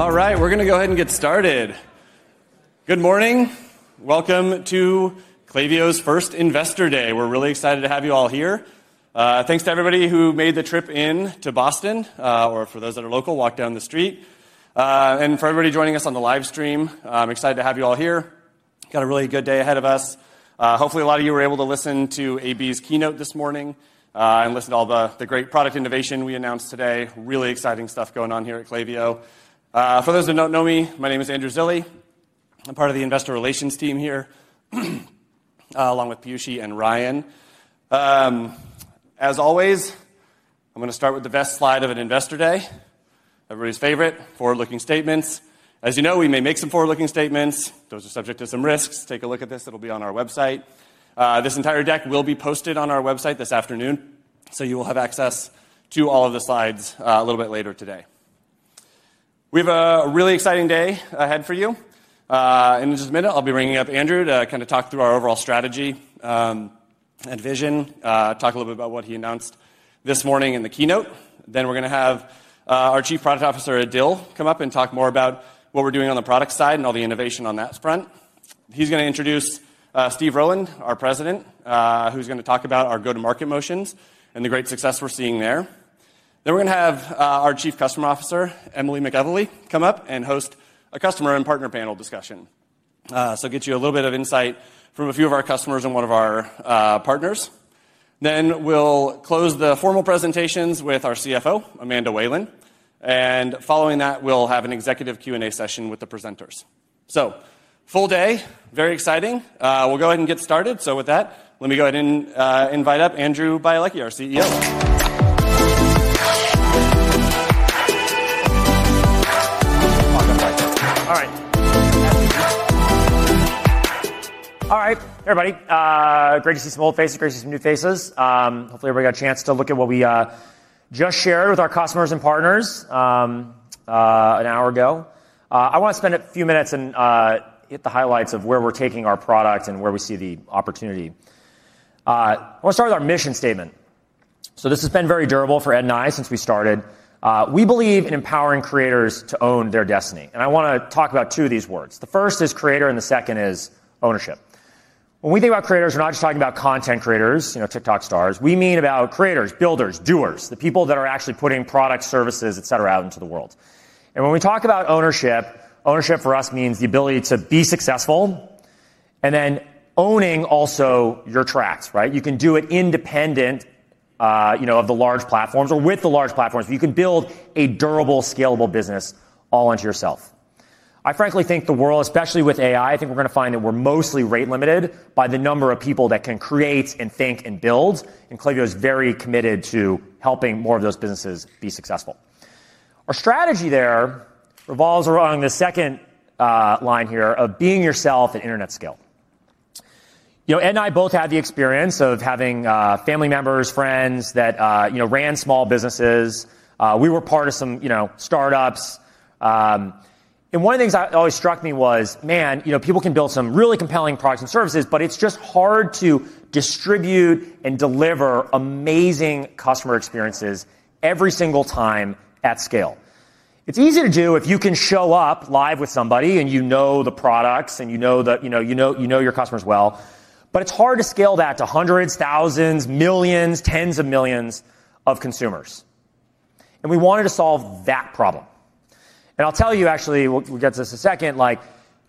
All right, we're going to go ahead and get started. Good morning. Welcome to Klaviyo's first Investor Day. We're really excited to have you all here. Thanks to everybody who made the trip in to Boston, or for those that are local, walked down the street. For everybody joining us on the live stream, I'm excited to have you all here. Got a really good day ahead of us. Hopefully a lot of you were able to listen to AB's keynote this morning, and listen to all the great product innovation we announced today. Really exciting stuff going on here at Klaviyo. For those that don't know me, my name is Andrew Zilli. I'm part of the investor relations team here, along with Piyushi and Ryan. As always, I'm going to start with the best slide of an Investor Day, everybody's favorite, forward-looking statements. As you know, we may make some forward-looking statements. Those are subject to some risks. Take a look at this. It'll be on our website. This entire deck will be posted on our website this afternoon. You will have access to all of the slides a little bit later today. We have a really exciting day ahead for you. In just a minute, I'll be bringing up Andrew to kind of talk through our overall strategy and vision, talk a little bit about what he announced this morning in the keynote. We're going to have our Chief Product Officer, Adil, come up and talk more about what we're doing on the product side and all the innovation on that front. He's going to introduce Steve Rowland, our President, who's going to talk about our go-to-market motions and the great success we're seeing there. We're going to have our Chief Customer Officer, Emily McEvilly, come up and host a customer and partner panel discussion to get you a little bit of insight from a few of our customers and one of our partners. We'll close the formal presentations with our CFO, Amanda Whalen. Following that, we'll have an executive Q&A session with the presenters. Full day, very exciting. We'll go ahead and get started. With that, let me go ahead and invite up Andrew Bialecki, our CEO. All right, everybody. Great to see some old faces, great to see some new faces. Hopefully everybody got a chance to look at what we just shared with our customers and partners an hour ago. I want to spend a few minutes and hit the highlights of where we're taking our product and where we see the opportunity. I want to start with our mission statement. This has been very durable for Ed and I since we started. We believe in empowering creators to own their destiny. I want to talk about two of these words. The first is creator and the second is ownership. When we think about creators, we're not just talking about content creators, you know, TikTok stars. We mean creators, builders, doers, the people that are actually putting products, services, etc., out into the world. When we talk about ownership, ownership for us means the ability to be successful and then owning also your tracks, right? You can do it independent, you know, of the large platforms or with the large platforms. You can build a durable, scalable business all onto yourself. I frankly think the world, especially with AI, I think we're going to find that we're mostly rate limited by the number of people that can create and think and build. Klaviyo is very committed to helping more of those businesses be successful. Our strategy there revolves around the second line here of being yourself at internet scale. Ed and I both had the experience of having family members, friends that, you know, ran small businesses. We were part of some startups. One of the things that always struck me was, man, people can build some really compelling products and services, but it's just hard to distribute and deliver amazing customer experiences every single time at scale. It's easy to do if you can show up live with somebody and you know the products and you know your customers well, but it's hard to scale that to hundreds, thousands, millions, tens of millions of consumers. We wanted to solve that problem. I'll tell you, actually, we'll get to this in a second.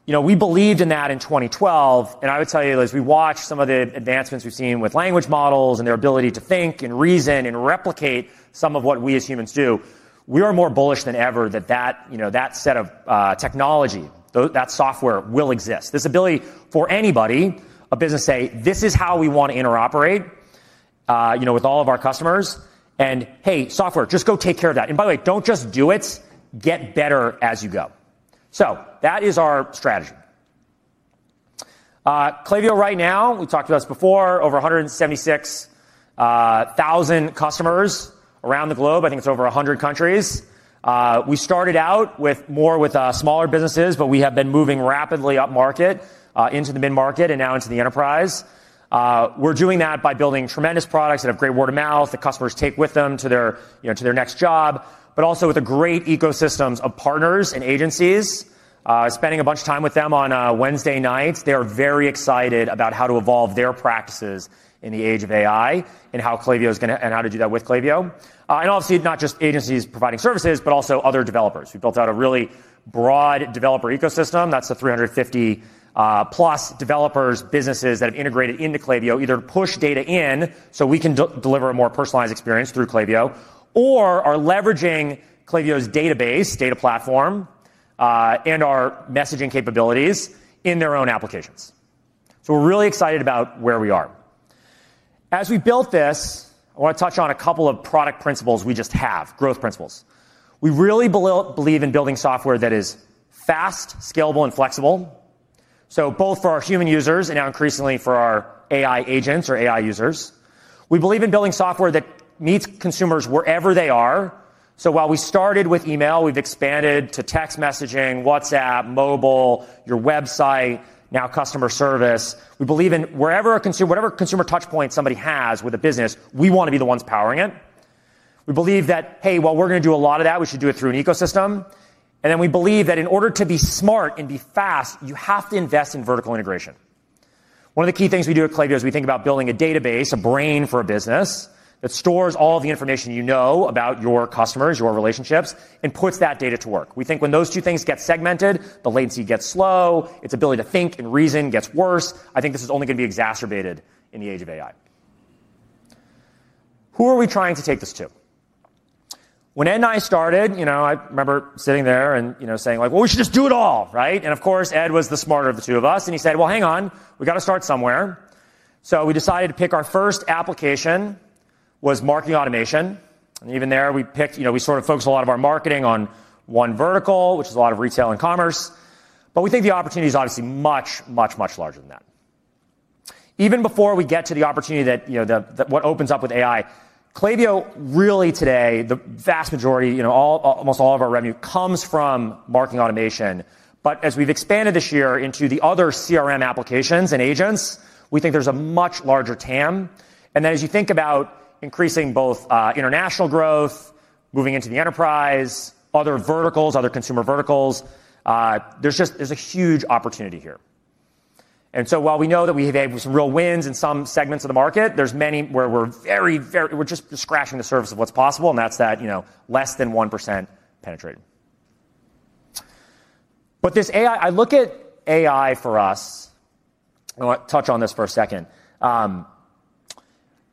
We believed in that in 2012. I would tell you, as we watch some of the advancements we've seen with language models and their ability to think and reason and replicate some of what we as humans do, we are more bullish than ever that that set of technology, that software will exist. This ability for anybody, a business to say, this is how we want to interoperate, you know, with all of our customers. Hey, software, just go take care of that. By the way, do not just do it. Get better as you go. That is our strategy. Klaviyo right now, we have talked about this before, over 176,000 customers around the globe. I think it is over 100 countries. We started out with more, with smaller businesses, but we have been moving rapidly up market, into the mid-market and now into the enterprise. We are doing that by building tremendous products that have great word of mouth that customers take with them to their next job, but also with a great ecosystem of partners and agencies. Spending a bunch of time with them on Wednesday nights, they are very excited about how to evolve their practices in the age of AI and how Klaviyo is going to, and how to do that with Klaviyo. Obviously, not just agencies providing services, but also other developers. We built out a really broad developer ecosystem. That is the 350+ developers, businesses that have integrated into Klaviyo, either to push data in so we can deliver a more personalized experience through Klaviyo, or are leveraging Klaviyo's database, data platform, and our messaging capabilities in their own applications. We are really excited about where we are. As we built this, I want to touch on a couple of product principles we just have, growth principles. We really believe in building software that is fast, scalable, and flexible. Both for our human users and now increasingly for our AI agents or AI users. We believe in building software that meets consumers wherever they are. While we started with email, we have expanded to text messaging, WhatsApp, mobile, your website, now customer service. We believe in wherever a consumer, whatever consumer touchpoint somebody has with a business, we want to be the ones powering it. We believe that while we are going to do a lot of that, we should do it through an ecosystem. We believe that in order to be smart and be fast, you have to invest in vertical integration. One of the key things we do at Klaviyo is we think about building a database, a brain for a business that stores all of the information you know about your customers, your relationships, and puts that data to work. We think when those two things get segmented, the latency gets slow, its ability to think and reason gets worse. I think this is only going to be exacerbated in the age of AI. Who are we trying to take this to? When Ed and I started, I remember sitting there and saying like, we should just do it all, right? Of course, Ed was the smarter of the two of us. He said, hang on, we got to start somewhere. We decided to pick our first application, was marketing automation. Even there, we sort of focused a lot of our marketing on one vertical, which is a lot of retail and commerce. We think the opportunity is obviously much, much, much larger than that. Even before we get to the opportunity that what opens up with AI, Klaviyo really today, the vast majority, almost all of our revenue comes from marketing automation. As we've expanded this year into the other CRM applications and agents, we think there's a much larger TAM. As you think about increasing both international growth, moving into the enterprise, other verticals, other consumer verticals, there's just, there's a huge opportunity here. While we know that we have had some real wins in some segments of the market, there's many where we're very, very, we're just scratching the surface of what's possible. That's that less than 1% penetrating. This AI, I look at AI for us, I want to touch on this for a second.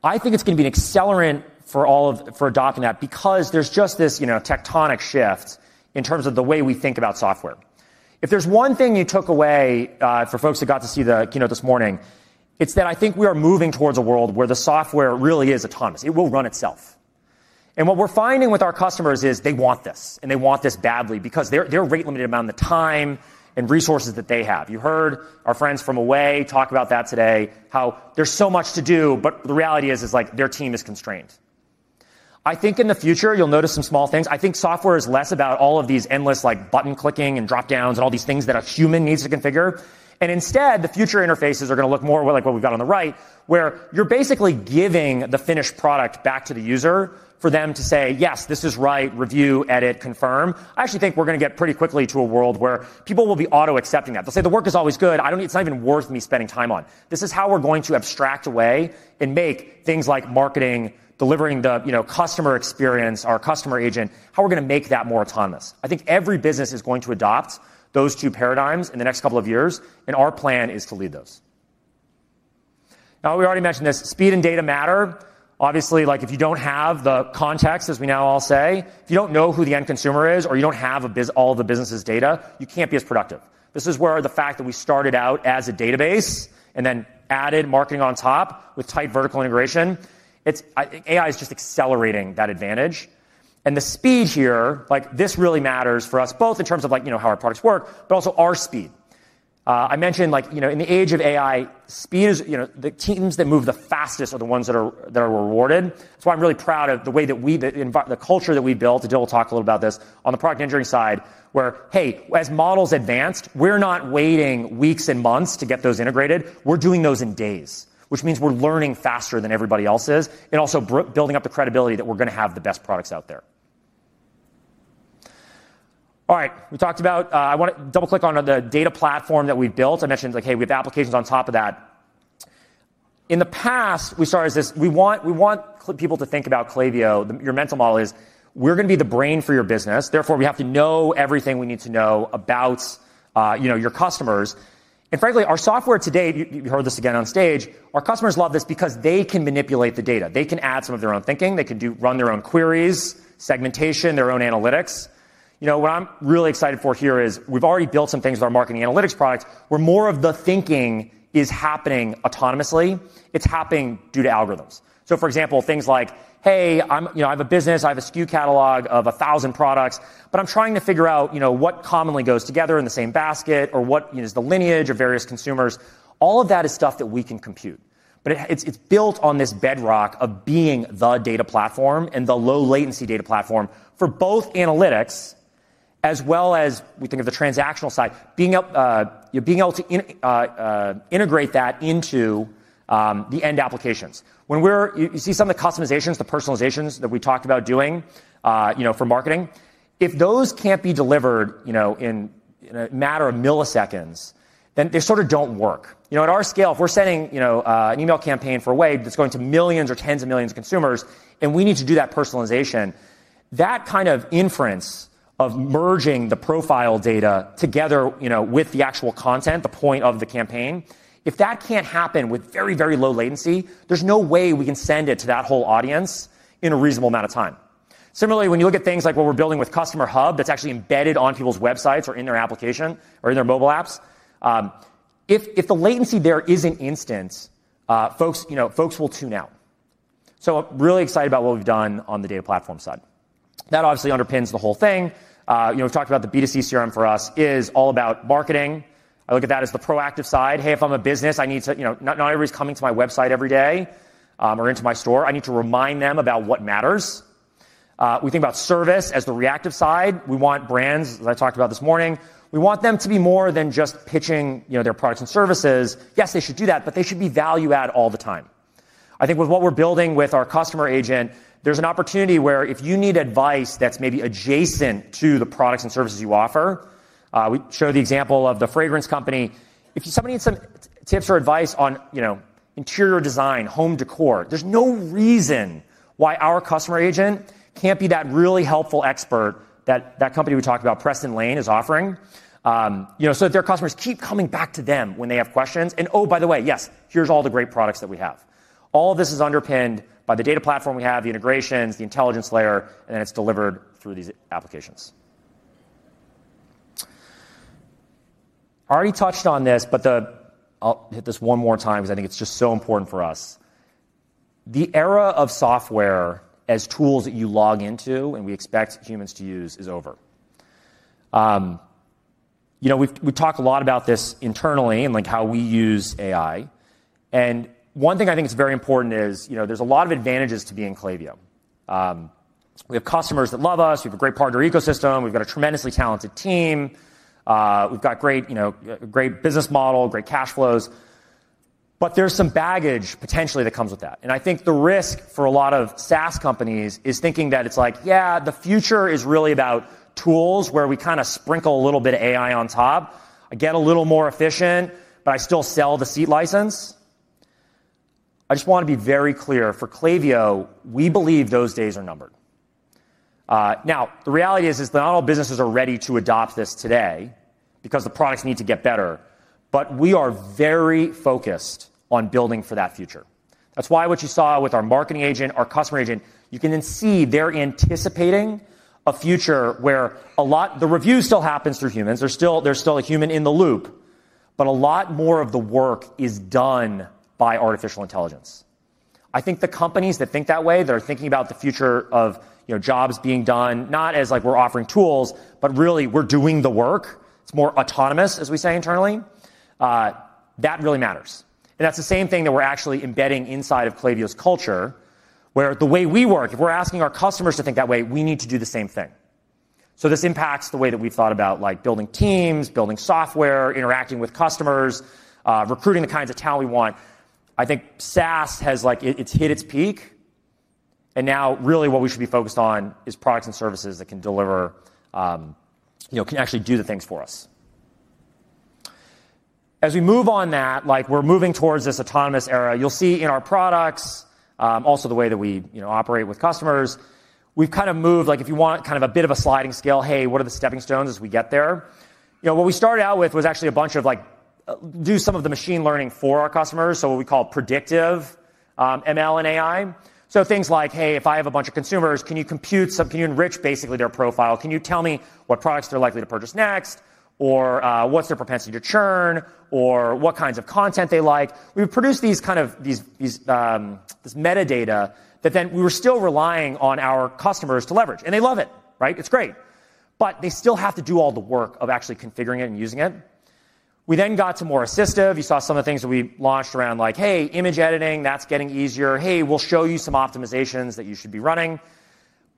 I think it's going to be an accelerant for all of, for adopting that because there's just this tectonic shift in terms of the way we think about software. If there's one thing you took away, for folks that got to see the keynote this morning, it's that I think we are moving towards a world where the software really is autonomous. It will run itself. What we're finding with our customers is they want this, and they want this badly because they're rate limited amount of the time and resources that they have. You heard our friends from Away talk about that today, how there's so much to do, but the reality is, is like their team is constrained. I think in the future, you'll notice some small things. I think software is less about all of these endless like button clicking and dropdowns and all these things that a human needs to configure. Instead, the future interfaces are going to look more like what we've got on the right, where you're basically giving the finished product back to the user for them to say, yes, this is right, review, edit, confirm. I actually think we're going to get pretty quickly to a world where people will be auto-accepting that. They'll say the work is always good. I don't need, it's not even worth me spending time on. This is how we're going to abstract away and make things like marketing, delivering the, you know, customer experience, our Customer Agent, how we're going to make that more autonomous. I think every business is going to adopt those two paradigms in the next couple of years, and our plan is to lead those. Now, we already mentioned this, speed and data matter. Obviously, if you don't have the context, as we now all say, if you don't know who the end consumer is, or you don't have all the business's data, you can't be as productive. This is where the fact that we started out as a database and then added marketing on top with tight vertical integration, I think AI is just accelerating that advantage. The speed here really matters for us both in terms of how our products work, but also our speed. I mentioned in the age of AI, speed is, you know, the teams that move the fastest are the ones that are rewarded. That's why I'm really proud of the way that we, the culture that we built. Adil Wali will talk a little bit about this on the product engineering side, where as models advance, we're not waiting weeks and months to get those integrated. We're doing those in days, which means we're learning faster than everybody else is and also building up the credibility that we're going to have the best products out there. All right, we talked about, I want to double click on the data platform that we built. I mentioned, hey, we have applications on top of that. In the past, we started as this, we want people to think about Klaviyo. Your mental model is we're going to be the brain for your business. Therefore, we have to know everything we need to know about your customers. Frankly, our software today, you heard this again on stage, our customers love this because they can manipulate the data. They can add some of their own thinking. They can run their own queries, segmentation, their own analytics. What I'm really excited for here is we've already built some things with our marketing analytics products, where more of the thinking is happening autonomously. It's happening due to algorithms. For example, things like, hey, I'm, you know, I have a business, I have a SKU catalog of a thousand products, but I'm trying to figure out, you know, what commonly goes together in the same basket or what, you know, is the lineage of various consumers. All of that is stuff that we can compute. It's built on this bedrock of being the data platform and the low latency data platform for both analytics, as well as we think of the transactional side, being up, you know, being able to integrate that into the end applications. When you see some of the customizations, the personalizations that we talked about doing for marketing, if those can't be delivered in a matter of milliseconds, then they sort of don't work. At our scale, if we're sending an email campaign for Away that's going to millions or tens of millions of consumers, and we need to do that personalization, that kind of inference of merging the profile data together with the actual content, the point of the campaign, if that can't happen with very, very low latency, there's no way we can send it to that whole audience in a reasonable amount of time. Similarly, when you look at things like what we're building with Customer Hub, that's actually embedded on people's websites or in their application or in their mobile apps, if the latency there isn't instant, folks will tune out. I'm really excited about what we've done on the data platform side. That obviously underpins the whole thing. We've talked about the B2C CRM for us is all about marketing. I look at that as the proactive side. Hey, if I'm a business, I need to, you know, not everybody's coming to my website every day, or into my store. I need to remind them about what matters. We think about service as the reactive side. We want brands, as I talked about this morning, we want them to be more than just pitching their products and services. Yes, they should do that, but they should be value add all the time. I think with what we're building with our Customer Agent, there's an opportunity where if you need advice that's maybe adjacent to the products and services you offer, we showed the example of the fragrance company. If somebody needs some tips or advice on interior design, home decor, there's no reason why our Customer Agent can't be that really helpful expert that that company we talked about, Preston Lane, is offering. You know, so that their customers keep coming back to them when they have questions. Oh, by the way, yes, here's all the great products that we have. All of this is underpinned by the data platform we have, the integrations, the intelligence layer, and then it's delivered through these applications. I already touched on this, but I'll hit this one more time because I think it's just so important for us. The era of software as tools that you log into and we expect humans to use is over. We've talked a lot about this internally and like how we use AI. One thing I think is very important is, you know, there's a lot of advantages to being Klaviyo. We have customers that love us. We have a great partner ecosystem. We've got a tremendously talented team. We've got great, you know, great business model, great cash flows. There's some baggage potentially that comes with that. I think the risk for a lot of SaaS companies is thinking that it's like, yeah, the future is really about tools where we kind of sprinkle a little bit of AI on top. I get a little more efficient, but I still sell the seat license. I just want to be very clear. For Klaviyo, we believe those days are numbered. The reality is, is that not all businesses are ready to adopt this today because the products need to get better. We are very focused on building for that future. That's why what you saw with our Marketing Agent, our Customer Agent, you can then see they're anticipating a future where a lot, the review still happens through humans. There's still a human in the loop. A lot more of the work is done by artificial intelligence. I think the companies that think that way, that are thinking about the future of, you know, jobs being done, not as like we're offering tools, but really we're doing the work. It's more autonomous, as we say internally. That really matters. That's the same thing that we're actually embedding inside of Klaviyo's culture, where the way we work, if we're asking our customers to think that way, we need to do the same thing. This impacts the way that we've thought about like building teams, building software, interacting with customers, recruiting the kinds of talent we want. I think SaaS has like, it's hit its peak. Now really what we should be focused on is products and services that can deliver, you know, can actually do the things for us. As we move on that, like we're moving towards this autonomous era, you'll see in our products, also the way that we, you know, operate with customers. We've kind of moved, like if you want kind of a bit of a sliding scale, hey, what are the stepping stones as we get there? What we started out with was actually a bunch of, like, do some of the machine learning for our customers. So what we call predictive, ML and AI. Things like, hey, if I have a bunch of consumers, can you compute some, can you enrich basically their profile? Can you tell me what products they're likely to purchase next? Or, what's their propensity to churn? Or what kinds of content they like? We've produced these, kind of these, these, this metadata that then we were still relying on our customers to leverage. They love it, right? It's great. They still have to do all the work of actually configuring it and using it. We then got to more assistive. You saw some of the things that we launched around, like, hey, image editing, that's getting easier. We'll show you some optimizations that you should be running.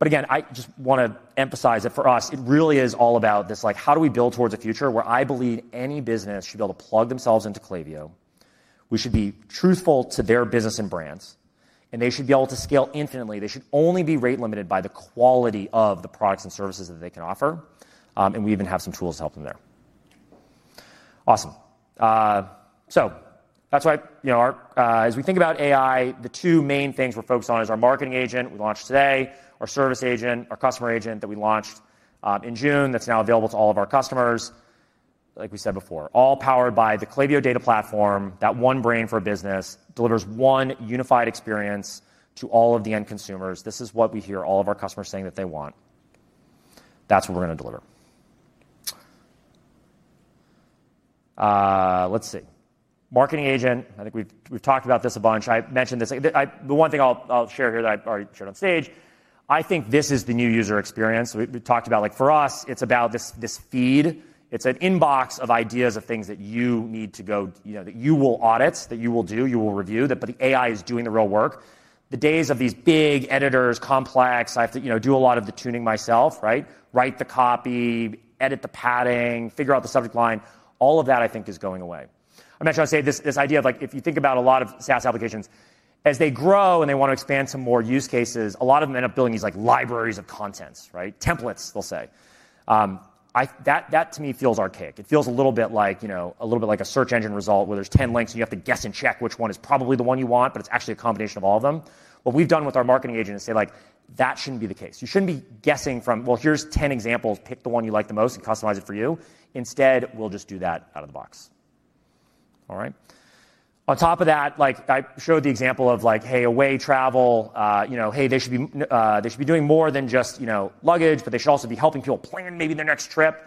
I just want to emphasize that for us, it really is all about this, like, how do we build towards a future where I believe any business should be able to plug themselves into Klaviyo. We should be truthful to their business and brands. They should be able to scale infinitely. They should only be rate limited by the quality of the products and services that they can offer, and we even have some tools to help them there. Awesome. That's why, you know, as we think about AI, the two main things we're focused on is our Marketing Agent we launched today, our service agent, our Customer Agent that we launched in June that's now available to all of our customers. Like we said before, all powered by the Klaviyo Data Platform, that one brain for a business delivers one unified experience to all of the end consumers. This is what we hear all of our customers saying that they want. That's what we're going to deliver. Let's see. Marketing Agent, I think we've talked about this a bunch. I mentioned this. The one thing I'll share here that I already shared on stage, I think this is the new user experience. We've talked about, like, for us, it's about this feed. It's an inbox of ideas of things that you need to go, you know, that you will audit, that you will do, you will review, but the AI is doing the real work. The days of these big editors, complex, I have to, you know, do a lot of the tuning myself, right? Write the copy, edit the padding, figure out the subject line. All of that I think is going away. I'm actually going to say this, this idea of like, if you think about a lot of SaaS applications, as they grow and they want to expand some more use cases, a lot of them end up building these like libraries of contents, right? Templates, they'll say. That to me feels archaic. It feels a little bit like, you know, a little bit like a search engine result where there's 10 links and you have to guess and check which one is probably the one you want, but it's actually a combination of all of them. What we've done with our Marketing Agent is say like, that shouldn't be the case. You shouldn't be guessing from, well, here's 10 examples, pick the one you like the most and customize it for you. Instead, we'll just do that out of the box. On top of that, like I showed the example of like, hey, Away travel, you know, hey, they should be, they should be doing more than just, you know, luggage, but they should also be helping people plan maybe their next trip,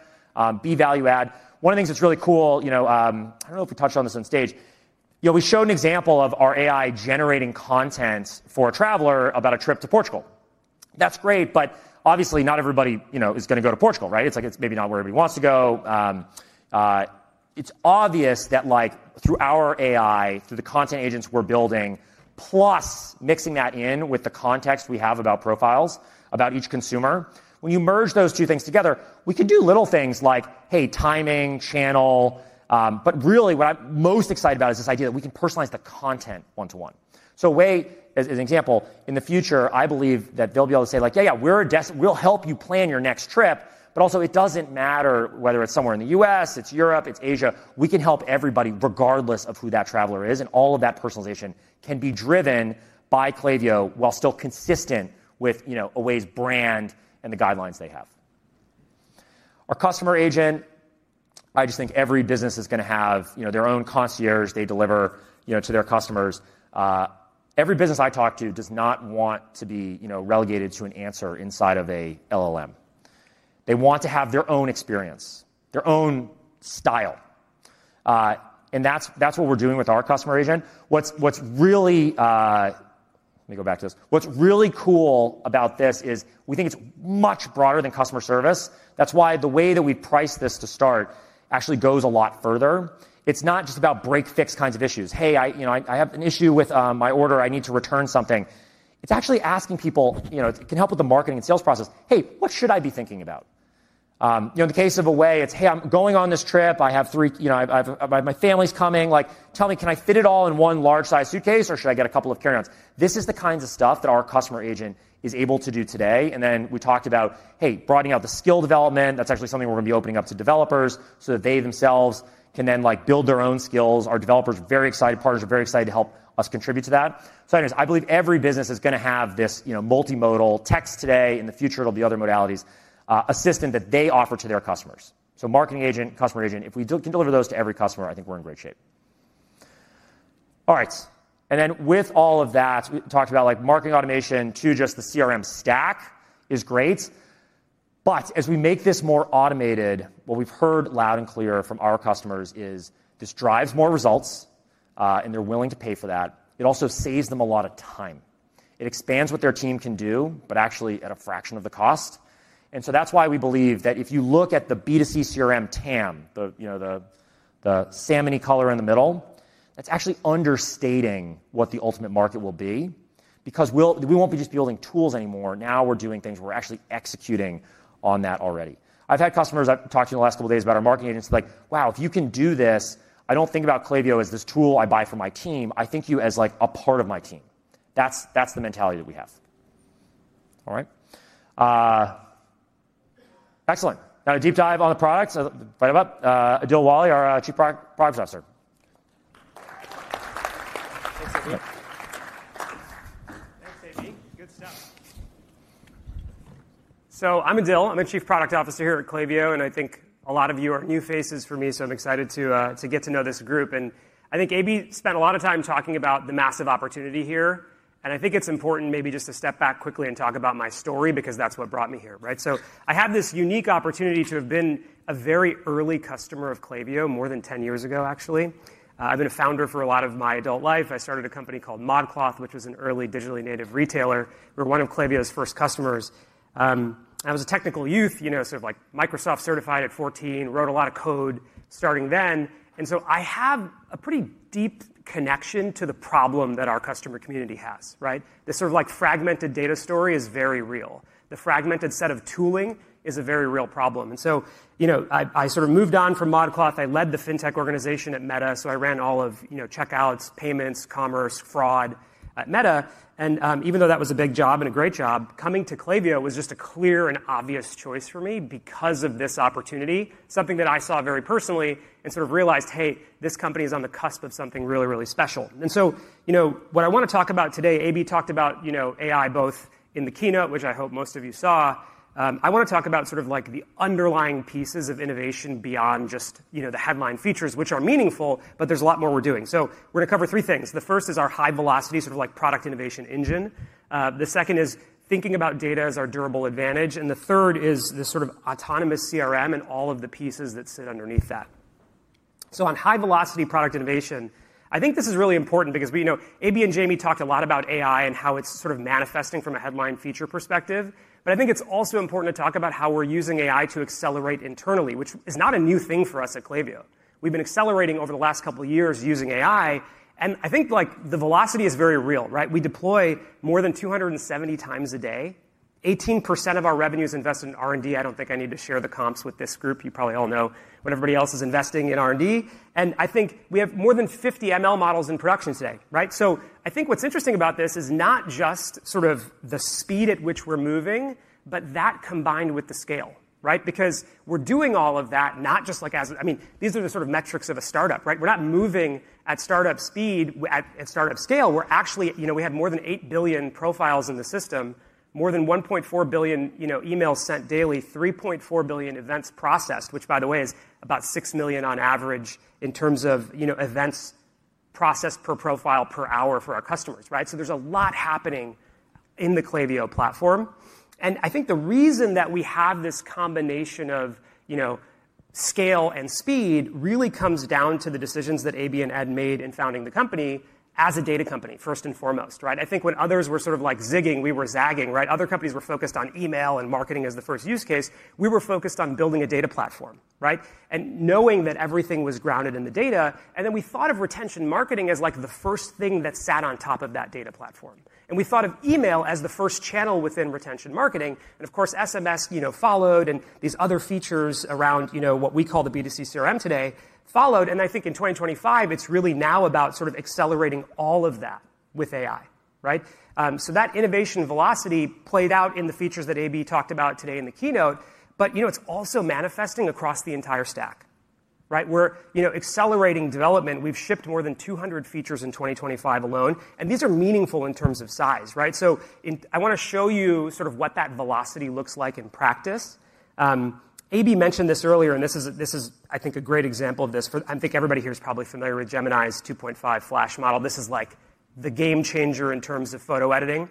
be value add. One of the things that's really cool, you know, I don't know if we touched on this on stage. Yeah, we showed an example of our AI generating content for a traveler about a trip to Portugal. That's great, but obviously not everybody, you know, is going to go to Portugal, right? It's like it's maybe not where everybody wants to go. It's obvious that like through our AI, through the content agents we're building, plus mixing that in with the context we have about profiles, about each consumer, when you merge those two things together, we can do little things like, hey, timing, channel, but really what I'm most excited about is this idea that we can personalize the content one-to-one. Away, as an example, in the future, I believe that they'll be able to say like, yeah, yeah, we're a desk, we'll help you plan your next trip, but also it doesn't matter whether it's somewhere in the U.S., it's Europe, it's Asia, we can help everybody regardless of who that traveler is, and all of that personalization can be driven by Klaviyo while still consistent with, you know, Away's brand and the guidelines they have. Our Customer Agent, I just think every business is going to have, you know, their own concierge they deliver, you know, to their customers. Every business I talk to does not want to be, you know, relegated to an answer inside of an LLM. They want to have their own experience, their own style, and that's what we're doing with our Customer Agent. What's really cool about this is we think it's much broader than customer service. That's why the way that we price this to start actually goes a lot further. It's not just about break-fix kinds of issues. Hey, I, you know, I have an issue with my order. I need to return something. It's actually asking people, you know, it can help with the marketing and sales process. Hey, what should I be thinking about? You know, in the case of Away, it's, hey, I'm going on this trip. I have three, you know, I have my family's coming. Like, tell me, can I fit it all in one large size suitcase or should I get a couple of carry-ons? This is the kind of stuff that our Customer Agent is able to do today. We talked about broadening out the skill development. That's actually something we're going to be opening up to developers so that they themselves can then build their own skills. Our developers are very excited. Partners are very excited to help us contribute to that. I believe every business is going to have this, you know, multimodal text today. In the future, it'll be other modalities, assistant that they offer to their customers. Marketing Agent, Customer Agent, if we can deliver those to every customer, I think we're in great shape. All right. With all of that, we talked about marketing automation to just the CRM stack is great. As we make this more automated, what we've heard loud and clear from our customers is this drives more results, and they're willing to pay for that. It also saves them a lot of time. It expands what their team can do, actually at a fraction of the cost. That's why we believe that if you look at the B2C CRM TAM, the, you know, the, the SAM any color in the middle, that's actually understating what the ultimate market will be. We won't be just building tools anymore. Now we're doing things where we're actually executing on that already. I've had customers I've talked to in the last couple of days about our Marketing Agents. It's like, wow, if you can do this, I don't think about Klaviyo as this tool I buy for my team. I think of you as like a part of my team. That's the mentality that we have. All right. Excellent. Now a deep dive on the products. Adil Wali, our Chief Product Officer. Thanks, AB Good stuff. I'm Adil. I'm Chief Product Officer here at Klaviyo, and I think a lot of you are new faces for me, so I'm excited to get to know this group. I think AB spent a lot of time talking about the massive opportunity here. I think it's important maybe just to step back quickly and talk about my story because that's what brought me here, right? I have this unique opportunity to have been a very early customer of Klaviyo more than 10 years ago, actually. I've been a founder for a lot of my adult life. I started a company called ModCloth, which was an early digitally native retailer. We were one of Klaviyo's first customers. I was a technical youth, you know, sort of like Microsoft certified at 14, wrote a lot of code starting then. I have a pretty deep connection to the problem that our customer community has, right? This sort of fragmented data story is very real. The fragmented set of tooling is a very real problem. I sort of moved on from ModCloth. I led the fintech organization at Meta. I ran all of, you know, checkouts, payments, commerce, fraud at Meta. Even though that was a big job and a great job, coming to Klaviyo was just a clear and obvious choice for me because of this opportunity, something that I saw very personally and sort of realized, hey, this company is on the cusp of something really, really special. What I want to talk about today, AB talked about, you know, AI both in the keynote, which I hope most of you saw. I want to talk about the underlying pieces of innovation beyond just the headline features, which are meaningful, but there's a lot more we're doing. We're going to cover three things. The first is our high velocity product innovation engine. The second is thinking about data as our durable advantage. The third is the autonomous CRM and all of the pieces that sit underneath that. On high velocity product innovation, I think this is really important because we, you know, AB and Jamie talked a lot about AI and how it's manifesting from a headline feature perspective. I think it's also important to talk about how we're using AI to accelerate internally, which is not a new thing for us at Klaviyo. We've been accelerating over the last couple of years using AI. I think the velocity is very real, right? We deploy more than 270x a day. 18% of our revenue is invested in R&D. I don't think I need to share the comps with this group. You probably all know when everybody else is investing in R&D. I think we have more than 50 ML models in production today, right? What's interesting about this is not just the speed at which we're moving, but that combined with the scale, right? We're doing all of that, not just as, I mean, these are the metrics of a startup, right? We're not moving at startup speed, at startup scale. We're actually, you know, we have more than 8 billion profiles in the system, more than 1.4 billion emails sent daily, 3.4 billion events processed, which by the way is about 6 million on average in terms of events processed per profile per hour for our customers, right? There's a lot happening in the Klaviyo platform. The reason that we have this combination of scale and speed really comes down to the decisions that AB and Ed made in founding the company as a data company, first and foremost, right? When others were sort of zigging, we were zagging, right? Other companies were focused on email and marketing as the first use case. We were focused on building a data platform, right? Knowing that everything was grounded in the data. Then we thought of retention marketing as the first thing that sat on top of that data platform. We thought of email as the first channel within retention marketing. Of course, SMS followed and these other features around what we call the B2C CRM today followed. In 2025, it's really now about accelerating all of that with AI, right? That innovation velocity played out in the features that AB talked about today in the keynote. It's also manifesting across the entire stack, right? We're accelerating development. We've shipped more than 200 features in 2025 alone. These are meaningful in terms of size, right? I want to show you what that velocity looks like in practice. AB mentioned this earlier, and this is a great example of this. I think everybody here is probably familiar with Gemini's 2.5 Flash model. This is the game changer in terms of photo editing.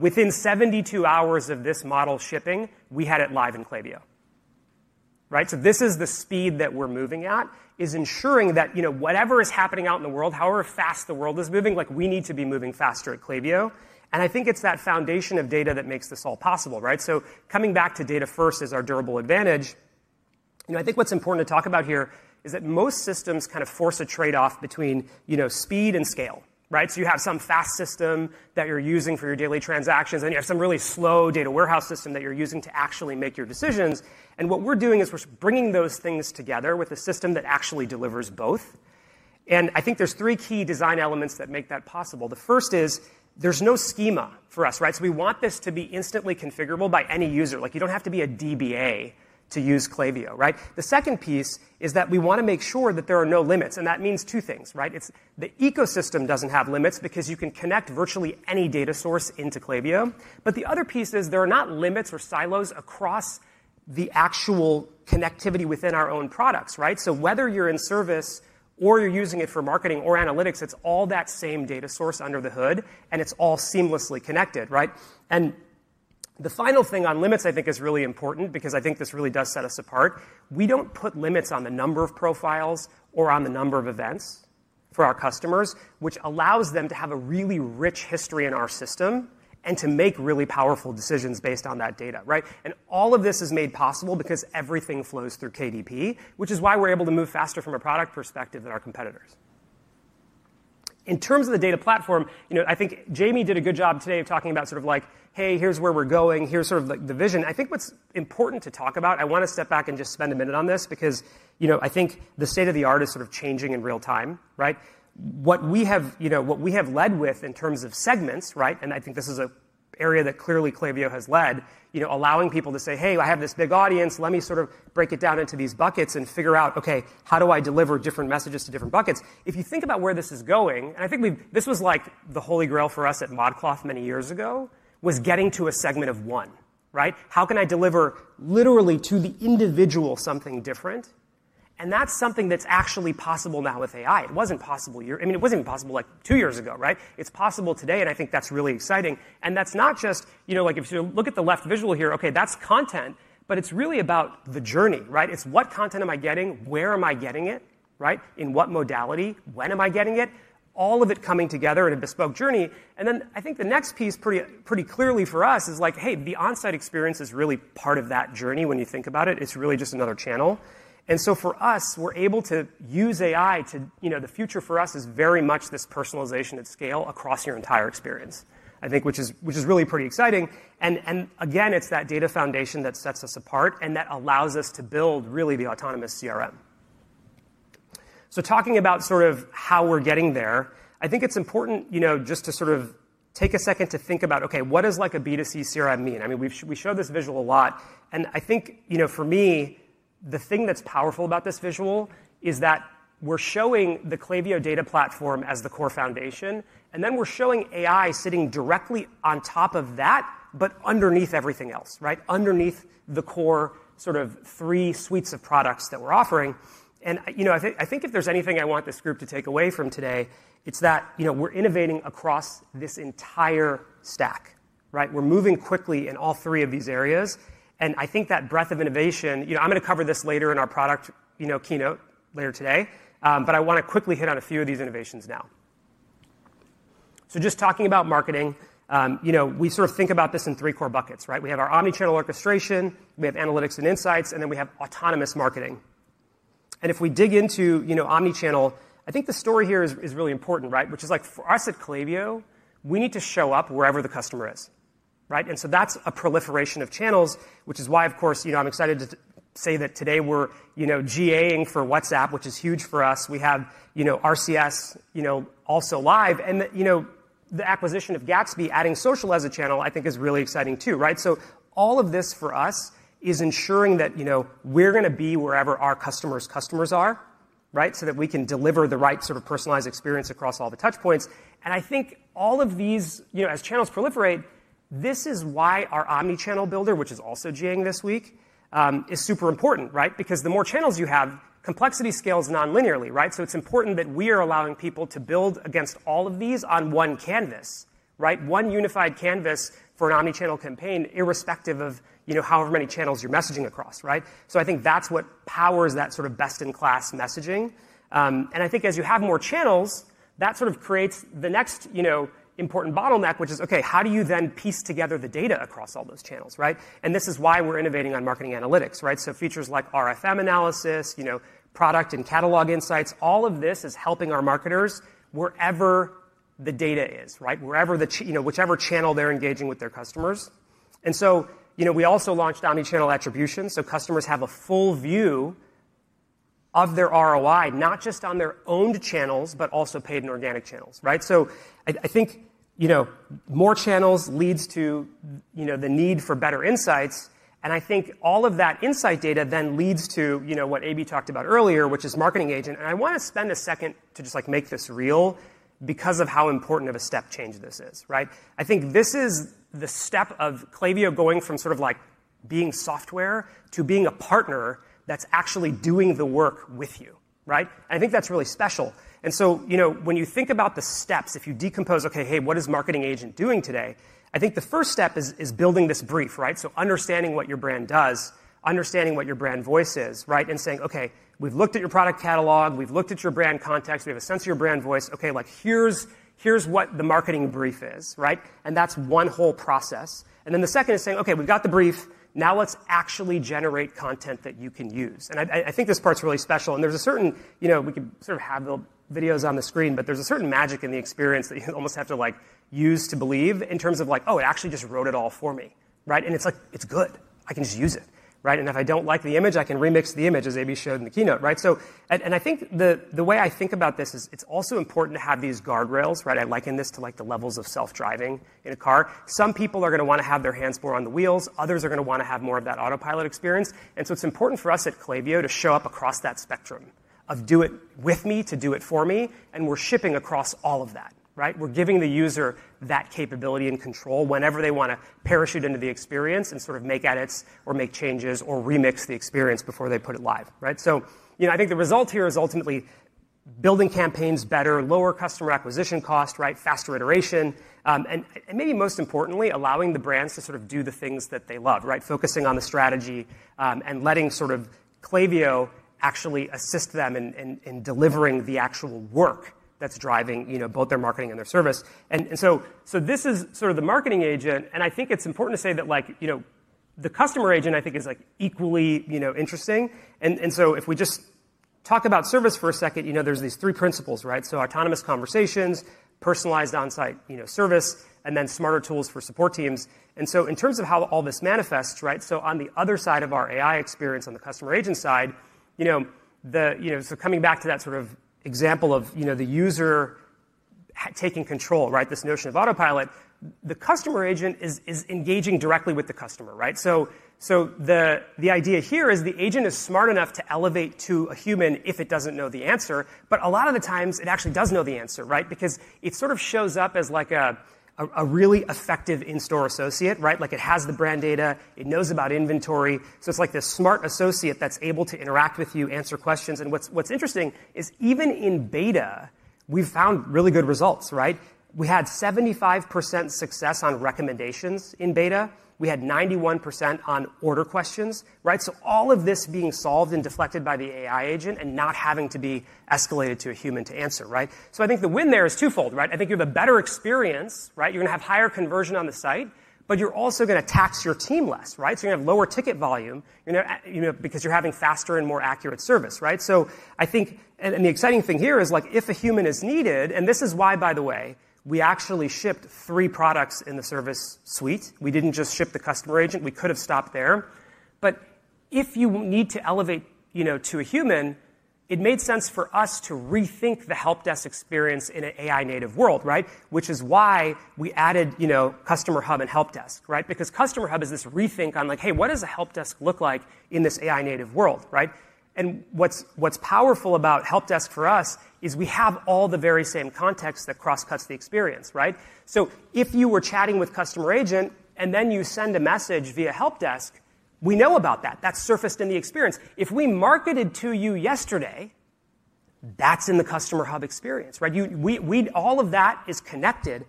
Within 72 hours of this model shipping, we had it live in Klaviyo, right? This is the speed that we're moving at, ensuring that whatever is happening out in the world, however fast the world is moving, we need to be moving faster at Klaviyo. I think it's that foundation of data that makes this all possible, right? Coming back to data first is our durable advantage. I think what's important to talk about here is that most systems kind of force a trade-off between speed and scale, right? You have some fast system that you're using for your daily transactions, and you have some really slow data warehouse system that you're using to actually make your decisions. What we're doing is bringing those things together with a system that actually delivers both. I think there are three key design elements that make that possible. The first is there's no schema for us, right? We want this to be instantly configurable by any user. You don't have to be a DBA to use Klaviyo, right? The second piece is that we want to make sure that there are no limits. That means two things, right? The ecosystem doesn't have limits because you can connect virtually any data source into Klaviyo. The other piece is there are not limits or silos across the actual connectivity within our own products, right? Whether you're in service or you're using it for marketing or analytics, it's all that same data source under the hood, and it's all seamlessly connected, right? The final thing on limits, I think, is really important because I think this really does set us apart. We don't put limits on the number of profiles or on the number of events for our customers, which allows them to have a really rich history in our system and to make really powerful decisions based on that data, right? All of this is made possible because everything flows through KDP, which is why we're able to move faster from a product perspective than our competitors. In terms of the data platform, I think Jamie did a good job today of talking about sort of like, hey, here's where we're going. Here's sort of the vision. I think what's important to talk about, I want to step back and just spend a minute on this because I think the state of the art is sort of changing in real time, right? What we have led with in terms of segments, right? I think this is an area that clearly Klaviyo has led, allowing people to say, hey, I have this big audience. Let me sort of break it down into these buckets and figure out, okay, how do I deliver different messages to different buckets? If you think about where this is going, and I think this was like the holy grail for us at ModCloth many years ago, was getting to a segment of one, right? How can I deliver literally to the individual something different? That's something that's actually possible now with AI. It wasn't possible. I mean, it wasn't even possible like two years ago, right? It's possible today, and I think that's really exciting. That's not just, you know, like if you look at the left visual here, okay, that's content, but it's really about the journey, right? It's what content am I getting? Where am I getting it, right? In what modality? When am I getting it? All of it coming together in a bespoke journey. I think the next piece pretty clearly for us is like, hey, the onsite experience is really part of that journey. When you think about it, it's really just another channel. For us, we're able to use AI to, you know, the future for us is very much this personalization at scale across your entire experience, I think, which is really pretty exciting. Again, it's that data foundation that sets us apart and that allows us to build really the autonomous CRM. Talking about sort of how we're getting there, I think it's important, you know, just to sort of take a second to think about, okay, what does like a B2C CRM mean? I mean, we show this visual a lot. I think, you know, for me, the thing that's powerful about this visual is that we're showing the Klaviyo Data Platform as the core foundation. Then we're showing AI sitting directly on top of that, but underneath everything else, right? Underneath the core sort of three suites of products that we're offering. I think if there's anything I want this group to take away from today, it's that, you know, we're innovating across this entire stack, right? We're moving quickly in all three of these areas. I think that breadth of innovation, you know, I'm going to cover this later in our product keynote later today, but I want to quickly hit on a few of these innovations now. Just talking about marketing, you know, we sort of think about this in three core buckets, right? We have our omnichannel orchestration, we have analytics and insights, and then we have autonomous marketing. If we dig into omnichannel, the story here is really important, right? For us at Klaviyo, we need to show up wherever the customer is, right? That is a proliferation of channels, which is why, of course, I'm excited to say that today we're GAing for WhatsApp, which is huge for us. We have RCS also live. The acquisition of Gatsby, adding social as a channel, I think is really exciting too, right? All of this for us is ensuring that we're going to be wherever our customers' customers are, right? That way we can deliver the right sort of personalized experience across all the touch points. I think all of these, as channels proliferate, this is why our omnichannel builder, which is also GAing this week, is super important, right? The more channels you have, complexity scales nonlinearly, right? It is important that we are allowing people to build against all of these on one canvas, right? One unified canvas for an omnichannel campaign, irrespective of however many channels you're messaging across, right? I think that's what powers that sort of best-in-class messaging. As you have more channels, that sort of creates the next important bottleneck, which is, okay, how do you then piece together the data across all those channels, right? This is why we're innovating on marketing analytics, right? Features like RFM analysis, product and catalog insights, all of this is helping our marketers wherever the data is, right? Whichever channel they're engaging with their customers. We also launched omnichannel attribution so customers have a full view of their ROI, not just on their owned channels, but also paid and organic channels, right? More channels lead to the need for better insights. All of that insight data then leads to what AB talked about earlier, which is Marketing Agent. I want to spend a second to just make this real because of how important of a step change this is, right? I think this is the step of Klaviyo going from sort of like being software to being a partner that's actually doing the work with you, right? I think that's really special. When you think about the steps, if you decompose, okay, hey, what is Marketing Agent doing today? I think the first step is building this brief, right? Understanding what your brand does, understanding what your brand voice is, right? Saying, okay, we've looked at your product catalog, we've looked at your brand context, we have a sense of your brand voice. Okay, like here's what the marketing brief is, right? That's one whole process. The second is saying, okay, we've got the brief. Now let's actually generate content that you can use. I think this part's really special. There's a certain, you know, we could sort of have the videos on the screen, but there's a certain magic in the experience that you almost have to use to believe in terms of like, oh, it actually just wrote it all for me, right? It's good. I can just use it, right? If I don't like the image, I can remix the image as AB showed in the keynote, right? I think the way I think about this is it's also important to have these guardrails, right? I liken this to the levels of self-driving in a car. Some people are going to want to have their hands more on the wheels. Others are going to want to have more of that autopilot experience. It's important for us at Klaviyo to show up across that spectrum of do it with me to do it for me. We're shipping across all of that, right? We're giving the user that capability and control whenever they want to parachute into the experience and sort of make edits or make changes or remix the experience before they put it live, right? I think the result here is ultimately building campaigns better, lower customer acquisition cost, faster iteration, and maybe most importantly, allowing the brands to sort of do the things that they love, right? Focusing on the strategy, and letting sort of Klaviyo actually assist them in delivering the actual work that's driving both their marketing and their service. This is sort of the Marketing Agent. I think it's important to say that the Customer Agent, I think, is equally interesting. If we just talk about service for a second, there are these three principles, right? Autonomous conversations, personalized onsite service, and then smarter tools for support teams. In terms of how all this manifests, right? On the other side of our AI experience, on the Customer Agent side, coming back to that sort of example of the user taking control, this notion of autopilot, the Customer Agent is engaging directly with the customer. The idea here is the agent is smart enough to elevate to a human if it doesn't know the answer. A lot of the times it actually does know the answer because it sort of shows up as a really effective in-store associate. It has the brand data, it knows about inventory, so it's like this smart associate that's able to interact with you and answer questions. What's interesting is even in beta, we've found really good results. We had 75% success on recommendations in beta. We had 91% on order questions. All of this is being solved and deflected by the AI agent and not having to be escalated to a human to answer. I think the win there is twofold. You have a better experience, you're going to have higher conversion on the site, but you're also going to tax your team less. You're going to have lower ticket volume because you're having faster and more accurate service. The exciting thing here is if a human is needed, and this is why, by the way, we actually shipped three products in the service suite. We didn't just ship the Customer Agent. We could have stopped there, but if you need to elevate to a human, it made sense for us to rethink the help desk experience in an AI-native world, which is why we added Customer Hub and Help Desk. Customer Hub is this rethink on what does a help desk look like in this AI-native world. What's powerful about Help Desk for us is we have all the very same context that cross-cuts the experience. If you were chatting with Customer Agent and then you send a message via Help Desk, we know about that. That's surfaced in the experience. If we marketed to you yesterday, that's in the Customer Hub experience. All of that is connected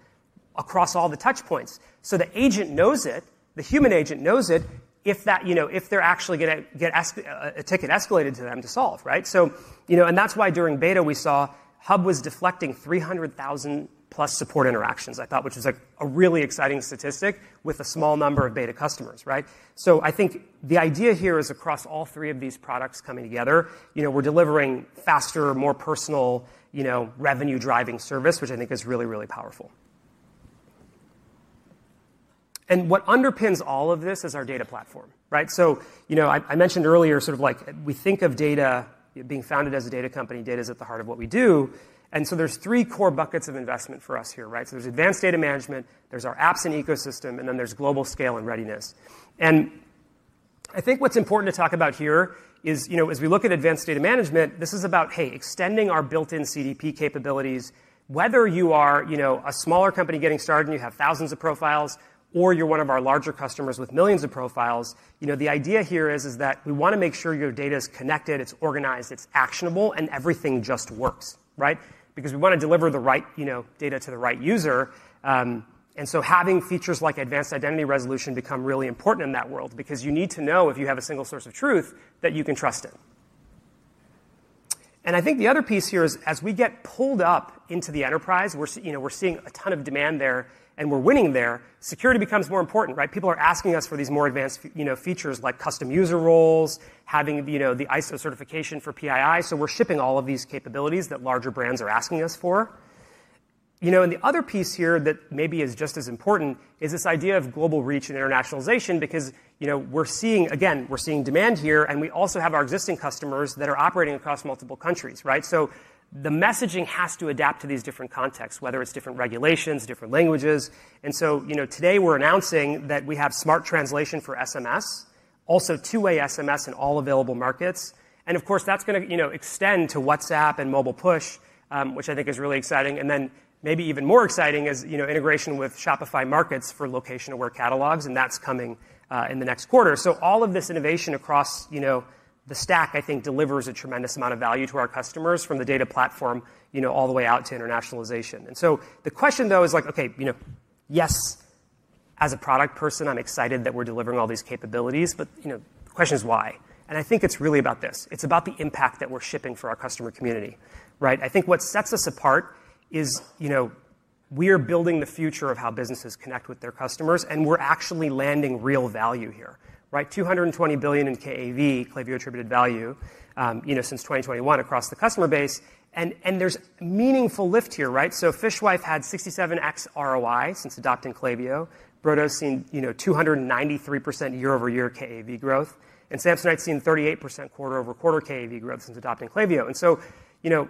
across all the touchpoints, so the agent knows it, the human agent knows it, if they're actually going to get a ticket escalated to them to solve. That's why during beta we saw Hub was deflecting 300,000+ support interactions, which was a really exciting statistic with a small number of beta customers, right? I think the idea here is across all three of these products coming together, we're delivering faster, more personal, revenue-driving service, which I think is really, really powerful. What underpins all of this is our data platform, right? I mentioned earlier, sort of like we think of data being founded as a data company. Data is at the heart of what we do. There are three core buckets of investment for us here, right? There's advanced data management, there's our apps and ecosystem, and then there's global scale and readiness. I think what's important to talk about here is, as we look at advanced data management, this is about, hey, extending our built-in CDP capabilities, whether you are a smaller company getting started and you have thousands of profiles, or you're one of our larger customers with millions of profiles. The idea here is that we want to make sure your data is connected, it's organized, it's actionable, and everything just works, right? We want to deliver the right data to the right user, and so having features like advanced identity resolution become really important in that world because you need to know if you have a single source of truth that you can trust it. I think the other piece here is as we get pulled up into the enterprise, we're seeing a ton of demand there and we're winning there. Security becomes more important, right? People are asking us for these more advanced features like custom user roles, having the ISO certification for PII. We're shipping all of these capabilities that larger brands are asking us for. The other piece here that maybe is just as important is this idea of global reach and internationalization because we're seeing, again, we're seeing demand here and we also have our existing customers that are operating across multiple countries, right? The messaging has to adapt to these different contexts, whether it's different regulations, different languages. Today we're announcing that we have smart translation for SMS, also two-way SMS in all available markets. Of course, that's going to extend to WhatsApp and mobile push, which I think is really exciting. Maybe even more exciting is integration with Shopify Markets for location or catalogs, and that's coming in the next quarter. All of this innovation across the stack, I think, delivers a tremendous amount of value to our customers from the data platform all the way out to internationalization. The question though is like, okay, yes, as a product person, I'm excited that we're delivering all these capabilities, but the question is why? I think it's really about this. It's about the impact that we're shipping for our customer community, right? I think what sets us apart is we are building the future of how businesses connect with their customers and we're actually landing real value here, right? $220 billion in KAV, Klaviyo attributed value, since 2021 across the customer base. There's a meaningful lift here, right? Fishwife had 67x ROI since adopting Klaviyo. Brodo's seen 293% year-over-year KAV growth. Samsonite's seen 38% quarter-over-quarter KAV growth since adopting Klaviyo.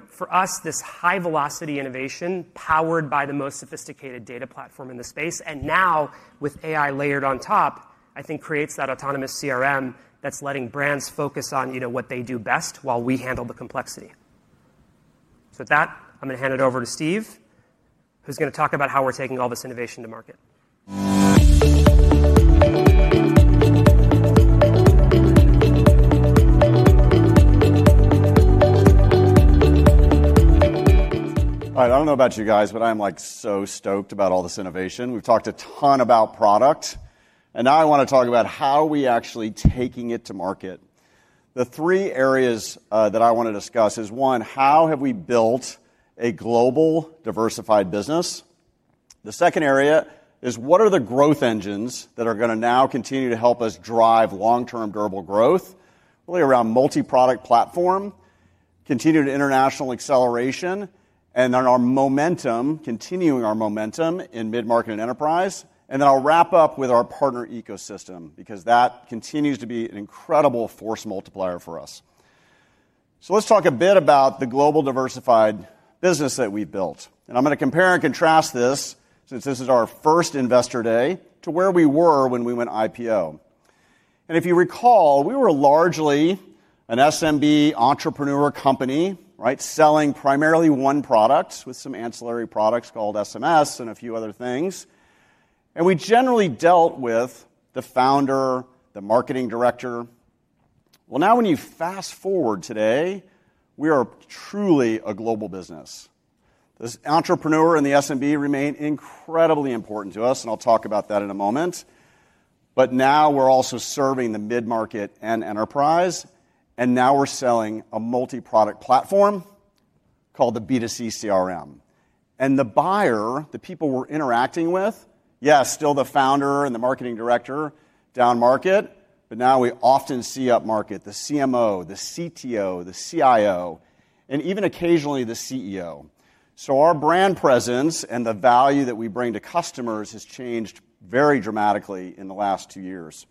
For us, this high-velocity innovation powered by the most sophisticated data platform in the space, and now with AI layered on top, I think creates that autonomous CRM that's letting brands focus on what they do best while we handle the complexity. With that, I'm going to hand it over to Steve, who's going to talk about how we're taking all this innovation to market. All right, I don't know about you guys, but I'm like so stoked about all this innovation. We've talked a ton about product, and now I want to talk about how we actually take it to market. The three areas that I want to discuss are: one, how have we built a global diversified business? The second area is what are the growth engines that are going to now continue to help us drive long-term durable growth, really around multi-product platform, continued international acceleration, and on our momentum, continuing our momentum in mid-market and enterprise. I'll wrap up with our partner ecosystem because that continues to be an incredible force multiplier for us. Let's talk a bit about the global diversified business that we built. I'm going to compare and contrast this since this is our first Investor Day to where we were when we went IPO. If you recall, we were largely an SMB entrepreneurial company, right, selling primarily one product with some ancillary products called SMS and a few other things. We generally dealt with the founder, the marketing director. Now, when you fast forward today, we are truly a global business. This entrepreneur and the SMB remain incredibly important to us, and I'll talk about that in a moment. Now we're also serving the mid-market and enterprise, and now we're selling a multi-product platform called the B2C CRM. The buyer, the people we're interacting with, yes, still the founder and the marketing director down market, but now we often see up market the CMO, the CTO, the CIO, and even occasionally the CEO. Our brand presence and the value that we bring to customers has changed very dramatically in the last two years.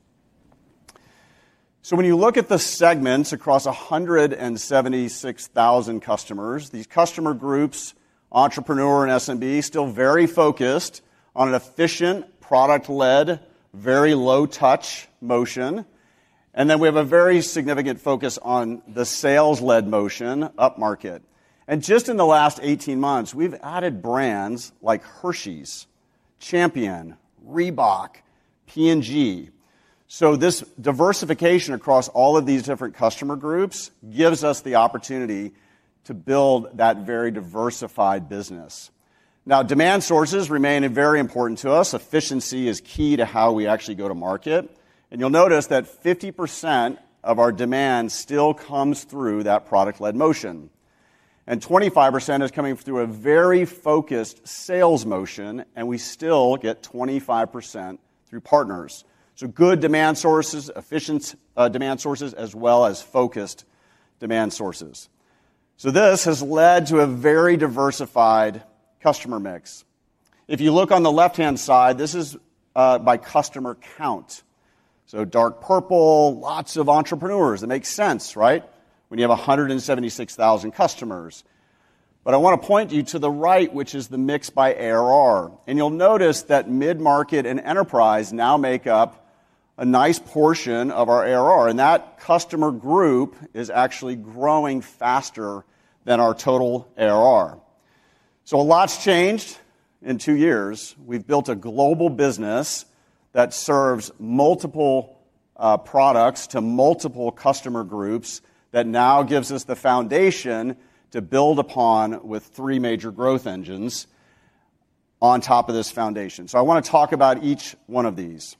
When you look at the segments across 176,000 customers, these customer groups, entrepreneur and SMB, still very focused on an efficient product-led, very low-touch motion. We have a very significant focus on the sales-led motion up market. In the last 18 months, we've added brands like Hershey’s, Champion, Reebok, P&G. This diversification across all of these different customer groups gives us the opportunity to build that very diversified business. Demand sources remain very important to us. Efficiency is key to how we actually go to market. You'll notice that 50% of our demand still comes through that product-led motion. 25% is coming through a very focused sales motion, and we still get 25% through partners. Good demand sources, efficient demand sources, as well as focused demand sources. This has led to a very diversified customer mix. If you look on the left-hand side, this is by customer count. Dark purple, lots of entrepreneurs. It makes sense, right? When you have 176,000 customers. I want to point you to the right, which is the mix by ARR. You'll notice that mid-market and enterprise now make up a nice portion of our ARR, and that customer group is actually growing faster than our total ARR. A lot's changed in two years. We've built a global business that serves multiple products to multiple customer groups. That now gives us the foundation to build upon with three major growth engines on top of this foundation. I want to talk about each one of these.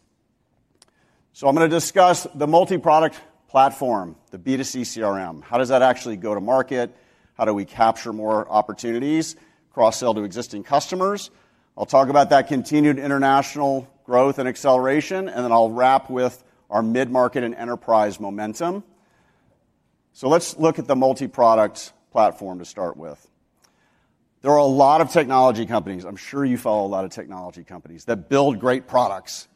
I'm going to discuss the multi-product platform, the B2C CRM. How does that actually go to market? How do we capture more opportunities, cross-sell to existing customers? I'll talk about that continued international growth and acceleration, and then I'll wrap with our mid-market and enterprise momentum. Let's look at the multi-product platform to start with. There are a lot of technology companies, I'm sure you follow a lot of technology companies that build great products,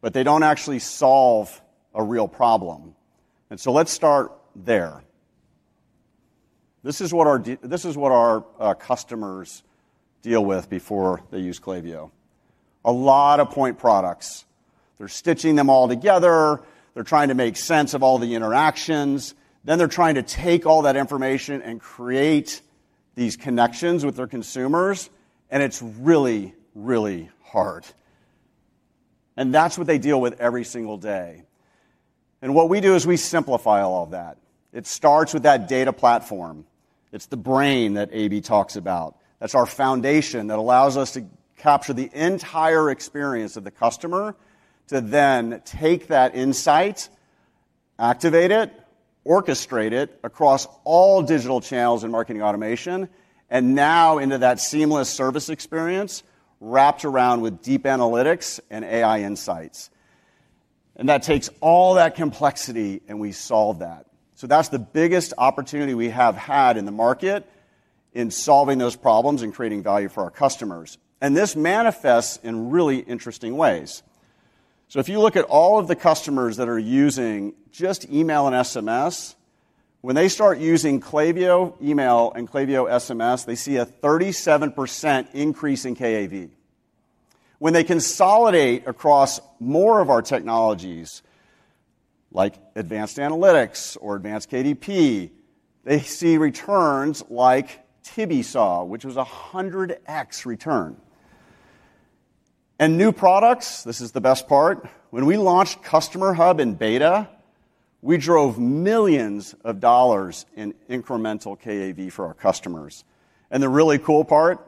but they don't actually solve a real problem. Let's start there. This is what our customers deal with before they use Klaviyo. A lot of point products. They're stitching them all together. They're trying to make sense of all the interactions. They're trying to take all that information and create these connections with their consumers. It's really, really hard. That's what they deal with every single day. What we do is we simplify all of that. It starts with that data platform. It's the brain that AB talks about. That's our foundation that allows us to capture the entire experience of the customer to then take that insight, activate it, orchestrate it across all digital channels and marketing automation, and now into that seamless service experience wrapped around with deep analytics and AI insights. That takes all that complexity, and we solve that. That's the biggest opportunity we have had in the market in solving those problems and creating value for our customers. This manifests in really interesting ways. If you look at all of the customers that are using just email and SMS, when they start using Klaviyo email and Klaviyo SMS, they see a 37% increase in KAV. When they consolidate across more of our technologies, like advanced analytics or advanced KDP, they see returns like Tibisaw, which was a 100x return. New products, this is the best part. When we launched Customer Hub in beta, we drove millions of dollars in incremental KAV for our customers. The really cool part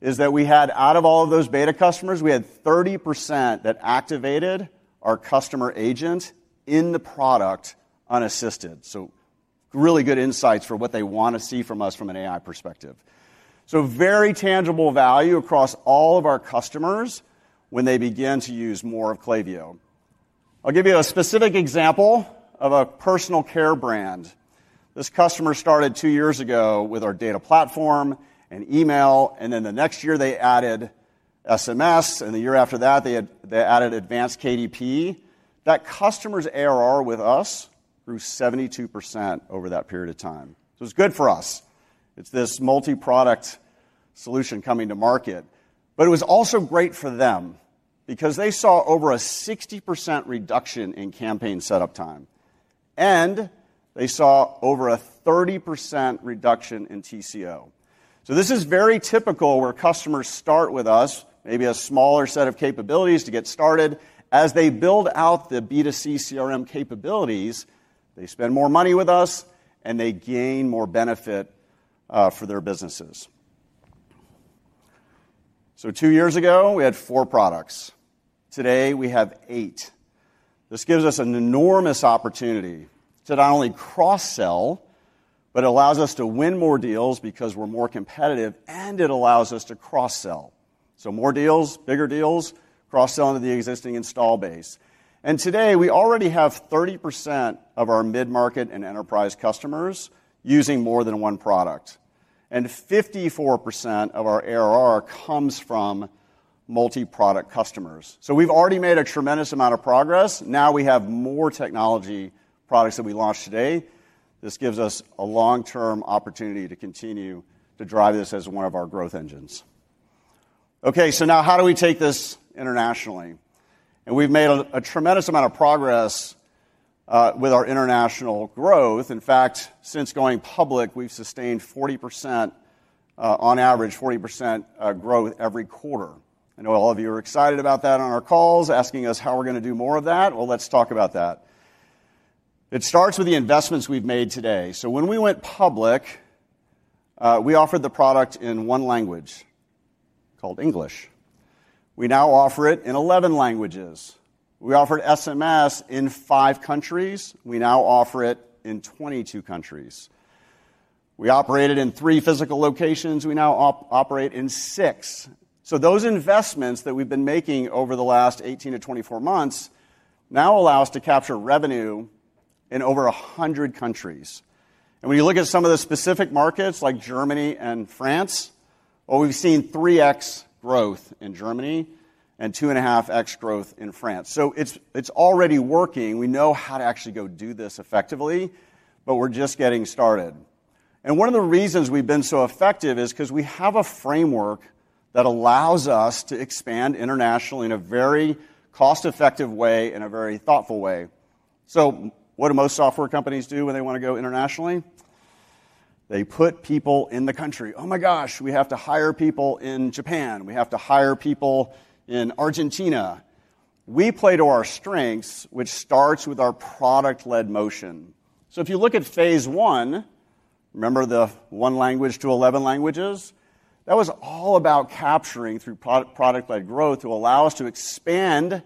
is that we had, out of all of those beta customers, 30% that activated our Customer Agent in the product unassisted. Really good insights for what they want to see from us from an AI perspective. Very tangible value across all of our customers when they begin to use more of Klaviyo. I'll give you a specific example of a personal care brand. This customer started two years ago with our data platform and email, and the next year they added SMS, and the year after that they added advanced KDP. That customer's ARR with us grew 72% over that period of time. It's this multi-product solution coming to market. It was also great for them because they saw over a 60% reduction in campaign setup time, and they saw over a 30% reduction in TCO. This is very typical where customers start with us, maybe a smaller set of capabilities to get started. As they build out the B2C CRM capabilities, they spend more money with us, and they gain more benefit for their businesses. Two years ago, we had four products. Today, we have eight. This gives us an enormous opportunity to not only cross-sell, but it allows us to win more deals because we're more competitive, and it allows us to cross-sell. More deals, bigger deals, cross-sell into the existing install base. Today, we already have 30% of our mid-market and enterprise customers using more than one product, and 54% of our ARR comes from multi-product customers. We've already made a tremendous amount of progress. Now we have more technology products that we launched today. This gives us a long-term opportunity to continue to drive this as one of our growth engines. Now, how do we take this internationally? We've made a tremendous amount of progress with our international growth. In fact, since going public, we've sustained 40%, on average, 40% growth every quarter. I know all of you are excited about that on our calls, asking us how we're going to do more of that. Let's talk about that. It starts with the investments we've made today. When we went public, we offered the product in one language called English. We now offer it in 11 languages. We offered SMS in five countries. We now offer it in 22 countries. We operated in three physical locations. We now operate in six. Those investments that we've been making over the last 18 to 24 months now allow us to capture revenue in over 100 countries. When you look at some of the specific markets like Germany and France, we've seen 3x growth in Germany and 2.5x growth in France. It's already working. We know how to actually go do this effectively, but we're just getting started. One of the reasons we've been so effective is because we have a framework that allows us to expand internationally in a very cost-effective way, in a very thoughtful way. What do most software companies do when they want to go internationally? They put people in the country. Oh my gosh, we have to hire people in Japan. We have to hire people in Argentina. We play to our strengths, which starts with our product-led motion. If you look at phase I, remember the one language to 11 languages? That was all about capturing through product-led growth to allow us to expand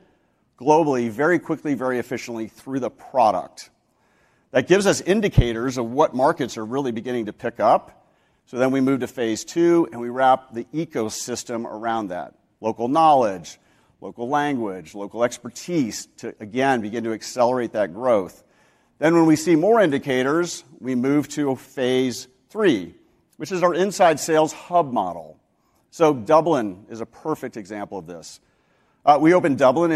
globally very quickly, very efficiently through the product. That gives us indicators of what markets are really beginning to pick up. We move to phase two, and we wrap the ecosystem around that. Local knowledge, local language, local expertise to again begin to accelerate that growth. When we see more indicators, we move to phase three, which is our inside sales hub model. Dublin is a perfect example of this. We opened Dublin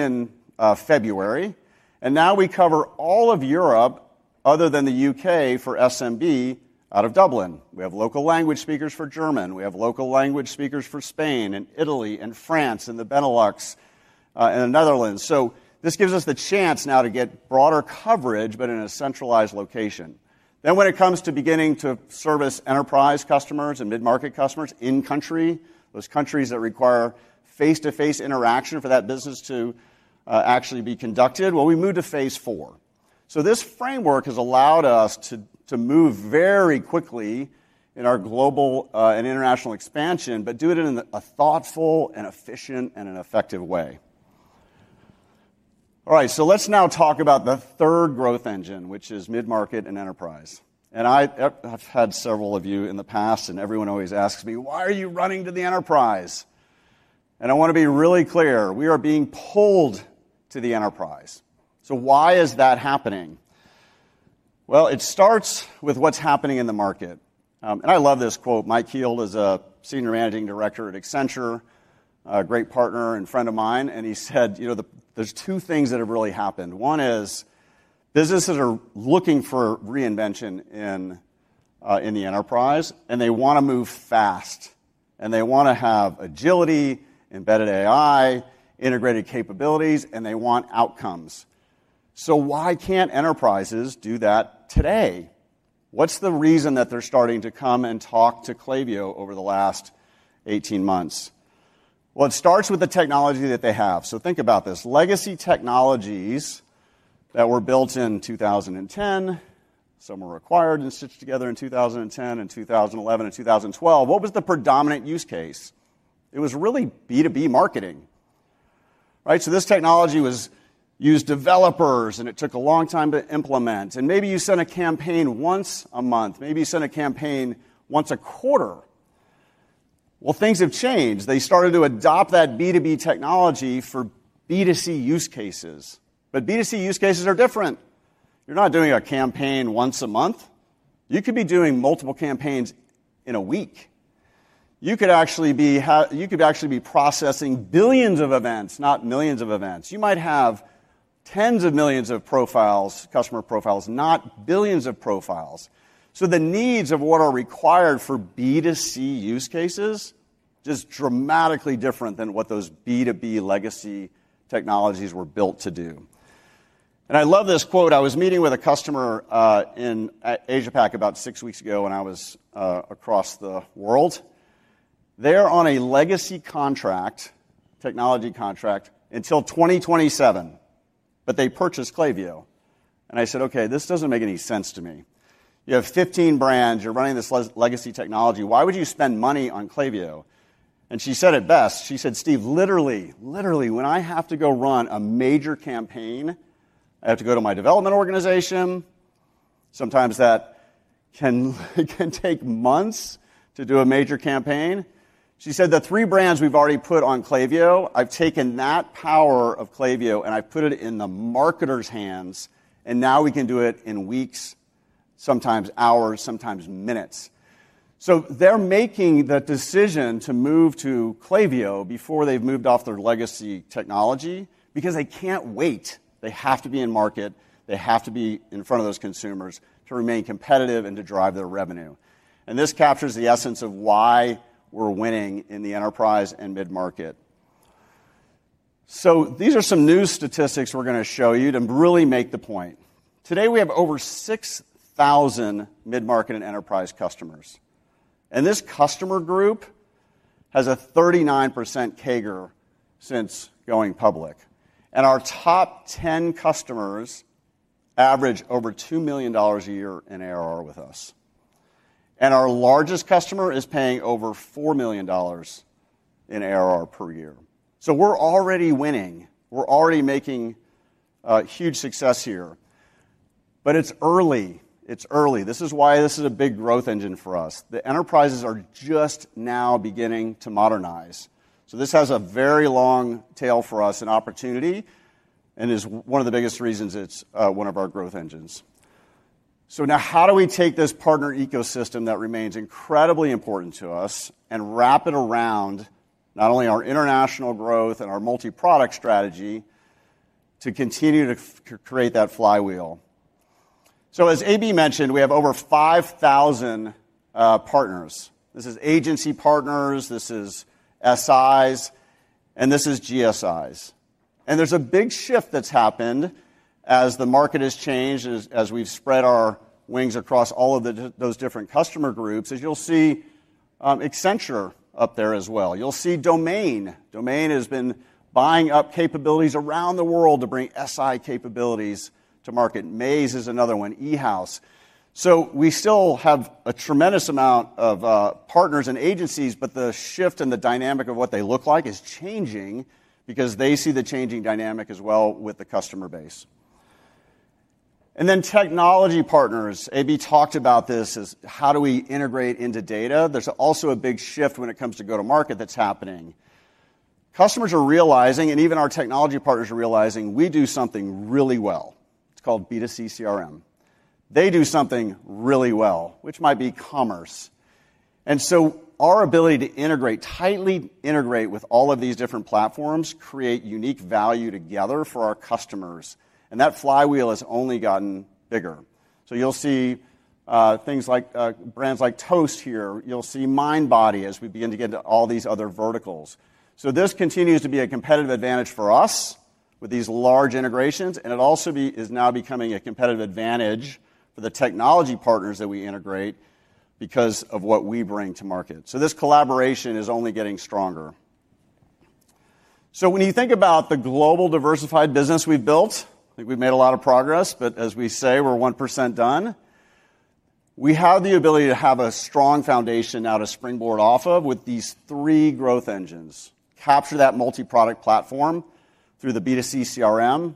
in February, and now we cover all of Europe other than the U.K. for SMB out of Dublin. We have local language speakers for German. We have local language speakers for Spain and Italy and France and the Benelux and the Netherlands. This gives us the chance now to get broader coverage, but in a centralized location. When it comes to beginning to service enterprise customers and mid-market customers in country, those countries that require face-to-face interaction for that business to actually be conducted, we move to phase four. This framework has allowed us to move very quickly in our global and international expansion, but do it in a thoughtful and efficient and an effective way. Let's now talk about the third growth engine, which is mid-market and enterprise. I've had several of you in the past, and everyone always asks me, why are you running to the enterprise? I want to be really clear. We are being pulled to the enterprise. Why is that happening? It starts with what's happening in the market. I love this quote. Mike Kichline is a Senior Managing Director at Accenture Song, a great partner and friend of mine. He said, you know, there are two things that have really happened. One is businesses are looking for reinvention in the enterprise, and they want to move fast. They want to have agility, embedded AI, integrated capabilities, and they want outcomes. Why can't enterprises do that today? What's the reason that they're starting to come and talk to Klaviyo over the last 18 months? It starts with the technology that they have. Think about this. Legacy technologies that were built in 2010, some were acquired and stitched together in 2010, 2011, and 2012. What was the predominant use case? It was really B2B marketing, right? This technology was used by developers, and it took a long time to implement. Maybe you sent a campaign once a month. Maybe you sent a campaign once a quarter. Things have changed. They started to adopt that B2B technology for B2C use cases. B2C use cases are different. You're not doing a campaign once a month. You could be doing multiple campaigns in a week. You could actually be processing billions of events, not millions of events. You might have tens of millions of customer profiles, not billions of profiles. The needs of what are required for B2C use cases are just dramatically different than what those B2B legacy technologies were built to do. I love this quote. I was meeting with a customer in AsiaPac about six weeks ago when I was across the world. They're on a legacy technology contract until 2027, but they purchased Klaviyo. I said, okay, this doesn't make any sense to me. You have 15 brands, you're running this legacy technology. Why would you spend money on Klaviyo? She said it best. She said, Steve, literally, literally when I have to go run a major campaign, I have to go to my development organization. Sometimes that can take months to do a major campaign. She said the three brands we've already put on Klaviyo, I've taken that power of Klaviyo and I put it in the marketers' hands. Now we can do it in weeks, sometimes hours, sometimes minutes. They're making the decision to move to Klaviyo before they've moved off their legacy technology because they can't wait. They have to be in market. They have to be in front of those consumers to remain competitive and to drive their revenue. This captures the essence of why we're winning in the enterprise and mid-market. These are some new statistics we're going to show you to really make the point. Today we have over 6,000 mid-market and enterprise customers. This customer group has a 39% CAGR since going public. Our top 10 customers average over $2 million a year in ARR with us. Our largest customer is paying over $4 million in ARR per year. We're already winning. We're already making a huge success here. It's early. It's early. This is why this is a big growth engine for us. The enterprises are just now beginning to modernize. This has a very long tail for us, an opportunity, and is one of the biggest reasons it's one of our growth engines. Now, how do we take this partner ecosystem that remains incredibly important to us and wrap it around not only our international growth and our multi-product strategy to continue to create that flywheel? As AB mentioned, we have over 5,000 partners. This is agency partners, this is SIs, and this is GSIs. There's a big shift that's happened as the market has changed, as we've spread our wings across all of those different customer groups. As you'll see, Accenture up there as well. You'll see Domain. Domain has been buying up capabilities around the world to bring SI capabilities to market. Maze is another one, eHouse. We still have a tremendous amount of partners and agencies, but the shift in the dynamic of what they look like is changing because they see the changing dynamic as well with the customer base. Then technology partners, AB talked about this as how do we integrate into data. There's also a big shift when it comes to go-to-market that's happening. Customers are realizing, and even our technology partners are realizing, we do something really well. It's called B2C CRM. They do something really well, which might be commerce. Our ability to integrate, tightly integrate with all of these different platforms, creates unique value together for our customers. That flywheel has only gotten bigger. You'll see things like brands like Toast here. You'll see Mindbody as we begin to get to all these other verticals. This continues to be a competitive advantage for us with these large integrations. It also is now becoming a competitive advantage for the technology partners that we integrate because of what we bring to market. This collaboration is only getting stronger. When you think about the global diversified business we've built, I think we've made a lot of progress, but as we say, we're 1% done. We have the ability to have a strong foundation now to springboard off of with these three growth engines. Capture that multi-product platform through the B2C CRM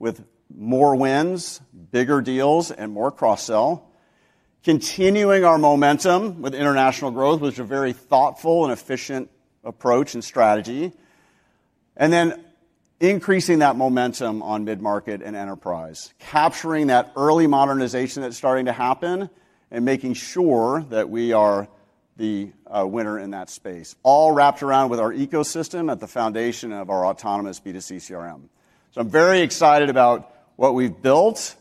with more wins, bigger deals, and more cross-sell. Continuing our momentum with international growth, which is a very thoughtful and efficient approach and strategy. Increasing that momentum on mid-market and enterprise. Capturing that early modernization that's starting to happen and making sure that we are the winner in that space. All wrapped around with our ecosystem at the foundation of our autonomous B2C CRM. I'm very excited about what we've built,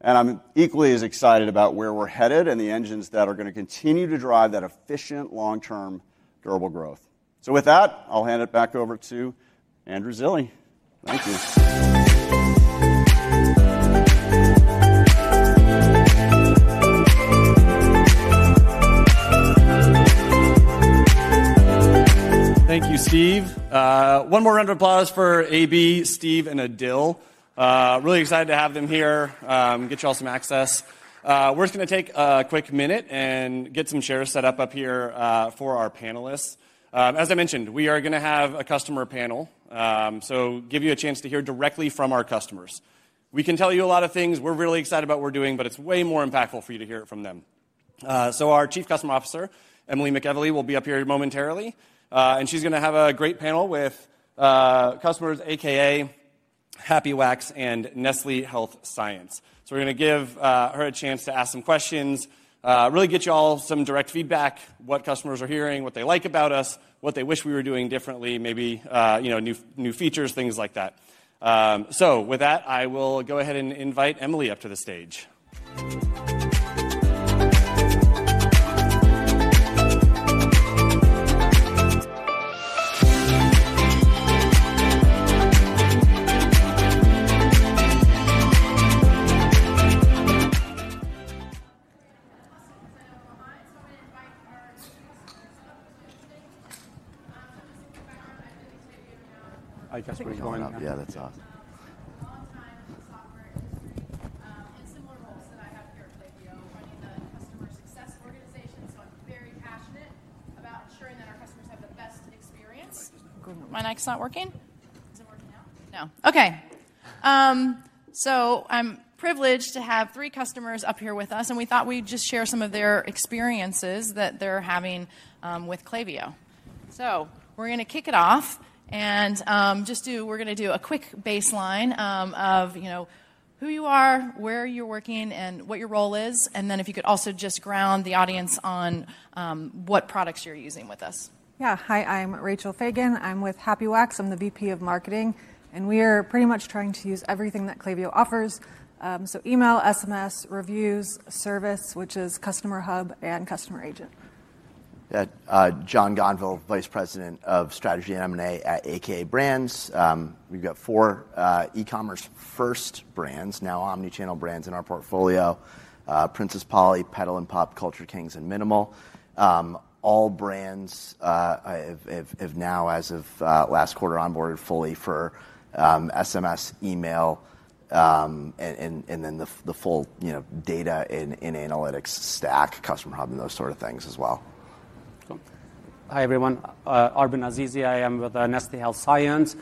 and I'm equally as excited about where we're headed and the engines that are going to continue to drive that efficient, long-term durable growth. With that, I'll hand it back over to Andrew Zilli. Thank you. Thank you, Steve. One more round of applause for AB, Steve, and Adil. Really excited to have them here. Get you all some access. We're just going to take a quick minute and get some chairs set up up here for our panelists. As I mentioned, we are going to have a customer panel to give you a chance to hear directly from our customers. We can tell you a lot of things we're really excited about what we're doing, but it's way more impactful for you to hear it from them. Our Chief Customer Officer, Emily McEvilly, will be up here momentarily, and she's going to have a great panel with customers a.k.a Happy Wax and Nestlé Health Science. We're going to give her a chance to ask some questions, really get y'all some direct feedback, what customers are hearing, what they like about us, what they wish we were doing differently, maybe new features, things like that. With that, I will go ahead and invite Emily up to the stage. I was going up. Yeah. That's awesome. I'm a long-time software engineer in similar roles that I have here at Klaviyo, running the Customer Success organization. I'm very passionate about ensuring that our customers have the best experience. My mic's not working. Is it working now? No. I'm privileged to have three customers up here with us, and we thought we'd just share some of their experiences that they're having with Klaviyo. We're going to kick it off and just do a quick baseline of, you know, who you are, where you're working, and what your role is. If you could also just ground the audience on what products you're using with us. Yeah, hi, I'm Rachel Fagan. I'm with Happy Wax. I'm the VP of Marketing, and we are pretty much trying to use everything that Klaviyo offers: email, SMS, reviews, service, which is Customer Hub and Customer Agent. Yeah, John Gonvo, Vice President of Strategy and M&A at AKA Brands. We've got four e-commerce-first brands, now omnichannel brands in our portfolio: Princess Polly, Petal and Pop, Culture Kings, and Minimal. All brands have now, as of last quarter, onboarded fully for SMS, email, and then the full data and analytics stack, customer hub, and those sort of things as well. Hi, everyone. Arben Azizi, I am with Nestlé Health Science.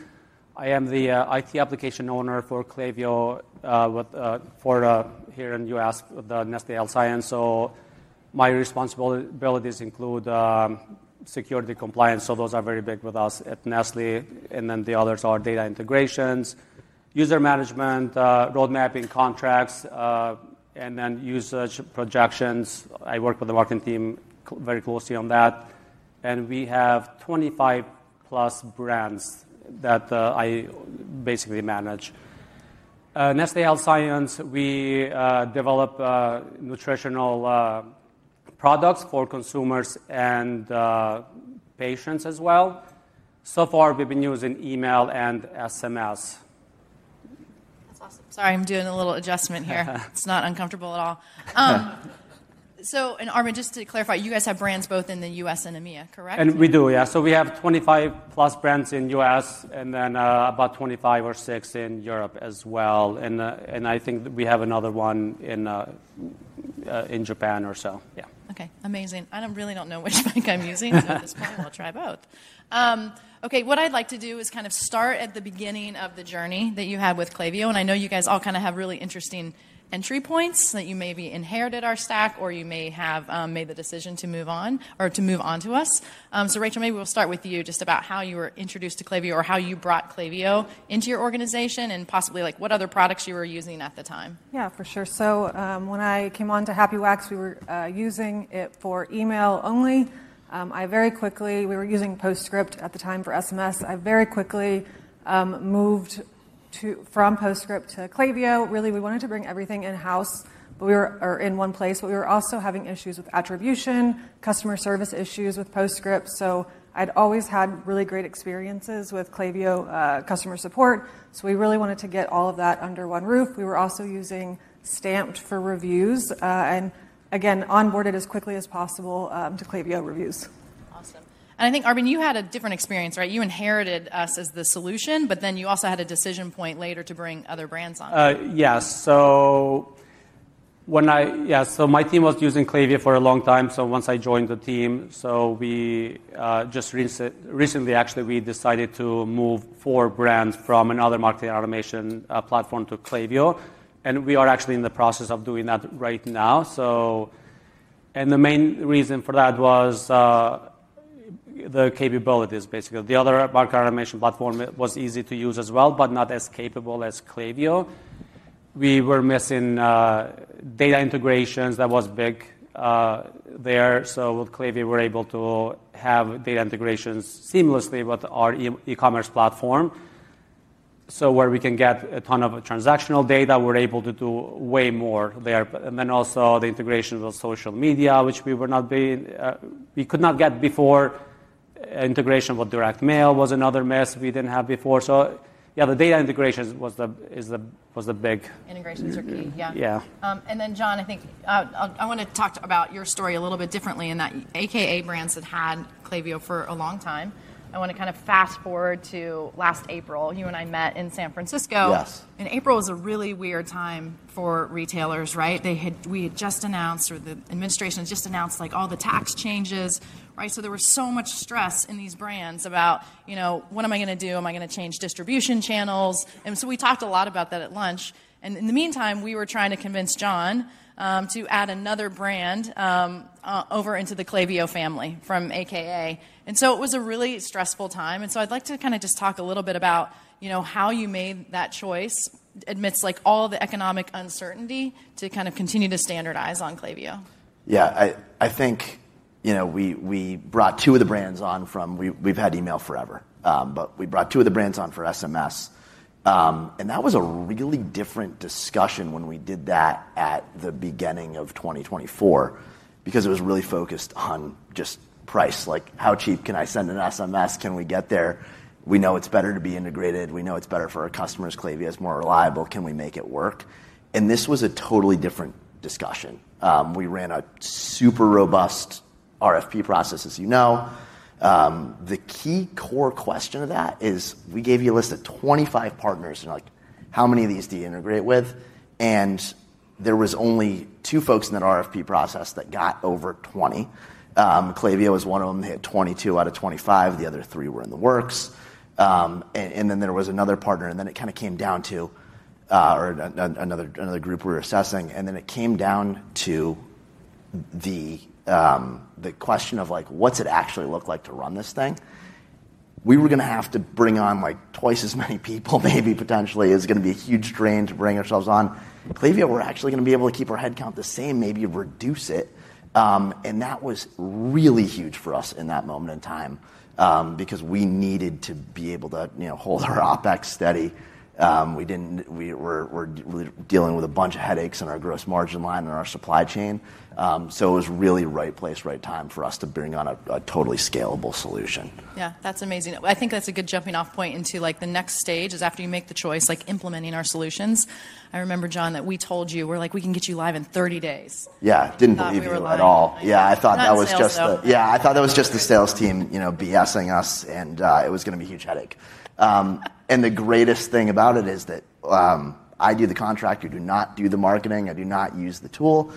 I am the IT Application Owner for Klaviyo here in the U.S. with Nestlé Health Science. My responsibilities include security compliance. Those are very big with us at Nestlé. The others are data integrations, user management, roadmapping, contracts, and usage projections. I work with the marketing team very closely on that. We have 25+ brands that I basically manage. Nestlé Health Science, we develop nutritional products for consumers and patients as well. So far, we've been using email and SMS. Sorry, I'm doing a little adjustment here. It's not uncomfortable at all. Arben, just to clarify, you guys have brands both in the U.S. and EMEA, correct? We have 25+ brands in the U.S. and about 25 or 26 in Europe as well. I think we have another one in Japan or so. Okay, amazing. I don't really know which link I'm using, so at this point, I'll try both. What I'd like to do is kind of start at the beginning of the journey that you had with Klaviyo. I know you guys all kind of have really interesting entry points that you maybe inherited our stack or you may have made the decision to move on or to move on to us. Rachel, maybe we'll start with you just about how you were introduced to Klaviyo or how you brought Klaviyo into your organization and possibly like what other products you were using at the time. Yeah, for sure. When I came on to Happy Wax, we were using it for email only. We were using PostScript at the time for SMS. I very quickly moved from PostScript to Klaviyo. We really wanted to bring everything in-house, or in one place, but we were also having issues with attribution, customer service issues with PostScript. I'd always had really great experiences with Klaviyo customer support. We really wanted to get all of that under one roof. We were also using Stamped for reviews, and again, onboarded as quickly as possible to Klaviyo reviews. Awesome. I think, Arben, you had a different experience, right? You inherited us as the solution, but then you also had a decision point later to bring other brands on. Yes. My team was using Klaviyo for a long time. Once I joined the team, we just recently decided to move four brands from another marketing automation platform to Klaviyo, and we are actually in the process of doing that right now. The main reason for that was the capabilities, basically. The other marketing automation platform was easy to use as well, but not as capable as Klaviyo. We were missing data integrations that were big there. With Klaviyo, we were able to have data integrations seamlessly with our e-commerce platform, where we can get a ton of transactional data. We're able to do way more there. Also, the integration with social media, which we could not get before. Integration with direct mail was another mess we didn't have before. The data integration was the big. Integrations are key. Yeah. John, I think I want to talk about your story a little bit differently in that a.k.a Brands had Klaviyo for a long time. I want to kind of fast forward to last April. You and I met in San Francisco. Yes. April was a really weird time for retailers, right? We had just announced, or the administration had just announced, all the tax changes. Right? There was so much stress in these brands about, you know, what am I going to do? Am I going to change distribution channels? We talked a lot about that at lunch. In the meantime, we were trying to convince John to add another brand over into the Klaviyo family from a.k.a. It was a really stressful time. I'd like to kind of just talk a little bit about, you know, how you made that choice amidst all the economic uncertainty to kind of continue to standardize on Klaviyo. Yeah, I think, you know, we brought two of the brands on from, we've had email forever, but we brought two of the brands on for SMS. That was a really different discussion when we did that at the beginning of 2024 because it was really focused on just price, like how cheap can I send an SMS? Can we get there? We know it's better to be integrated. We know it's better for our customers. Klaviyo is more reliable. Can we make it work? This was a totally different discussion. We ran a super robust RFP process, as you know. The key core question of that is we gave you a list of 25 partners and like how many of these do you integrate with? There were only two folks in that RFP process that got over 20. Klaviyo was one of them. They had 22 out of 25. The other three were in the works. There was another partner, and then it kind of came down to, or another group we were assessing, and then it came down to the question of like, what's it actually look like to run this thing? We were going to have to bring on like twice as many people, maybe potentially. It was going to be a huge drain to bring ourselves on. Klaviyo, we're actually going to be able to keep our headcount the same, maybe reduce it. That was really huge for us in that moment in time, because we needed to be able to, you know, hold our OpEx steady. We didn't, we were dealing with a bunch of headaches in our gross margin line and our supply chain. It was really right place, right time for us to bring on a totally scalable solution Yeah, that's amazing. I think that's a good jumping off point into the next stage, which is after you make the choice, like implementing our solutions. I remember, John, that we told you, we're like, we can get you live in 30 days. Yeah, I didn't believe it at all. I thought that was just the sales team, you know, BSing us and it was going to be a huge headache. The greatest thing about it is that I do the contract, you do not do the marketing, I do not use the tool.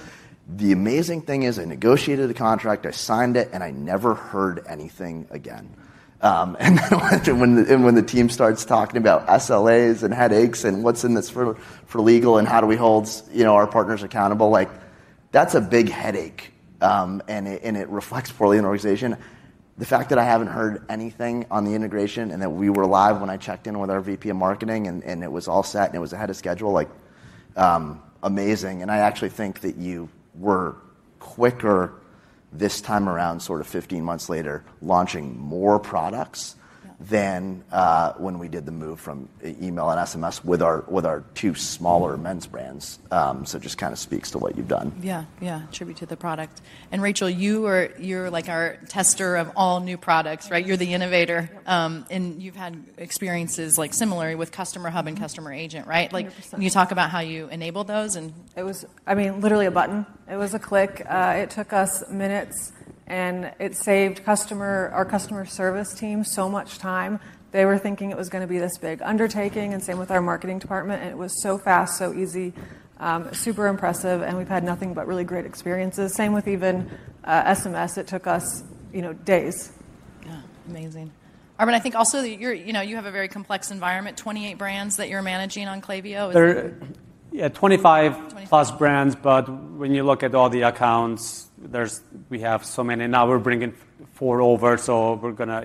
The amazing thing is I negotiated a contract, I signed it, and I never heard anything again. When the team starts talking about SLAs and headaches and what's in this for legal and how do we hold our partners accountable, that's a big headache. It reflects poorly in the organization. The fact that I haven't heard anything on the integration and that we were live when I checked in with our VP of Marketing and it was all set and it was ahead of schedule, amazing. I actually think that you were quicker this time around, sort of 15 months later, launching more products than when we did the move from email and SMS with our two smaller men's brands. It just kind of speaks to what you've done. Yeah, tribute to the product. Rachel, you are like our tester of all new products, right? You're the innovator, and you've had experiences similar with Customer Hub and Customer Agent, right? When you talk about how you enabled those. It was, I mean, literally a button. It was a click. It took us minutes, and it saved our customer service team so much time. They were thinking it was going to be this big undertaking. Same with our marketing department. It was so fast, so easy, super impressive, and we've had nothing but really great experiences. Same with even SMS. It took us, you know, days. Yeah. Amazing. Arben I think also that you're, you know, you have a very complex environment, 28 brands that you're managing on Klaviyo. Yeah, 25+ brands, but when you look at all the accounts, we have so many, and now we're bringing four over, so we're going to,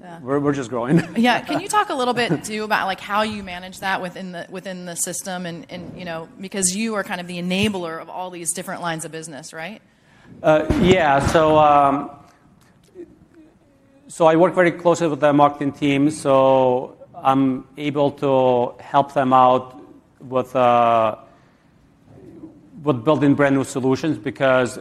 yeah, we're just growing. Yeah. Can you talk a little bit too about how you manage that within the system, and, you know, because you are kind of the enabler of all these different lines of business, right? Yeah. I work very closely with the marketing team, so I'm able to help them out with building brand new solutions because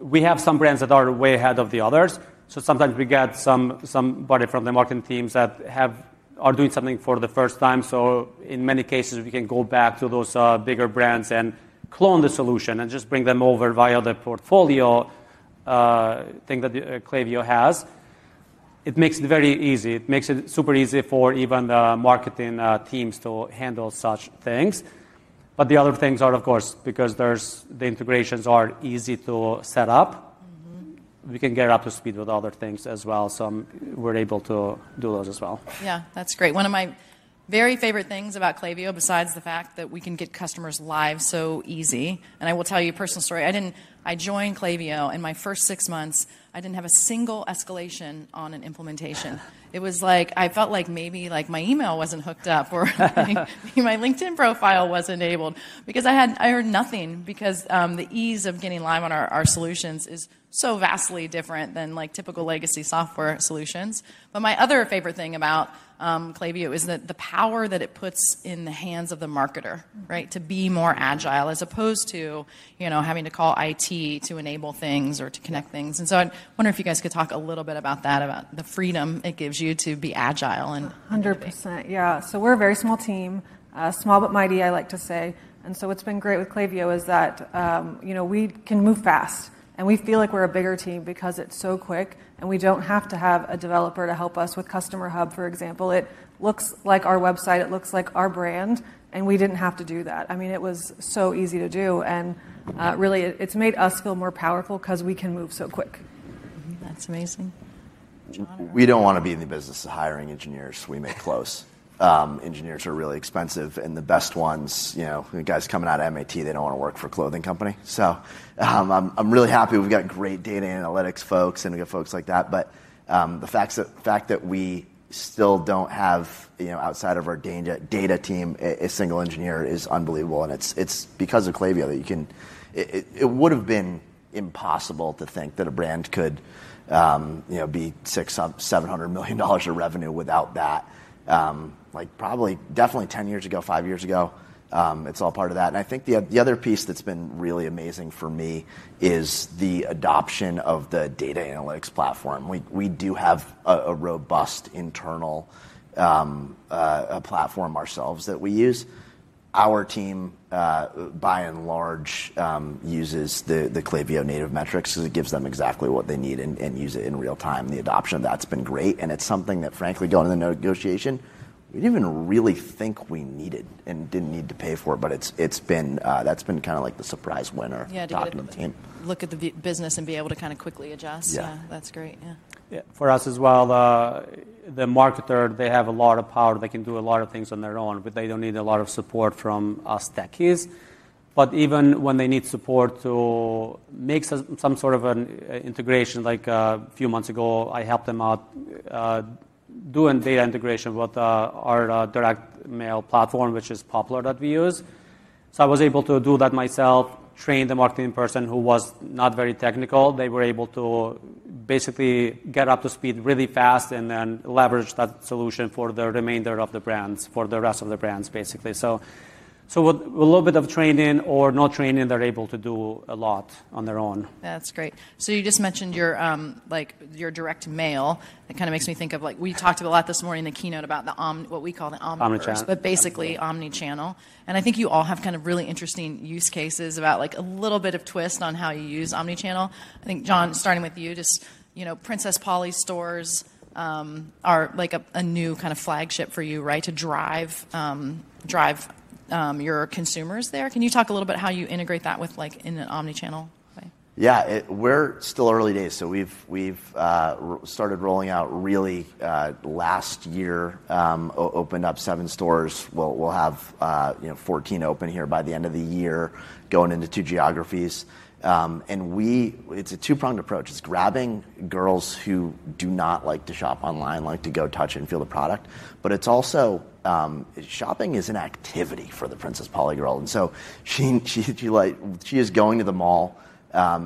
we have some brands that are way ahead of the others. Sometimes we get somebody from the marketing teams that are doing something for the first time. In many cases, we can go back to those bigger brands and clone the solution and just bring them over via the portfolio thing that Klaviyo has. It makes it very easy. It makes it super easy for even the marketing teams to handle such things. The other things are, of course, because the integrations are easy to set up, we can get up to speed with other things as well. We're able to do those as well. Yeah, that's great. One of my very favorite things about Klaviyo, besides the fact that we can get customers live so easy, and I will tell you a personal story, I joined Klaviyo in my first six months, I didn't have a single escalation on an implementation. It was like, I felt like maybe my email wasn't hooked up or maybe my LinkedIn profile wasn't enabled because I heard nothing, because the ease of getting live on our solutions is so vastly different than typical legacy software solutions. My other favorite thing about Klaviyo is the power that it puts in the hands of the marketer, right? To be more agile as opposed to having to call IT to enable things or to connect things. I wonder if you guys could talk a little bit about that, about the freedom it gives you to be agile. 100%. Yeah. We're a very small team, small but mighty, I like to say. What's been great with Klaviyo is that we can move fast and we feel like we're a bigger team because it's so quick and we don't have to have a developer to help us with Customer Hub, for example. It looks like our website, it looks like our brand, and we didn't have to do that. I mean, it was so easy to do. Really, it's made us feel more powerful because we can move so quick. That's amazing. We don't want to be in the business of hiring engineers. We make clothes. Engineers are really expensive and the best ones, you know, guys coming out of MIT, they don't want to work for a clothing company. I'm really happy we've got great data analytics folks and we've got folks like that. The fact that we still don't have, you know, outside of our data team, a single engineer is unbelievable. It's because of Klaviyo that you can, it would have been impossible to think that a brand could, you know, be $600 million, $700 million in revenue without that. Like probably, definitely 10 years ago, five years ago. It's all part of that. I think the other piece that's been really amazing for me is the adoption of the data analytics platform. We do have a robust internal platform ourselves that we use. Our team, by and large, uses the Klaviyo native metrics because it gives them exactly what they need and use it in real time. The adoption of that's been great. It's something that, frankly, going into the negotiation, we didn't even really think we needed and didn't need to pay for it. It's been, that's been kind of like the surprise winner. Yeah, to kind of look at the business and be able to quickly adjust. Yeah, that's great. Yeah. Yeah, for us as well, the marketer, they have a lot of power. They can do a lot of things on their own, they don't need a lot of support from us techies. Even when they need support to make some sort of an integration, like a few months ago, I helped them out, doing data integration with our direct mail platform, which is popular that we use. I was able to do that myself, train the marketing person who was not very technical. They were able to basically get up to speed really fast and then leverage that solution for the remainder of the brands, for the rest of the brands, basically. With a little bit of training or no training, they're able to do a lot on their own. That's great. You just mentioned your direct mail. It makes me think of, we talked a lot this morning in the keynote about what we call the omni channel, basically omni channel. I think you all have really interesting use cases, a little bit of a twist on how you use omni channel. I think, John, starting with you, Princess Polly stores are a new kind of flagship for you, right? To drive your consumers there. Can you talk a little bit about how you integrate that with omni channel? Yeah, we're still early days. We've started rolling out really last year, opened up seven stores. We'll have 14 open here by the end of the year, going into two geographies. It's a two-pronged approach. It's grabbing girls who do not like to shop online, like to go touch and feel the product. It's also shopping as an activity for the Princess Polly girl. She is going to the mall.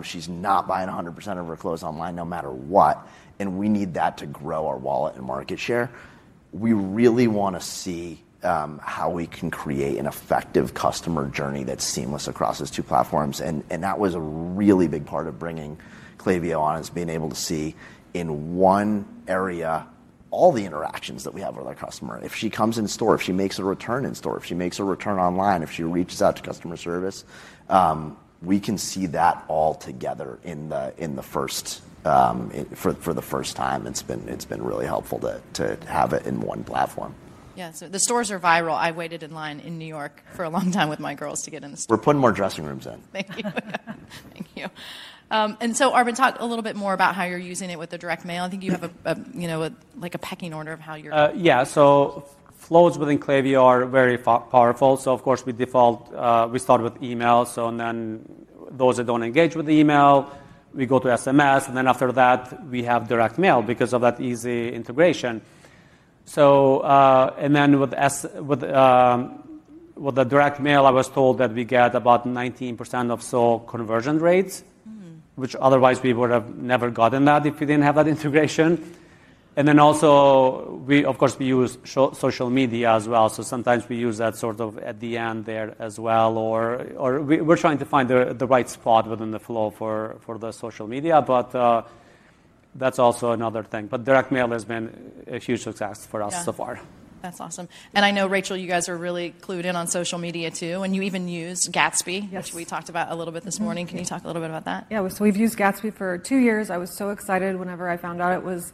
She's not buying 100% of her clothes online, no matter what. We need that to grow our wallet and market share. We really want to see how we can create an effective customer journey that's seamless across those two platforms. That was a really big part of bringing Klaviyo on, being able to see in one area all the interactions that we have with our customer. If she comes in store, if she makes a return in store, if she makes a return online, if she reaches out to customer service, we can see that all together for the first time. It's been really helpful to have it in one platform. Yeah. The stores are viral. I waited in line in New York for a long time with my girls to get in the store. We're putting more dressing rooms in. Thank you. Thank you. Arben, talk a little bit more about how you're using it with the direct mail. I think you have a, you know, like a pecking order of how you're. Yeah. Flows within Klaviyo are very powerful. Of course, we default, we start with email. Then those that don't engage with the email, we go to SMS. After that, we have direct mail because of that easy integration. With the direct mail, I was told that we get about 19% of sole conversion rates, which otherwise we would have never gotten if we didn't have that integration. Also, we use social media as well. Sometimes we use that sort of at the end there as well, or we're trying to find the right spot within the flow for the social media. That's also another thing. Direct mail has been a huge success for us so far. That's awesome. I know Rachel, you guys are really clued in on social media too, and you even use Gatsby. Yes, we talked about it a little bit this morning. Can you talk a little bit about that? Yeah, we've used Gatsby for two years. I was so excited whenever I found out it was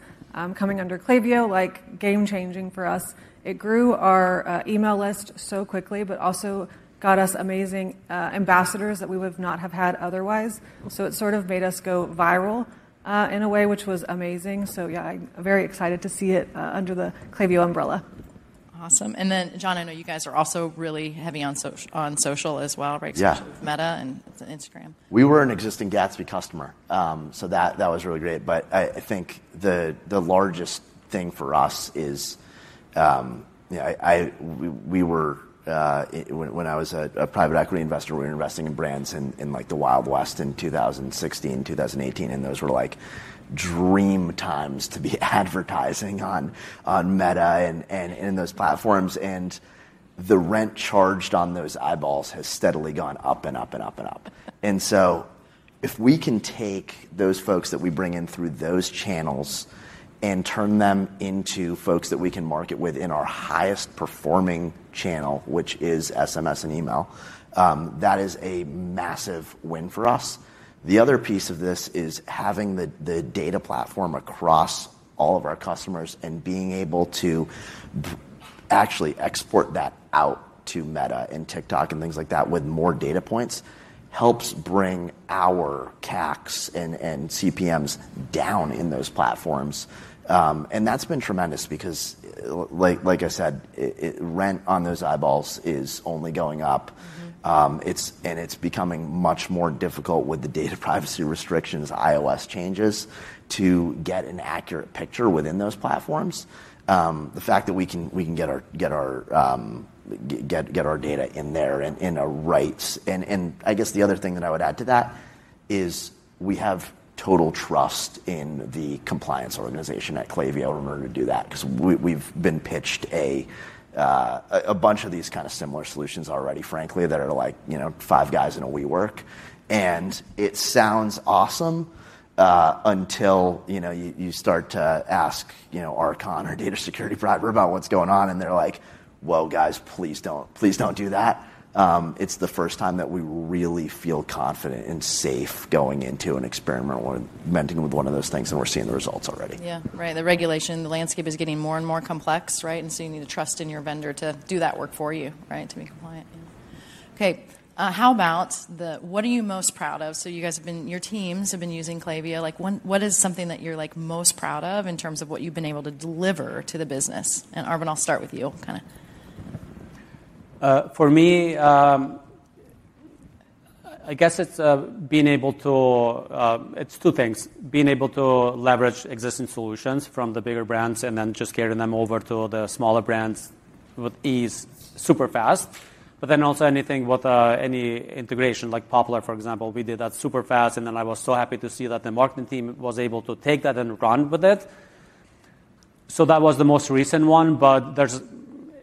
coming under Klaviyo, like game changing for us. It grew our email list so quickly, but also got us amazing ambassadors that we would not have had otherwise. It sort of made us go viral in a way, which was amazing. I'm very excited to see it under the Klaviyo umbrella. Awesome. John, I know you guys are also really heavy on social as well, right? Meta and Instagram. We were an existing Gatsby customer. That was really great. I think the largest thing for us is, you know, we were, when I was a private equity investor, we were investing in brands in like the Wild West in 2016, 2018. Those were like dream times to be advertising on Meta and in those platforms. The rent charged on those eyeballs has steadily gone up and up and up and up. If we can take those folks that we bring in through those channels and turn them into folks that we can market within our highest performing channel, which is SMS and email, that is a massive win for us. The other piece of this is having the data platform across all of our customers and being able to actually export that out to Meta and TikTok and things like that with more data points helps bring our CACs and CPMs down in those platforms. That's been tremendous because, like I said, rent on those eyeballs is only going up. It's becoming much more difficult with the data privacy restrictions, iOS changes to get an accurate picture within those platforms. The fact that we can get our data in there in a right. I guess the other thing that I would add to that is we have total trust in the compliance organization at Klaviyo in order to do that. We've been pitched a bunch of these kind of similar solutions already, frankly, that are like, you know, five guys in a WeWork. It sounds awesome, until, you know, you start to ask, you know, our data security driver about what's going on. They're like, whoa, guys, please don't, please don't do that. It's the first time that we really feel confident and safe going into an experiment where mentioning one of those things and we're seeing the results already. Yeah, right. The regulation, the landscape is getting more and more complex, right? You need to trust in your vendor to do that work for you, right? To be compliant. Okay. What are you most proud of? You guys have been, your teams have been using Klaviyo. What is something that you're most proud of in terms of what you've been able to deliver to the business? Arben, I'll start with you. For me, I guess it's being able to, it's two things, being able to leverage existing solutions from the bigger brands and then just carrying them over to the smaller brands with ease, super fast. Also, anything with any integration like Poplar, for example, we did that super fast. I was so happy to see that the marketing team was able to take that and run with it. That was the most recent one, but there's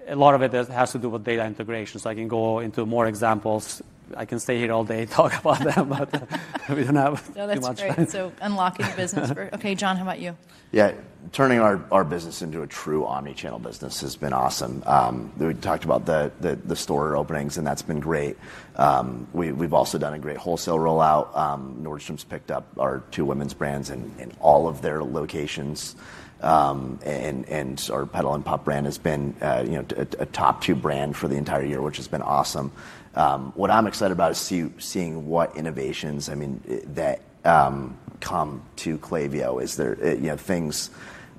a lot of it that has to do with data integration. I can go into more examples. I can stay here all day talking about that, but we don't have too much time. Unlocking the business for, okay, John, how about you? Yeah, turning our business into a true omnichannel business has been awesome. We talked about the store openings and that's been great. We've also done a great wholesale rollout. Nordstrom picked up our two women's brands in all of their locations. Our Petal & Pup brand has been a top two brand for the entire year, which has been awesome. What I'm excited about is seeing what innovations that come to Klaviyo. There are things,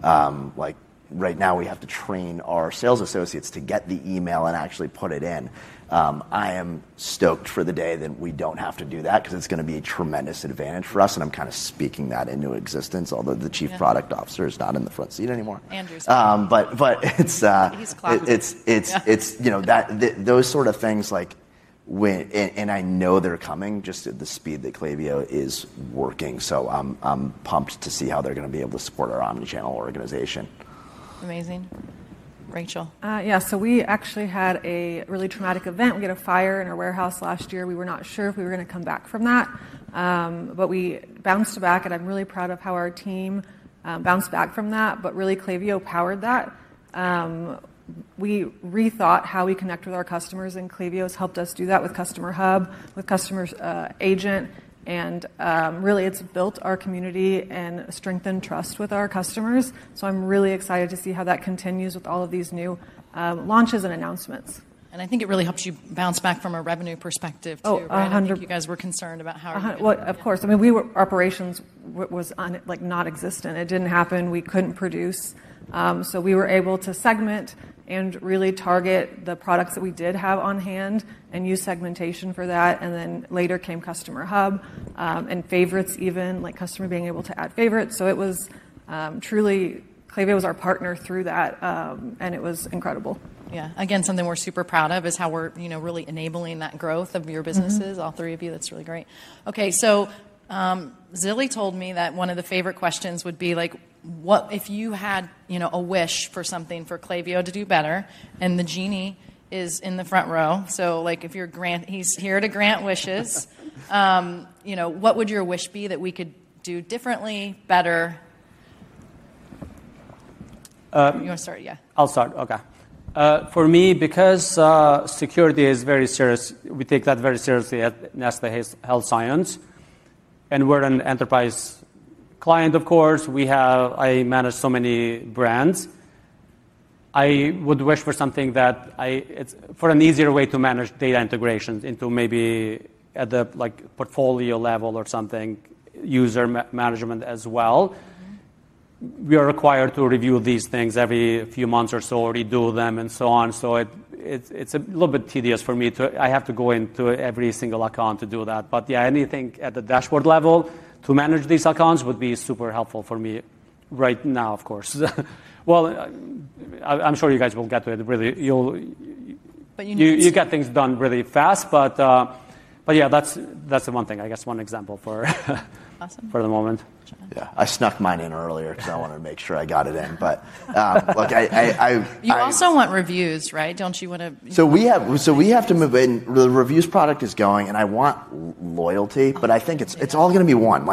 like right now we have to train our sales associates to get the email and actually put it in. I am stoked for the day that we don't have to do that because it's going to be a tremendous advantage for us. I'm kind of speaking that into existence, although the Chief Product Officer is not in the front seat anymore. Andrew. Those sort of things, and I know they're coming just at the speed that Klaviyo is working. I'm pumped to see how they're going to be able to support our omnichannel organization. Amazing. Rachel? Yeah, we actually had a really traumatic event. We had a fire in our warehouse last year. We were not sure if we were going to come back from that, but we bounced back and I'm really proud of how our team bounced back from that. Klaviyo powered that. We rethought how we connect with our customers and Klaviyo's helped us do that with Customer Hub, with Customer Agent. It has built our community and strengthened trust with our customers. I'm really excited to see how that continues with all of these new launches and announcements. I think it really helps you bounce back from a revenue perspective too. A hundred. If you guys were concerned about how. Operations was like nonexistent. It didn't happen. We couldn't produce, so we were able to segment and really target the products that we did have on hand and use segmentation for that. Later came Customer Hub and favorites, even like customers being able to add favorites. It was truly, Klaviyo was our partner through that, and it was incredible. Yeah, again, something we're super proud of is how we're really enabling that growth of your businesses, all three of you. That's really great. Okay, Zilli told me that one of the favorite questions would be, what if you had a wish for something for Klaviyo to do better? The genie is in the front row, so if you're Grant, he's here to grant wishes. What would your wish be that we could do differently, better? You want to start? Yeah. I'll start. For me, because security is very serious, we take that very seriously at Nestlé Health Science. We're an enterprise client, of course. I manage so many brands. I would wish for something, an easier way to manage data integrations into maybe at the portfolio level or something, user management as well. We are required to review these things every few months or so, redo them and so on. It's a little bit tedious for me to go into every single account to do that. Anything at the dashboard level to manage these accounts would be super helpful for me right now, of course. I'm sure you guys will get to it. You get things done really fast. That's the one thing, I guess one example for the moment. I snuck mine in earlier because I wanted to make sure I got it in. Look, I. You also want reviews, right? Don't you want to? We have to move in. The reviews product is going and I want loyalty, but I think it's all going to be one.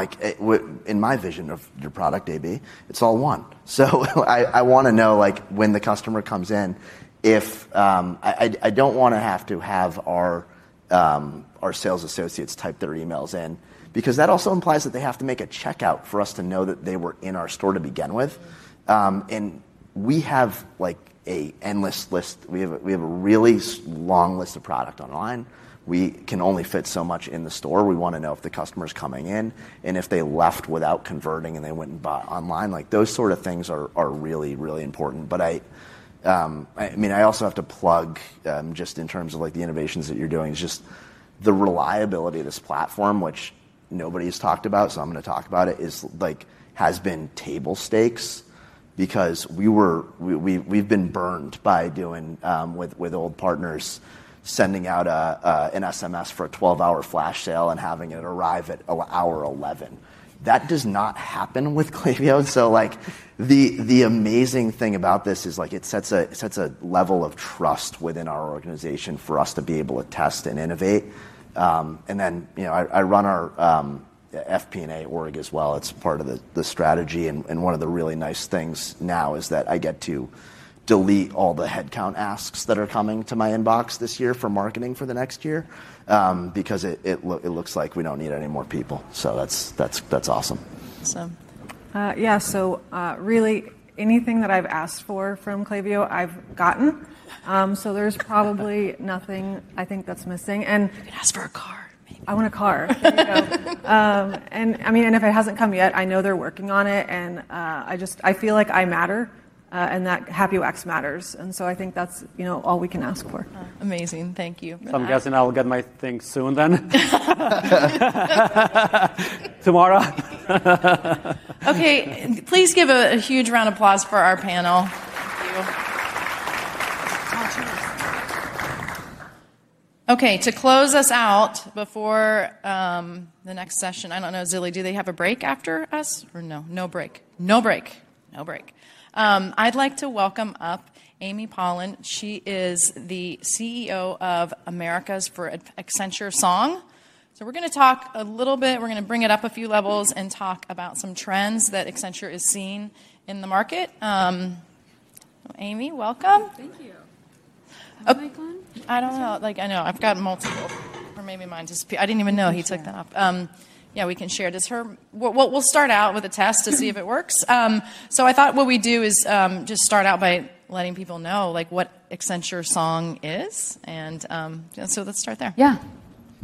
In my vision of your product, AB, it's all one. I want to know when the customer comes in. I don't want to have to have our sales associates type their emails in because that also implies that they have to make a checkout for us to know that they were in our store to begin with. We have a really long list of products online. We can only fit so much in the store. We want to know if the customer's coming in and if they left without converting and they went and bought online. Those sort of things are really, really important. I also have to plug, just in terms of the innovations that you're doing, it's just the reliability of this platform, which nobody's talked about. I'm going to talk about it. It has been table stakes because we've been burned by old partners sending out an SMS for a 12-hour flash sale and having it arrive at hour 11. That does not happen with Klaviyo. The amazing thing about this is it sets a level of trust within our organization for us to be able to test and innovate. I run our FP&A org as well. It's part of the strategy. One of the really nice things now is that I get to delete all the headcount asks that are coming to my inbox this year for marketing for the next year because it looks like we don't need any more people. That's awesome. Awesome. Yeah. Really, anything that I've asked for from Klaviyo, I've gotten. There's probably nothing I think that's missing. I ask for a car. I want a car. If it hasn't come yet, I know they're working on it. I just feel like I matter, and that Happy Wax matters. I think that's all we can ask for. Amazing. Thank you. I'm guessing I will get my thing soon, then. Tomorrow. Okay. Please give a huge round of applause for our panel. Thank you. To close us out before the next session, I don't know, Zilli, do they have a break after us or no? No break. No break. No break. I'd like to welcome up Ami Palan. She is the CEO of Americas for Accenture Song. We're going to talk a little bit, we're going to bring it up a few levels and talk about some trends that Accenture is seeing in the market. Ami, welcome. Thank you. I don't know. I know I've got multiple or maybe mine just, I didn't even know he took that up. We can share just her. We'll start out with a test to see if it works. I thought what we do is just start out by letting people know what Accenture Song is. Let's start there. Yeah.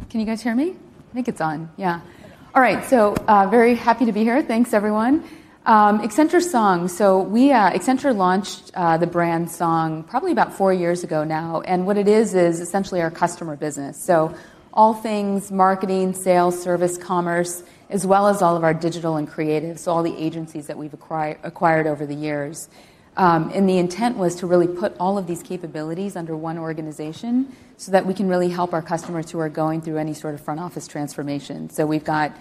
Can you guys hear me? I think it's on. Yeah. All right. Very happy to be here. Thanks, everyone. Accenture Song. Accenture launched the brand Song probably about four years ago now. What it is, is essentially our customer business. All things marketing, sales, service, commerce, as well as all of our digital and creative, all the agencies that we've acquired over the years. The intent was to really put all of these capabilities under one organization so that we can really help our customers who are going through any sort of front office transformation. We've got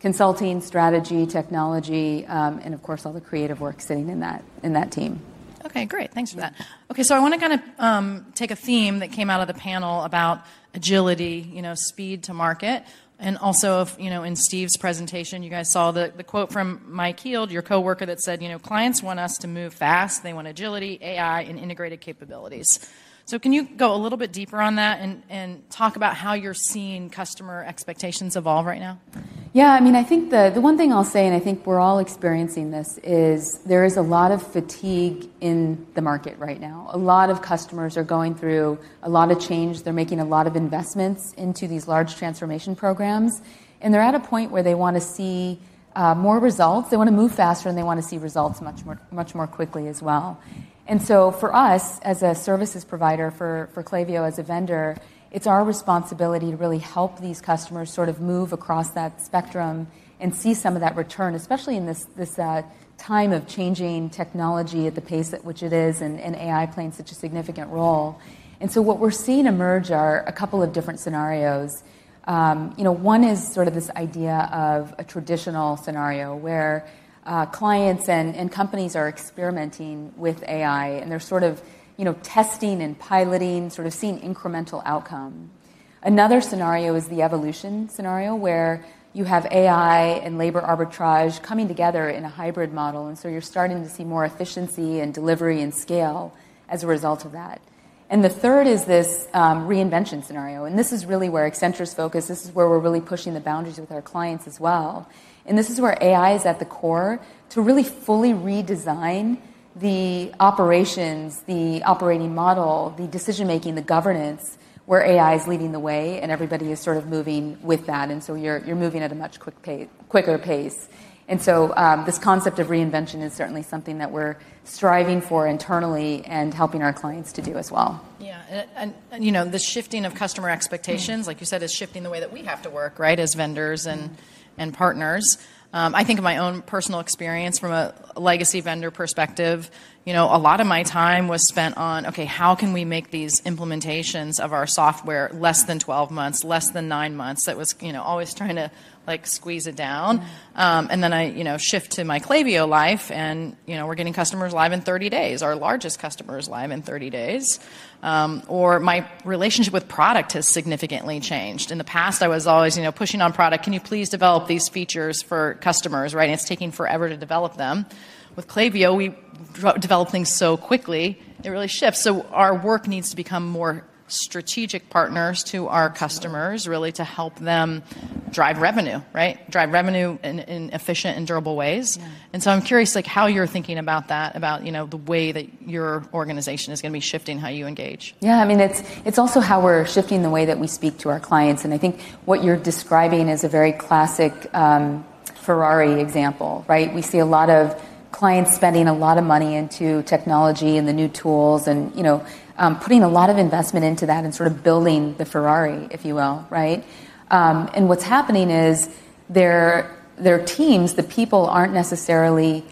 consulting, strategy, technology, and of course, all the creative work sitting in that team. Okay, great. Thanks for that. I want to kind of take a theme that came out of the panel about agility, you know, speed to market. Also, in Steve's presentation, you guys saw the quote from Mike Heald, your coworker, that said clients want us to move fast. They want agility, AI, and integrated capabilities. Can you go a little bit deeper on that and talk about how you're seeing customer expectations evolve right now? Yeah, I mean, I think the one thing I'll say, and I think we're all experiencing this, is there is a lot of fatigue in the market right now. A lot of customers are going through a lot of change. They're making a lot of investments into these large transformation programs, and they're at a point where they want to see more results. They want to move faster, and they want to see results much more, much more quickly as well. For us, as a services provider for Klaviyo, as a vendor, it's our responsibility to really help these customers sort of move across that spectrum and see some of that return, especially in this time of changing technology at the pace at which it is, and AI playing such a significant role. What we're seeing emerge are a couple of different scenarios. One is sort of this idea of a traditional scenario where clients and companies are experimenting with AI, and they're sort of testing and piloting, sort of seeing incremental outcome. Another scenario is the evolution scenario where you have AI and labor arbitrage coming together in a hybrid model, and so you're starting to see more efficiency in delivery and scale as a result of that. The third is this reinvention scenario, and this is really where Accenture is focused. This is where we're really pushing the boundaries with our clients as well. This is where AI is at the core to really fully redesign the operations, the operating model, the decision making, the governance where AI is leading the way and everybody is sort of moving with that. You're moving at a much quicker pace. This concept of reinvention is certainly something that we're striving for internally and helping our clients to do as well. Yeah. The shifting of customer expectations, like you said, is shifting the way that we have to work, right, as vendors and partners. I think of my own personal experience from a legacy vendor perspective. A lot of my time was spent on, okay, how can we make these implementations of our software less than 12 months, less than nine months? That was always trying to squeeze it down. I shift to my Klaviyo life and we're getting customers live in 30 days, our largest customers live in 30 days. My relationship with product has significantly changed. In the past, I was always pushing on product, can you please develop these features for customers, right? It's taking forever to develop them. With Klaviyo, we develop things so quickly, it really shifts. Our work needs to become more strategic partners to our customers, really to help them drive revenue, right? Drive revenue in efficient and durable ways. I'm curious how you're thinking about that, about the way that your organization is going to be shifting how you engage. Yeah, I mean, it's also how we're shifting the way that we speak to our clients. I think what you're describing is a very classic Ferrari example, right? We see a lot of clients spending a lot of money into technology and the new tools, you know, putting a lot of investment into that and sort of building the Ferrari, if you will, right? What's happening is their teams, the people, aren't necessarily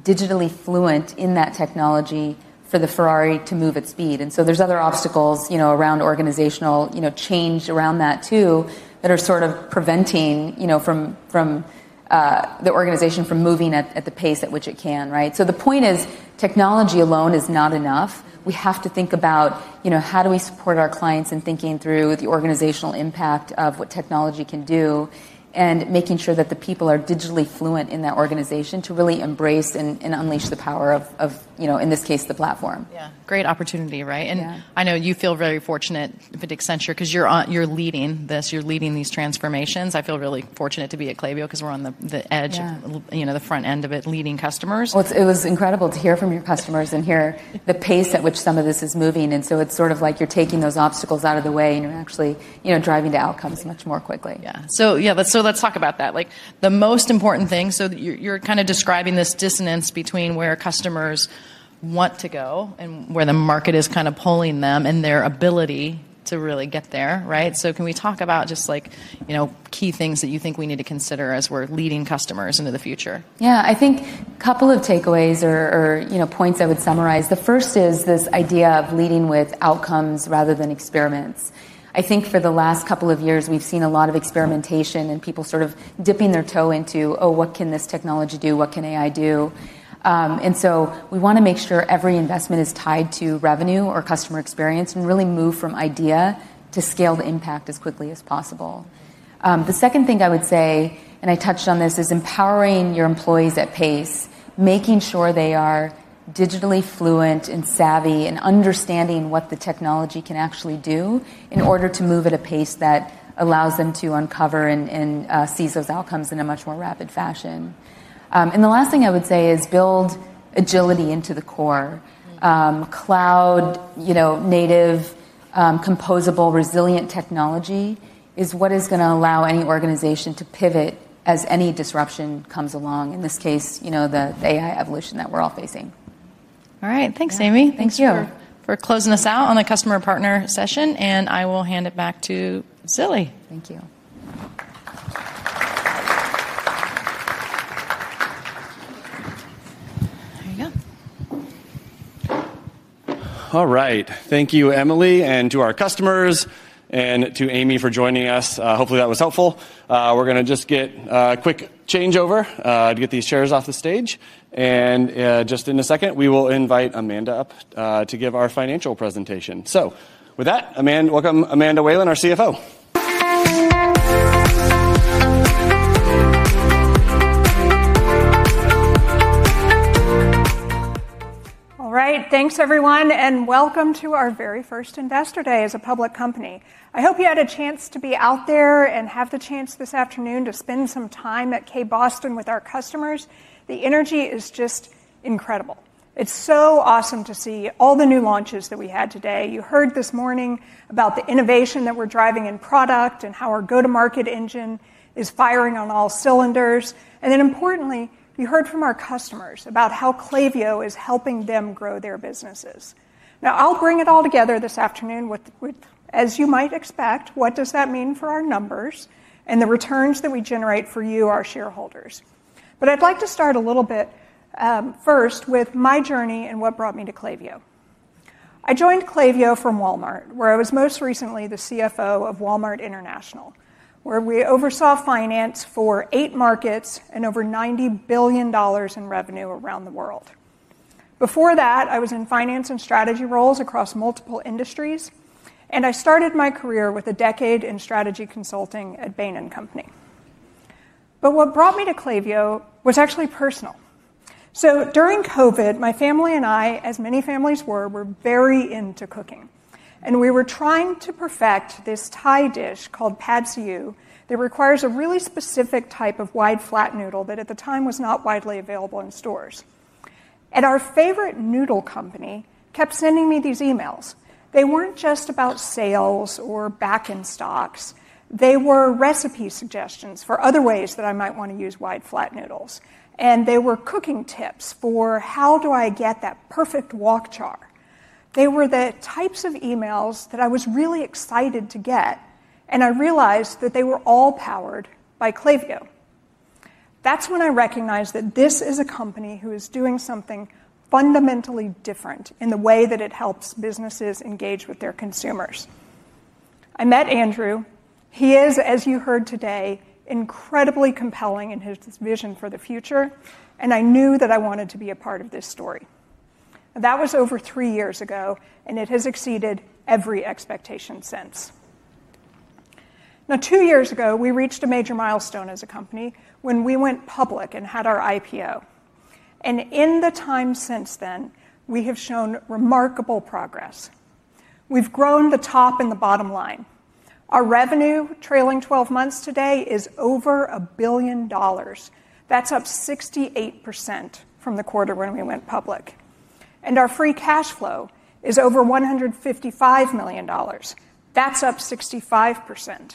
digitally fluent in that technology for the Ferrari to move at speed. There are other obstacles around organizational change around that too, that are sort of preventing the organization from moving at the pace at which it can, right? The point is technology alone is not enough. We have to think about how do we support our clients in thinking through the organizational impact of what technology can do and making sure that the people are digitally fluent in that organization to really embrace and unleash the power of, you know, in this case, the platform. Great opportunity, right? I know you feel very fortunate with Accenture because you're leading this, you're leading these transformations. I feel really fortunate to be at Klaviyo because we're on the edge of, you know, the front end of it leading customers. It was incredible to hear from your customers and hear the pace at which some of this is moving. It's sort of like you're taking those obstacles out of the way and you're actually, you know, driving to outcomes much more quickly. Yeah, let's talk about that. The most important thing, you're kind of describing this dissonance between where customers want to go and where the market is kind of pulling them and their ability to really get there, right? Can we talk about just key things that you think we need to consider as we're leading customers into the future? Yeah, I think a couple of takeaways or, you know, points I would summarize. The first is this idea of leading with outcomes rather than experiments. I think for the last couple of years, we've seen a lot of experimentation and people sort of dipping their toe into, oh, what can this technology do? What can AI do? We want to make sure every investment is tied to revenue or customer experience and really move from idea to scale the impact as quickly as possible. The second thing I would say, and I touched on this, is empowering your employees at pace, making sure they are digitally fluent and savvy and understanding what the technology can actually do in order to move at a pace that allows them to uncover and seize those outcomes in a much more rapid fashion. The last thing I would say is build agility into the core. Cloud, you know, native, composable, resilient technology is what is going to allow any organization to pivot as any disruption comes along. In this case, you know, the AI evolution that we're all facing. All right. Thanks, Ami. Thank you. For closing us out on the customer partner session, I will hand it back to Andrew Zilli. Thank you. All right. Thank you, Emily, and to our customers and to Amy for joining us. Hopefully, that was helpful. We're going to just get a quick changeover to get these chairs off the stage. In just a second, we will invite Amanda up to give our financial presentation. With that, Amanda, welcome Amanda Whalen, our Chief Financial Officer. All right. Thanks, everyone, and welcome to our very first Investor Day as a public company. I hope you had a chance to be out there and have the chance this afternoon to spend some time at Boston with our customers. The energy is just incredible. It's so awesome to see all the new launches that we had today. You heard this morning about the innovation that we're driving in product and how our go-to-market engine is firing on all cylinders. Importantly, you heard from our customers about how Klaviyo is helping them grow their businesses. Now I'll bring it all together this afternoon with, as you might expect, what does that mean for our numbers and the returns that we generate for you, our shareholders. I'd like to start a little bit, first with my journey and what brought me to Klaviyo. I joined Klaviyo from Walmart, where I was most recently the CFO of Walmart International, where we oversaw finance for eight markets and over $90 billion in revenue around the world. Before that, I was in finance and strategy roles across multiple industries, and I started my career with a decade in strategy consulting at Bain & Company. What brought me to Klaviyo was actually personal. During COVID, my family and I, as many families were, were very into cooking. We were trying to perfect this Thai dish called Pad See Ew that requires a really specific type of wide flat noodle that at the time was not widely available in stores. Our favorite noodle company kept sending me these emails. They weren't just about sales or back-in stocks. They were recipe suggestions for other ways that I might want to use wide flat noodles. They were cooking tips for how do I get that perfect wok char. They were the types of emails that I was really excited to get. I realized that they were all powered by Klaviyo. That's when I recognized that this is a company who is doing something fundamentally different in the way that it helps businesses engage with their consumers. I met Andrew. He is, as you heard today, incredibly compelling in his vision for the future. I knew that I wanted to be a part of this story. That was over three years ago, and it has exceeded every expectation since. Two years ago, we reached a major milestone as a company when we went public and had our IPO. In the time since then, we have shown remarkable progress. We've grown the top and the bottom line. Our revenue trailing 12 months today is over $1 billion. That's up 68% from the quarter when we went public. Our free cash flow is over $155 million. That's up 65%.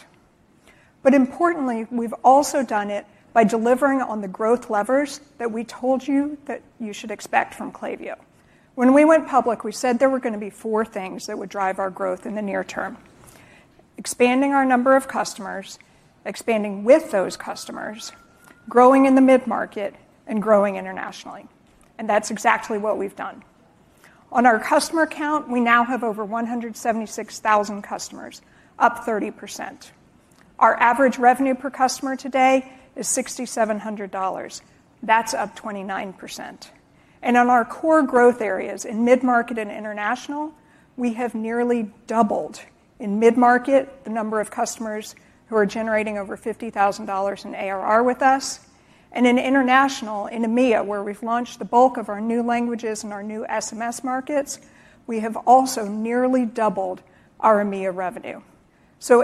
Importantly, we've also done it by delivering on the growth levers that we told you that you should expect from Klaviyo. When we went public, we said there were going to be four things that would drive our growth in the near term: expanding our number of customers, expanding with those customers, growing in the mid-market, and growing internationally. That's exactly what we've done. On our customer count, we now have over 176,000 customers, up 30%. Our average revenue per customer today is $6,700. That's up 29%. On our core growth areas in mid-market and international, we have nearly doubled. In mid-market, the number of customers who are generating over $50,000 in ARR with us. In international, in EMEA, where we've launched the bulk of our new languages and our new SMS markets, we have also nearly doubled our EMEA revenue.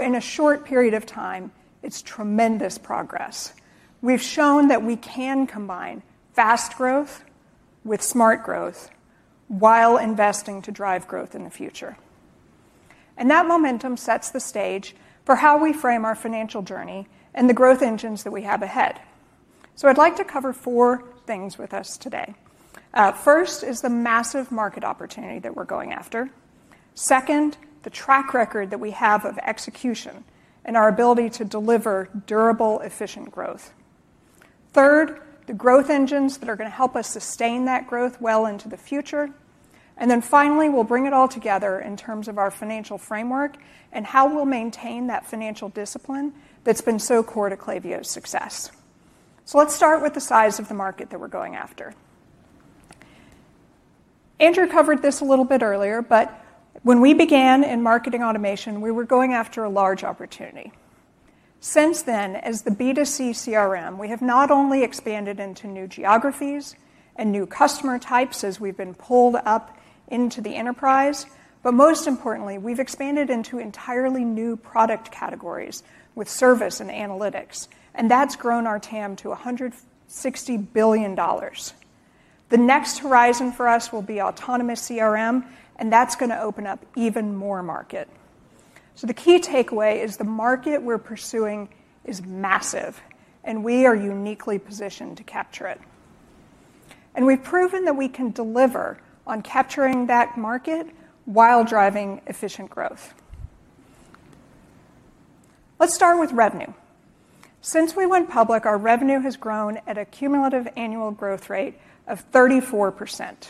In a short period of time, it's tremendous progress. We've shown that we can combine fast growth with smart growth while investing to drive growth in the future. That momentum sets the stage for how we frame our financial journey and the growth engines that we have ahead. I'd like to cover four things with us today. First is the massive market opportunity that we're going after. Second, the track record that we have of execution and our ability to deliver durable, efficient growth. Third, the growth engines that are going to help us sustain that growth well into the future. Finally, we'll bring it all together in terms of our financial framework and how we'll maintain that financial discipline that's been so core to Klaviyo's success. Let's start with the size of the market that we're going after. Andrew covered this a little bit earlier, but when we began in marketing automation, we were going after a large opportunity. Since then, as the B2C CRM, we have not only expanded into new geographies and new customer types as we've been pulled up into the enterprise, but most importantly, we've expanded into entirely new product categories with service and analytics. That's grown our TAM to $160 billion. The next horizon for us will be autonomous CRM, and that's going to open up even more market. The key takeaway is the market we're pursuing is massive, and we are uniquely positioned to capture it. We have proven that we can deliver on capturing that market while driving efficient growth. Let's start with revenue. Since we went public, our revenue has grown at a cumulative annual growth rate of 34%.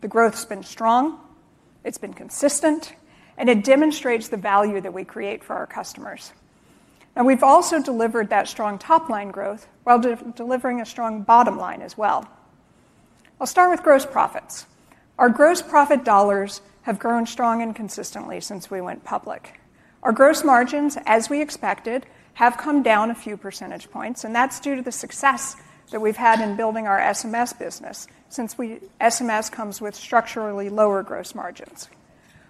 The growth has been strong, it's been consistent, and it demonstrates the value that we create for our customers. We have also delivered that strong top line growth while delivering a strong bottom line as well. I'll start with gross profits. Our gross profit dollars have grown strong and consistently since we went public. Our gross margins, as we expected, have come down a few percentage points, and that's due to the success that we've had in building our SMS business since SMS comes with structurally lower gross margins.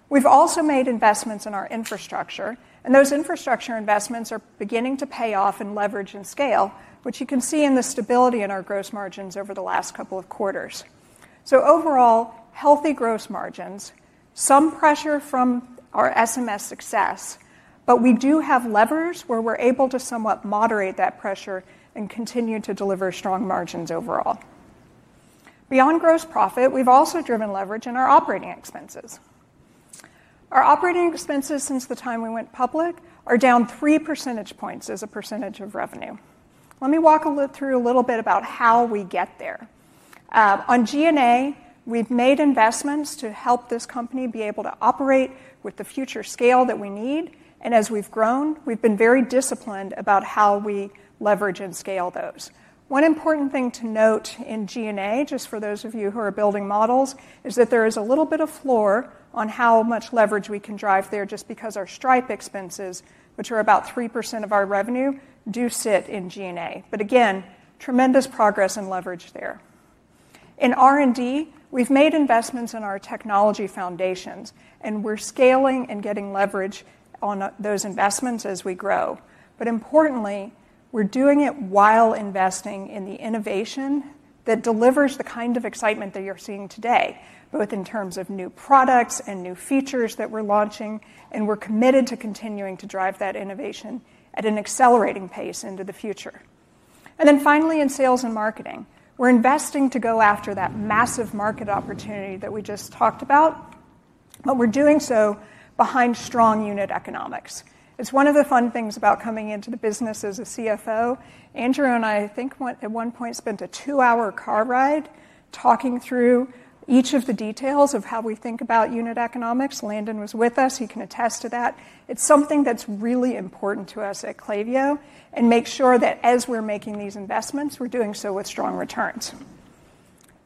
We have also made investments in our infrastructure, and those infrastructure investments are beginning to pay off and leverage and scale, which you can see in the stability in our gross margins over the last couple of quarters. Overall, healthy gross margins, some pressure from our SMS success, but we do have levers where we're able to somewhat moderate that pressure and continue to deliver strong margins overall. Beyond gross profit, we have also driven leverage in our operating expenses. Our operating expenses since the time we went public are down three percentage points as a percentage of revenue. Let me walk through a little bit about how we get there. On G&A, we've made investments to help this company be able to operate with the future scale that we need. As we've grown, we've been very disciplined about how we leverage and scale those. One important thing to note in G&A, just for those of you who are building models, is that there is a little bit of floor on how much leverage we can drive there just because our Stripe expenses, which are about 3% of our revenue, do sit in G&A. Again, tremendous progress in leverage there. In R&D, we've made investments in our technology foundations, and we're scaling and getting leverage on those investments as we grow. Importantly, we're doing it while investing in the innovation that delivers the kind of excitement that you're seeing today, both in terms of new products and new features that we're launching. We're committed to continuing to drive that innovation at an accelerating pace into the future. Finally, in sales and marketing, we're investing to go after that massive market opportunity that we just talked about. We're doing so behind strong unit economics. It's one of the fun things about coming into the business as a CFO. Andrew and I, I think at one point spent a two-hour car ride talking through each of the details of how we think about unit economics. Landon was with us. He can attest to that. It's something that's really important to us at Klaviyo and make sure that as we're making these investments, we're doing so with strong returns.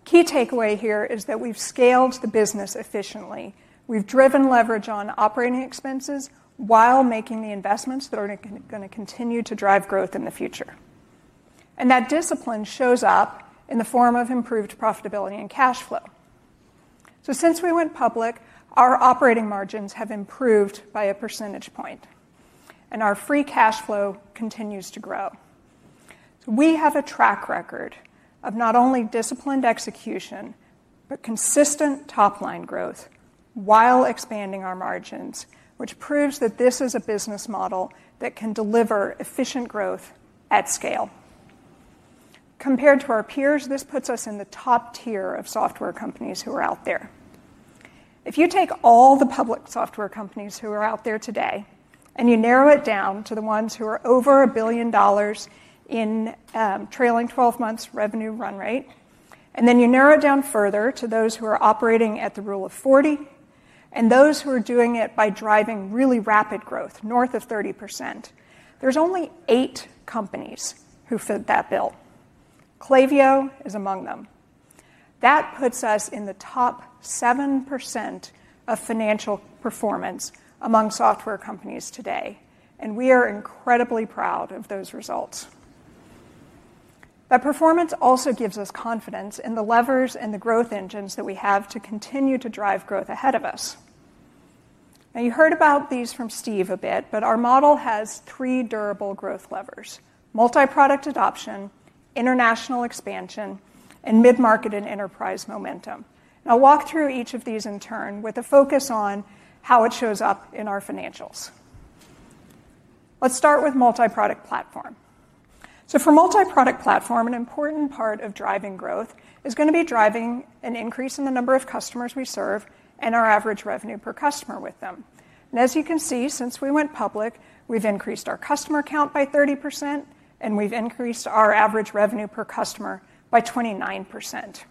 The key takeaway here is that we've scaled the business efficiently. We've driven leverage on operating expenses while making the investments that are going to continue to drive growth in the future. That discipline shows up in the form of improved profitability and cash flow. Since we went public, our operating margins have improved by a percentage point, and our free cash flow continues to grow. We have a track record of not only disciplined execution, but consistent top line growth while expanding our margins, which proves that this is a business model that can deliver efficient growth at scale. Compared to our peers, this puts us in the top tier of software companies who are out there. If you take all the public software companies who are out there today and you narrow it down to the ones who are over $1 billion in trailing 12 months revenue run rate, and then you narrow it down further to those who are operating at the rule of 40 and those who are doing it by driving really rapid growth north of 30%, there's only eight companies who fit that bill. Klaviyo is among them. That puts us in the top 7% of financial performance among software companies today. We are incredibly proud of those results. That performance also gives us confidence in the levers and the growth engines that we have to continue to drive growth ahead of us. You heard about these from Steve a bit, but our model has three durable growth levers: multi-product adoption, international expansion, and mid-market and enterprise momentum. I'll walk through each of these in turn with a focus on how it shows up in our financials. Let's start with multi-product platform. For multi-product platform, an important part of driving growth is going to be driving an increase in the number of customers we serve and our average revenue per customer with them. As you can see, since we went public, we've increased our customer count by 30% and we've increased our average revenue per customer by 29%.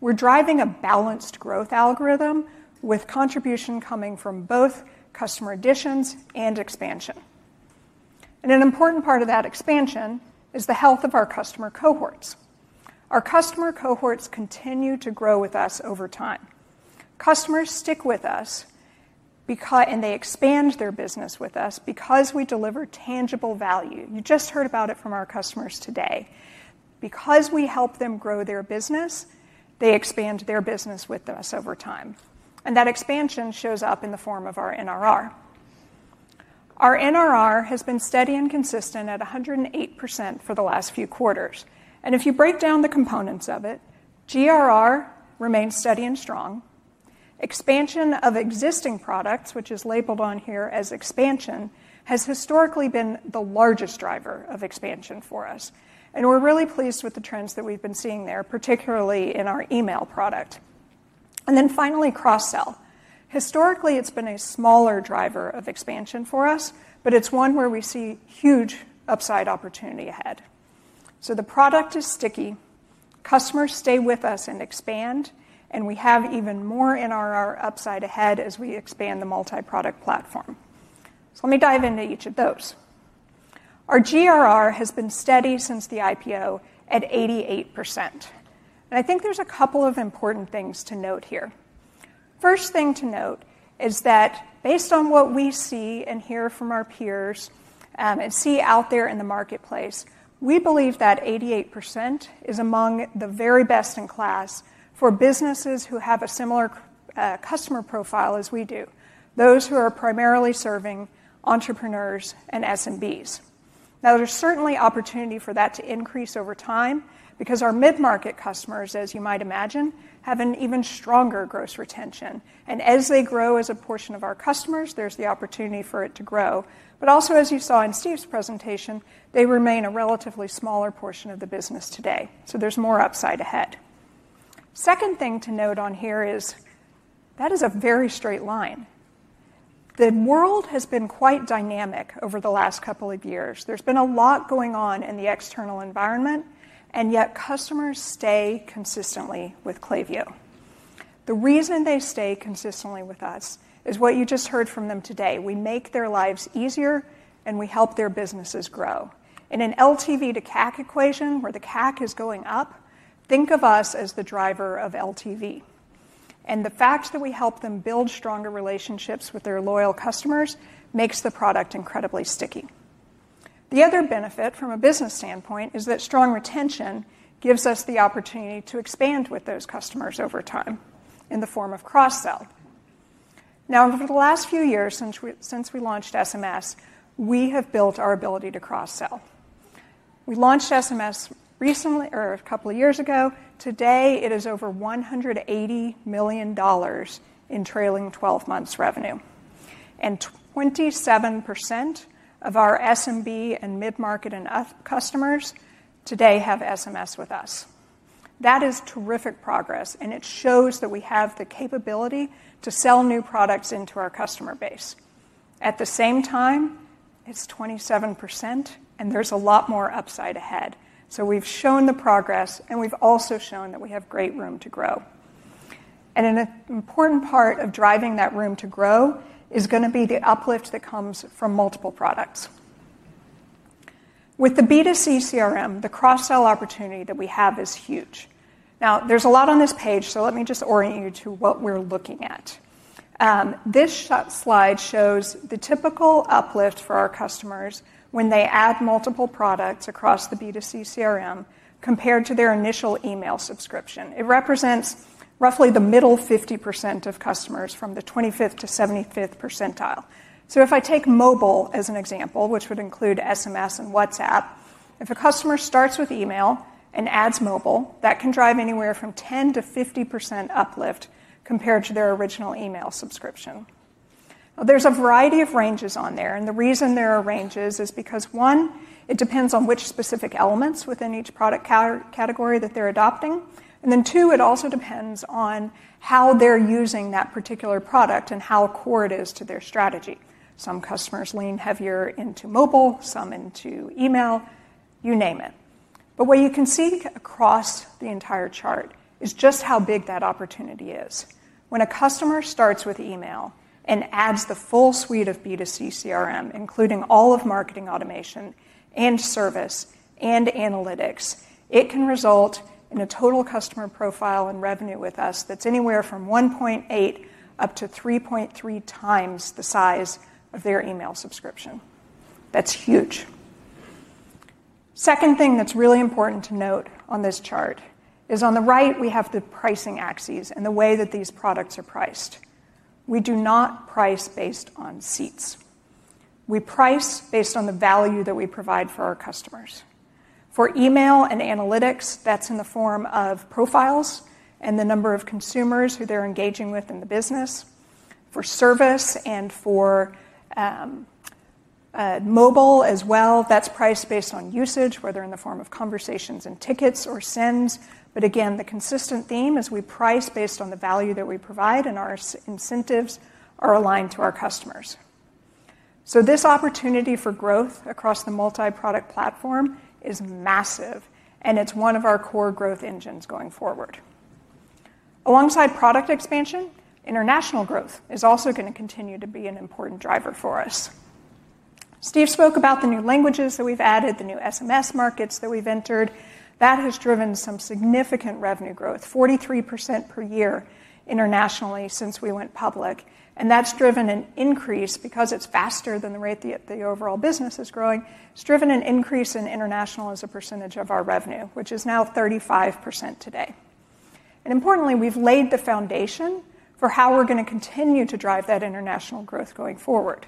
We're driving a balanced growth algorithm with contribution coming from both customer additions and expansion. An important part of that expansion is the health of our customer cohorts. Our customer cohorts continue to grow with us over time. Customers stick with us because, and they expand their business with us because we deliver tangible value. You just heard about it from our customers today. Because we help them grow their business, they expand their business with us over time. That expansion shows up in the form of our NRR. Our NRR has been steady and consistent at 108% for the last few quarters. If you break down the components of it, GRR remains steady and strong. Expansion of existing products, which is labeled on here as expansion, has historically been the largest driver of expansion for us. We're really pleased with the trends that we've been seeing there, particularly in our email product. Finally, cross-sell. Historically, it's been a smaller driver of expansion for us, but it's one where we see huge upside opportunity ahead. The product is sticky. Customers stay with us and expand, and we have even more NRR upside ahead as we expand the multi-product platform. Let me dive into each of those. Our GRR has been steady since the IPO at 88%. I think there's a couple of important things to note here. First thing to note is that based on what we see and hear from our peers and see out there in the marketplace, we believe that 88% is among the very best in class for businesses who have a similar customer profile as we do, those who are primarily serving entrepreneurs and SMBs. Now there's certainly opportunity for that to increase over time because our mid-market customers, as you might imagine, have an even stronger gross retention. As they grow as a portion of our customers, there's the opportunity for it to grow. Also, as you saw in Steve's presentation, they remain a relatively smaller portion of the business today. There's more upside ahead. Second thing to note on here is that is a very straight line. The world has been quite dynamic over the last couple of years. There's been a lot going on in the external environment, and yet customers stay consistently with Klaviyo. The reason they stay consistently with us is what you just heard from them today. We make their lives easier and we help their businesses grow. In an LTV to CAC equation where the CAC is going up, think of us as the driver of LTV. The fact that we help them build stronger relationships with their loyal customers makes the product incredibly sticky. The other benefit from a business standpoint is that strong retention gives us the opportunity to expand with those customers over time in the form of cross-sell. Over the last few years, since we launched SMS, we have built our ability to cross-sell. We launched SMS recently, or a couple of years ago. Today, it is over $180 million in trailing 12 months revenue. 27% of our SMB and mid-market customers today have SMS with us. That is terrific progress, and it shows that we have the capability to sell new products into our customer base. At the same time, it's 27%, and there's a lot more upside ahead. We have shown the progress, and we have also shown that we have great room to grow. An important part of driving that room to grow is going to be the uplift that comes from multiple products. With the B2C CRM, the cross-sell opportunity that we have is huge. There is a lot on this page, so let me just orient you to what we're looking at. This slide shows the typical uplift for our customers when they add multiple products across the B2C CRM compared to their initial email subscription. It represents roughly the middle 50% of customers from the 25th to 75th percentile. If I take mobile as an example, which would include SMS and WhatsApp, if a customer starts with email and adds mobile, that can drive anywhere from 10% to 50% uplift compared to their original email subscription. There is a variety of ranges on there, and the reason there are ranges is because, one, it depends on which specific elements within each product category that they're adopting. Two, it also depends on how they're using that particular product and how core it is to their strategy. Some customers lean heavier into mobile, some into email, you name it. What you can see across the entire chart is just how big that opportunity is. When a customer starts with email and adds the full suite of B2C CRM, including all of marketing automation and service and analytics, it can result in a total customer profile and revenue with us that's anywhere from 1.8 up to 3.3 times the size of their email subscription. That's huge. The second thing that's really important to note on this chart is on the right, we have the pricing axes and the way that these products are priced. We do not price based on seats. We price based on the value that we provide for our customers. For email and analytics, that's in the form of profiles and the number of consumers who they're engaging with in the business. For service and for mobile as well, that's priced based on usage, whether in the form of conversations and tickets or sends. Again, the consistent theme is we price based on the value that we provide and our incentives are aligned to our customers. This opportunity for growth across the multi-product platform is massive, and it's one of our core growth engines going forward. Alongside product expansion, international growth is also going to continue to be an important driver for us. Steve spoke about the new languages that we've added, the new SMS markets that we've entered. That has driven some significant revenue growth, 43% per year internationally since we went public. That has driven an increase because it's faster than the rate that the overall business is growing. It's driven an increase in international as a percentage of our revenue, which is now 35% today. Importantly, we've laid the foundation for how we're going to continue to drive that international growth going forward.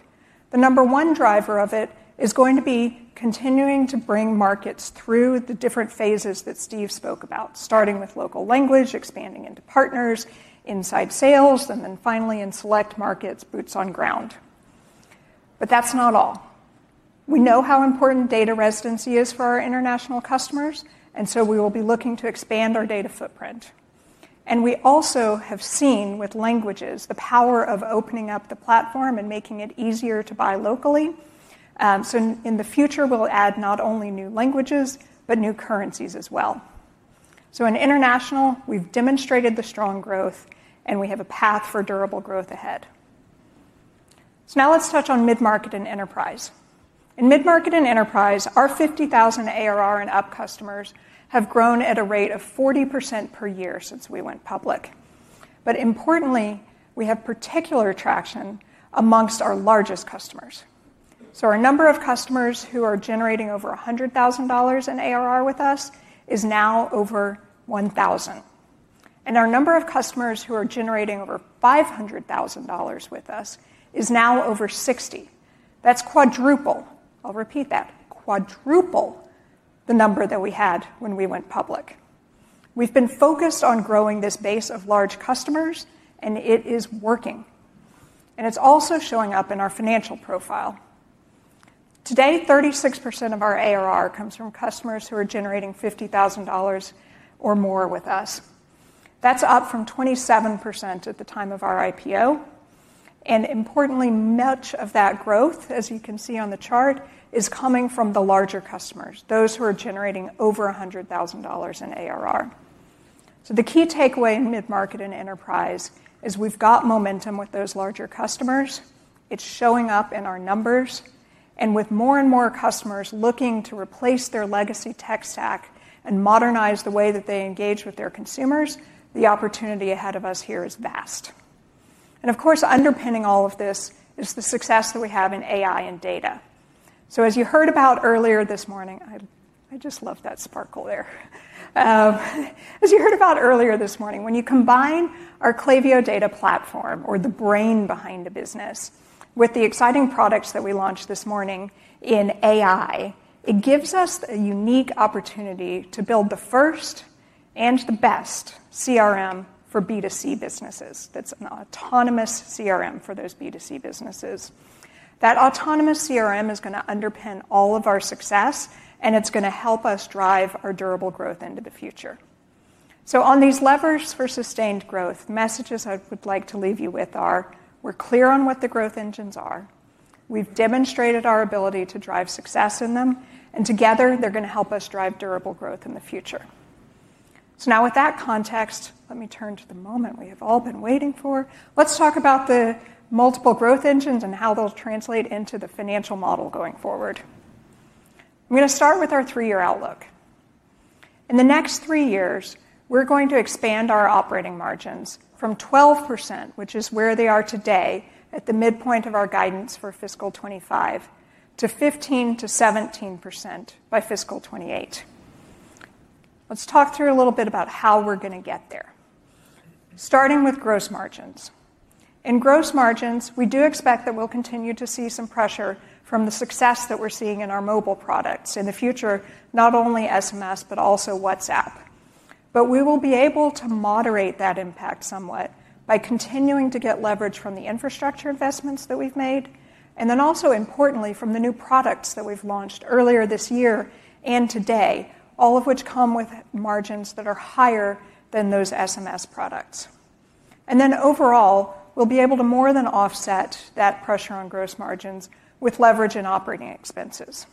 The number one driver of it is going to be continuing to bring markets through the different phases that Steve spoke about, starting with local language, expanding into partners, inside sales, and then finally in select markets, boots on ground. That's not all. We know how important data residency is for our international customers, and we will be looking to expand our data footprint. We also have seen with languages the power of opening up the platform and making it easier to buy locally. In the future, we'll add not only new languages, but new currencies as well. In international, we've demonstrated the strong growth, and we have a path for durable growth ahead. Now let's touch on mid-market and enterprise. In mid-market and enterprise, our $50,000 ARR and up customers have grown at a rate of 40% per year since we went public. Importantly, we have particular traction amongst our largest customers. Our number of customers who are generating over $100,000 in ARR with us is now over 1,000. Our number of customers who are generating over $500,000 with us is now over 60. That's quadrupled. I'll repeat that, quadruple the number that we had when we went public. We've been focused on growing this base of large customers, and it is working. It is also showing up in our financial profile. Today, 36% of our ARR comes from customers who are generating $50,000 or more with us. That is up from 27% at the time of our IPO. Importantly, much of that growth, as you can see on the chart, is coming from the larger customers, those who are generating over $100,000 in ARR. The key takeaway in mid-market and enterprise is we have momentum with those larger customers. It is showing up in our numbers. With more and more customers looking to replace their legacy tech stack and modernize the way that they engage with their consumers, the opportunity ahead of us here is vast. Of course, underpinning all of this is the success that we have in AI and data. As you heard about earlier this morning, I just love that sparkle there. As you heard about earlier this morning, when you combine our Klaviyo Data Platform, or the brain behind the business, with the exciting products that we launched this morning in AI, it gives us a unique opportunity to build the first and the best CRM for B2C businesses. That is an autonomous CRM for those B2C businesses. That autonomous CRM is going to underpin all of our success, and it is going to help us drive our durable growth into the future. On these levers for sustained growth, messages I would like to leave you with are, we are clear on what the growth engines are. We have demonstrated our ability to drive success in them, and together they are going to help us drive durable growth in the future. With that context, let me turn to the moment we have all been waiting for. Let's talk about the multiple growth engines and how they will translate into the financial model going forward. I am going to start with our three-year outlook. In the next three years, we are going to expand our operating margins from 12%, which is where they are today at the midpoint of our guidance for fiscal 2025, to 15%-17% by fiscal 2028. Let's talk through a little bit about how we are going to get there. Starting with gross margins. In gross margins, we do expect that we will continue to see some pressure from the success that we are seeing in our mobile products in the future, not only SMS, but also WhatsApp. We will be able to moderate that impact somewhat by continuing to get leverage from the infrastructure investments that we've made, and also importantly from the new products that we've launched earlier this year and today, all of which come with margins that are higher than those SMS products. Overall, we'll be able to more than offset that pressure on gross margins with leverage and operating expenses.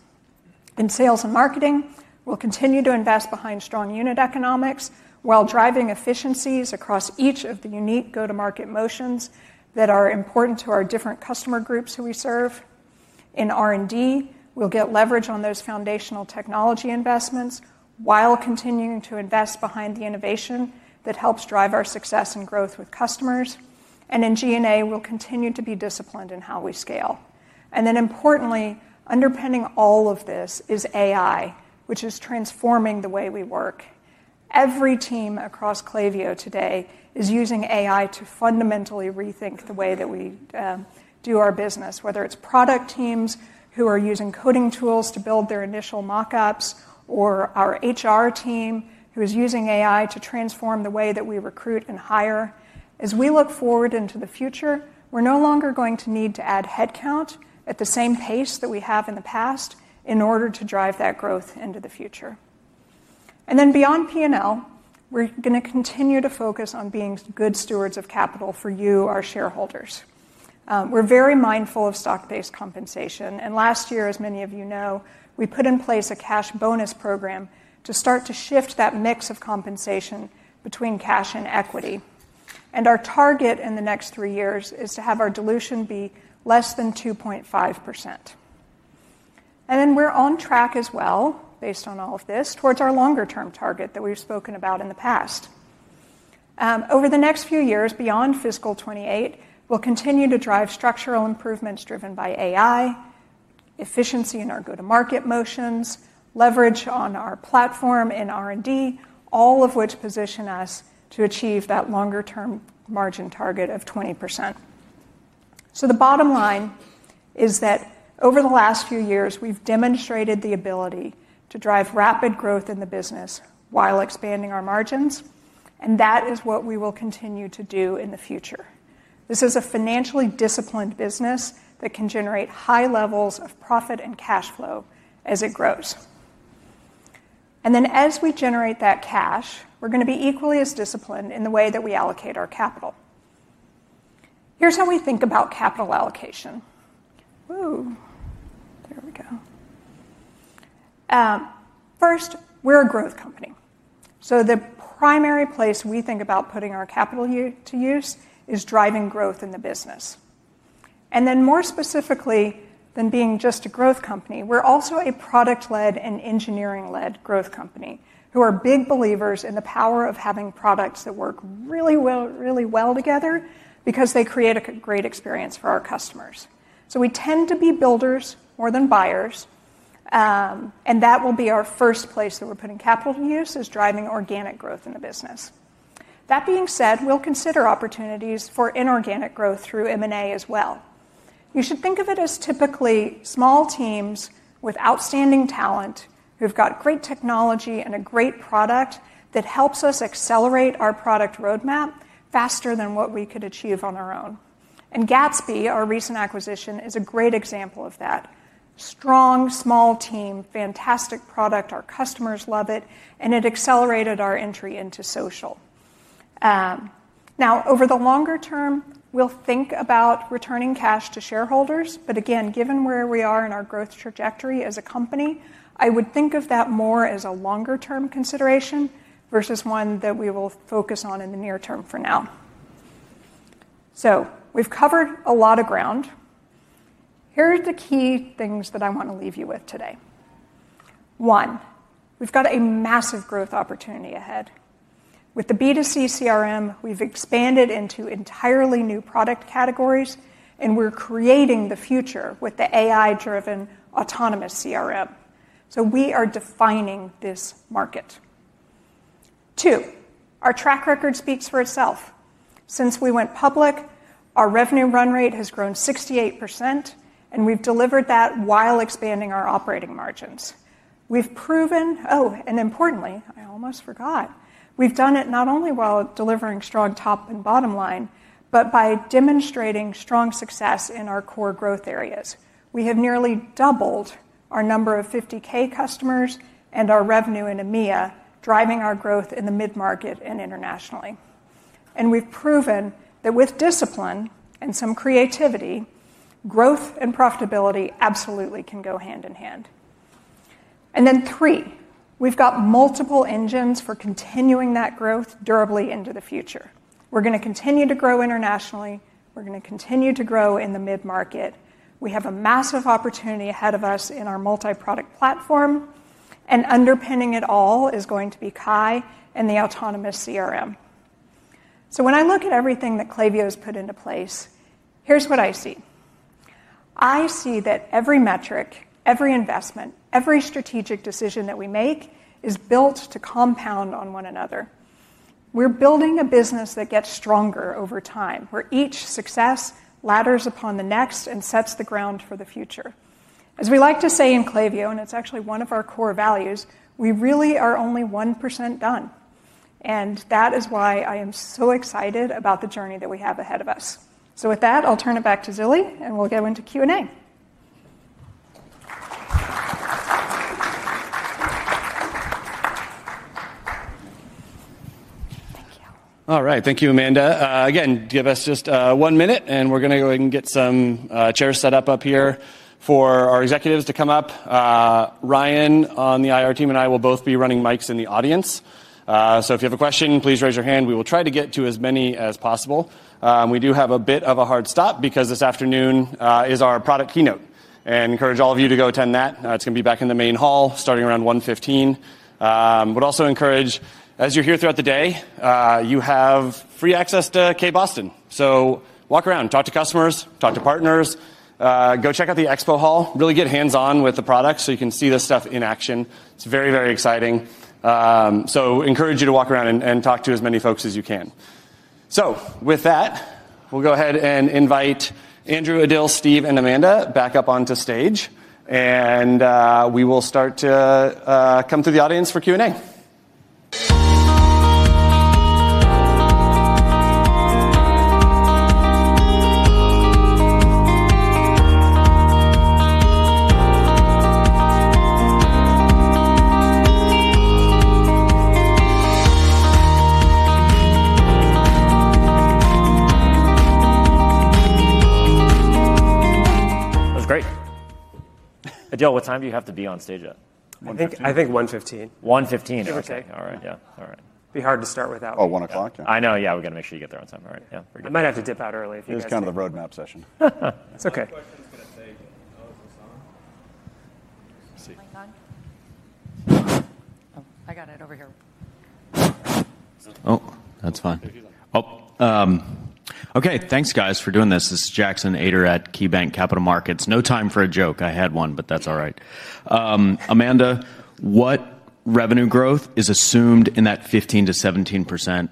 In sales and marketing, we'll continue to invest behind strong unit economics while driving efficiencies across each of the unique go-to-market motions that are important to our different customer groups who we serve. In R&D, we'll get leverage on those foundational technology investments while continuing to invest behind the innovation that helps drive our success and growth with customers. In G&A, we'll continue to be disciplined in how we scale. Importantly, underpinning all of this is AI, which is transforming the way we work. Every team across Klaviyo today is using AI to fundamentally rethink the way that we do our business, whether it's product teams who are using coding tools to build their initial mockups, or our HR team who is using AI to transform the way that we recruit and hire. As we look forward into the future, we're no longer going to need to add headcount at the same pace that we have in the past in order to drive that growth into the future. Beyond P&L, we're going to continue to focus on being good stewards of capital for you, our shareholders. We're very mindful of stock-based compensation. Last year, as many of you know, we put in place a cash bonus program to start to shift that mix of compensation between cash and equity. Our target in the next three years is to have our dilution be less than 2.5%. We're on track as well, based on all of this, towards our longer-term target that we've spoken about in the past. Over the next few years, beyond fiscal 2028, we'll continue to drive structural improvements driven by AI, efficiency in our go-to-market motions, leverage on our platform in R&D, all of which position us to achieve that longer-term margin target of 20%. The bottom line is that over the last few years, we've demonstrated the ability to drive rapid growth in the business while expanding our margins. That is what we will continue to do in the future. This is a financially disciplined business that can generate high levels of profit and cash flow as it grows. As we generate that cash, we're going to be equally as disciplined in the way that we allocate our capital. Here's how we think about capital allocation. First, we're a growth company. The primary place we think about putting our capital to use is driving growth in the business. More specifically than being just a growth company, we're also a product-led and engineering-led growth company who are big believers in the power of having products that work really well, really well together because they create a great experience for our customers. We tend to be builders more than buyers. That will be our first place that we're putting capital to use, driving organic growth in the business. That being said, we'll consider opportunities for inorganic growth through M&A as well. You should think of it as typically small teams with outstanding talent who've got great technology and a great product that helps us accelerate our product roadmap faster than what we could achieve on our own. Gatsby, our recent acquisition, is a great example of that. Strong small team, fantastic product, our customers love it, and it accelerated our entry into social. Over the longer term, we'll think about returning cash to shareholders. Given where we are in our growth trajectory as a company, I would think of that more as a longer-term consideration versus one that we will focus on in the near term for now. We've covered a lot of ground. Here are the key things that I want to leave you with today. One, we've got a massive growth opportunity ahead. With the B2C CRM, we've expanded into entirely new product categories, and we're creating the future with the AI-driven autonomous CRM. We are defining this market. Two, our track record speaks for itself. Since we went public, our revenue run rate has grown 68%, and we've delivered that while expanding our operating margins. Importantly, I almost forgot, we've done it not only while delivering strong top and bottom line, but by demonstrating strong success in our core growth areas. We have nearly doubled our number of $50,000 customers and our revenue in EMEA, driving our growth in the mid-market and internationally. We've proven that with discipline and some creativity, growth and profitability absolutely can go hand in hand. Three, we've got multiple engines for continuing that growth durably into the future. We're going to continue to grow internationally. We're going to continue to grow in the mid-market. We have a massive opportunity ahead of us in our multi-product platform. Underpinning it all is going to be Kai and the autonomous CRM. When I look at everything that Klaviyo has put into place, here's what I see. I see that every metric, every investment, every strategic decision that we make is built to compound on one another. We're building a business that gets stronger over time, where each success ladders upon the next and sets the ground for the future. As we like to say in Klaviyo, and it's actually one of our core values, we really are only 1% done. That is why I am so excited about the journey that we have ahead of us. With that, I'll turn it back to Zilli, and we'll go into Q&A. All right. Thank you, Amanda. Again, give us just one minute, and we're going to go ahead and get some chairs set up up here for our executives to come up. Ryan on the IR team and I will both be running mics in the audience. If you have a question, please raise your hand. We will try to get to as many as possible. We do have a bit of a hard stop because this afternoon is our product keynote. I encourage all of you to go attend that. It's going to be back in the main hall starting around 1:15 P.M. We'd also encourage, as you're here throughout the day, you have free access to K Boston. Walk around, talk to customers, talk to partners, go check out the expo hall, really get hands-on with the products so you can see this stuff in action. It's very, very exciting. I encourage you to walk around and talk to as many folks as you can. With that, we'll go ahead and invite Andrew, Adil, Steve, and Amanda back up onto stage. We will start to come to the audience for Q&A. That was great. Adil, what time do you have to be on stage at? I think 1:15. All right. All right. Yeah, all right. It'd be hard to start without. Oh, one o'clock? Yeah. I know. Yeah, we're going to make sure you get there on time. All right. Yeah, we're good. You might have to dip out early if you're there. It's kind of a roadmap session. It's okay. That's fine. Okay. Thanks, guys, for doing this. This is Jackson Ader at KeyBank Capital Markets. No time for a joke. I had one, but that's all right. Amanda, what revenue growth is assumed in that 15%-17%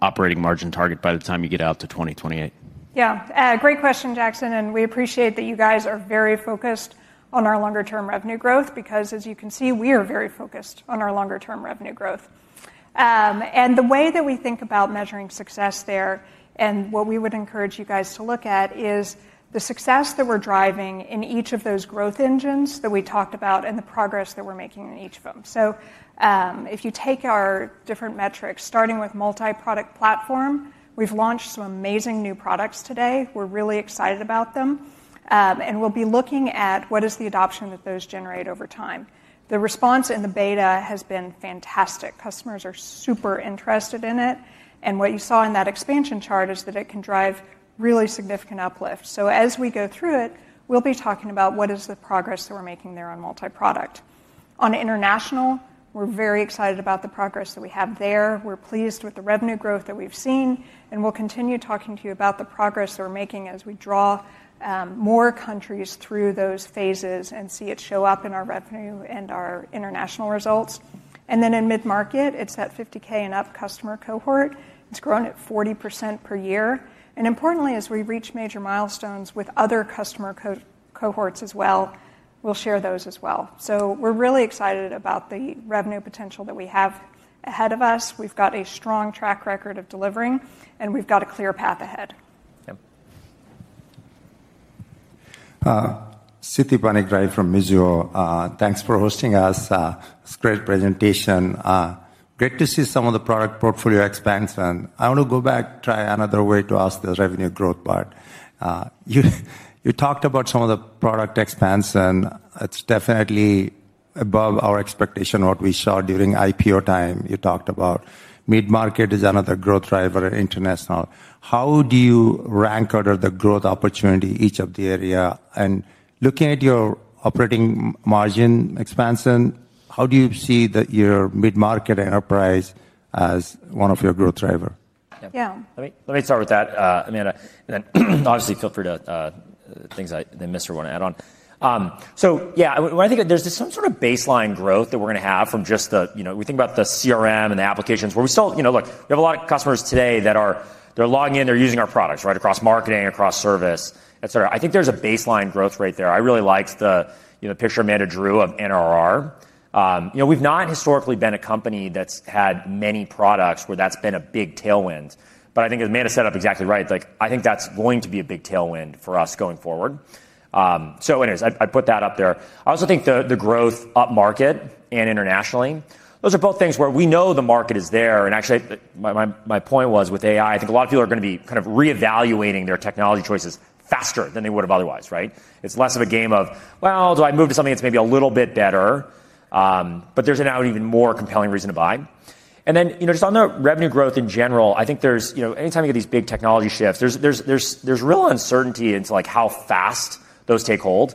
operating margin target by the time you get out to 2028? Yeah, great question, Jackson. We appreciate that you guys are very focused on our longer-term revenue growth because, as you can see, we are very focused on our longer-term revenue growth. The way that we think about measuring success there, and what we would encourage you guys to look at, is the success that we're driving in each of those growth engines that we talked about and the progress that we're making in each of them. If you take our different metrics, starting with multi-product platform, we've launched some amazing new products today. We're really excited about them, and we'll be looking at what is the adoption that those generate over time. The response in the beta has been fantastic. Customers are super interested in it. What you saw in that expansion chart is that it can drive really significant uplift. As we go through it, we'll be talking about what is the progress that we're making there on multi-product. On international, we're very excited about the progress that we have there. We're pleased with the revenue growth that we've seen, and we'll continue talking to you about the progress that we're making as we draw more countries through those phases and see it show up in our revenue and our international results. In mid-market, it's at $50,000 and up customer cohort. It's grown at 40% per year. Importantly, as we reach major milestones with other customer cohorts as well, we'll share those as well. We're really excited about the revenue potential that we have ahead of us. We've got a strong track record of delivering, and we've got a clear path ahead. Yeah. Siti Panigrahi from Mizuho, thanks for hosting us. It's a great presentation. Great to see some of the product portfolio expansion. I want to go back, try another way to ask the revenue growth part. You talked about some of the product expansion. It's definitely above our expectation what we saw during IPO time. You talked about mid-market is another growth driver in international. How do you rank order the growth opportunity in each of the areas? Looking at your operating margin expansion, how do you see your mid-market enterprise as one of your growth drivers? Yeah, let me start with that, Amanda. Obviously, feel free to add things I miss or want to add on. I think there's some sort of baseline growth that we're going to have from just the, you know, we think about the CRM and the applications where we saw, you know, look, we have a lot of customers today that are logging in, they're using our products, right? Across marketing, across service, et cetera. I think there's a baseline growth rate there. I really liked the picture Amanda drew of NRR. We've not historically been a company that's had many products where that's been a big tailwind. I think as Amanda said, exactly right, I think that's going to be a big tailwind for us going forward. I put that up there. I also think the growth up market and internationally, those are both things where we know the market is there. Actually, my point was with AI, I think a lot of people are going to be kind of reevaluating their technology choices faster than they would have otherwise, right? It's less of a game of, well, do I move to something that's maybe a little bit better? There's now an even more compelling reason to buy. Just on the revenue growth in general, I think there's, you know, anytime you get these big technology shifts, there's real uncertainty into how fast those take hold.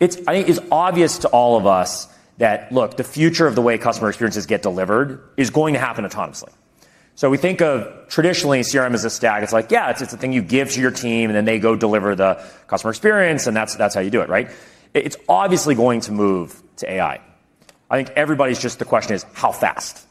I think it's obvious to all of us that, look, the future of the way customer experiences get delivered is going to happen autonomously. We think of traditionally CRM as a stack. It's like, yeah, it's the thing you give to your team, and then they go deliver the customer experience, and that's how you do it, right? It's obviously going to move to AI. I think everybody's just, the question is how fast?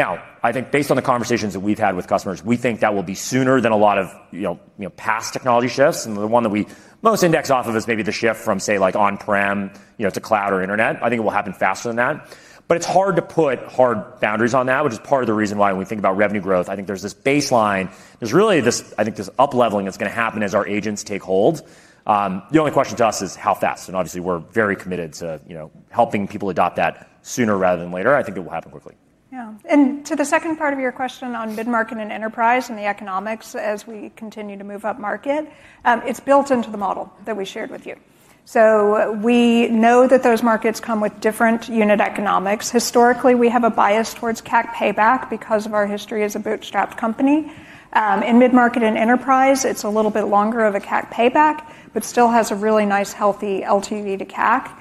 I think based on the conversations that we've had with customers, we think that will be sooner than a lot of past technology shifts. The one that we most index off of is maybe the shift from, say, like on-prem, you know, to cloud or internet. I think it will happen faster than that. It's hard to put hard boundaries on that, which is part of the reason why when we think about revenue growth, I think there's this baseline. There's really this up-leveling that's going to happen as our agents take hold. The only question to us is how fast? Obviously, we're very committed to helping people adopt that sooner rather than later. I think it will happen quickly. Yeah, and to the second part of your question on mid-market and enterprise and the economics as we continue to move up market, it's built into the model that we shared with you. We know that those markets come with different unit economics. Historically, we have a bias towards CAC payback because of our history as a bootstrap company. In mid-market and enterprise, it's a little bit longer of a CAC payback, but still has a really nice, healthy LTV to CAC.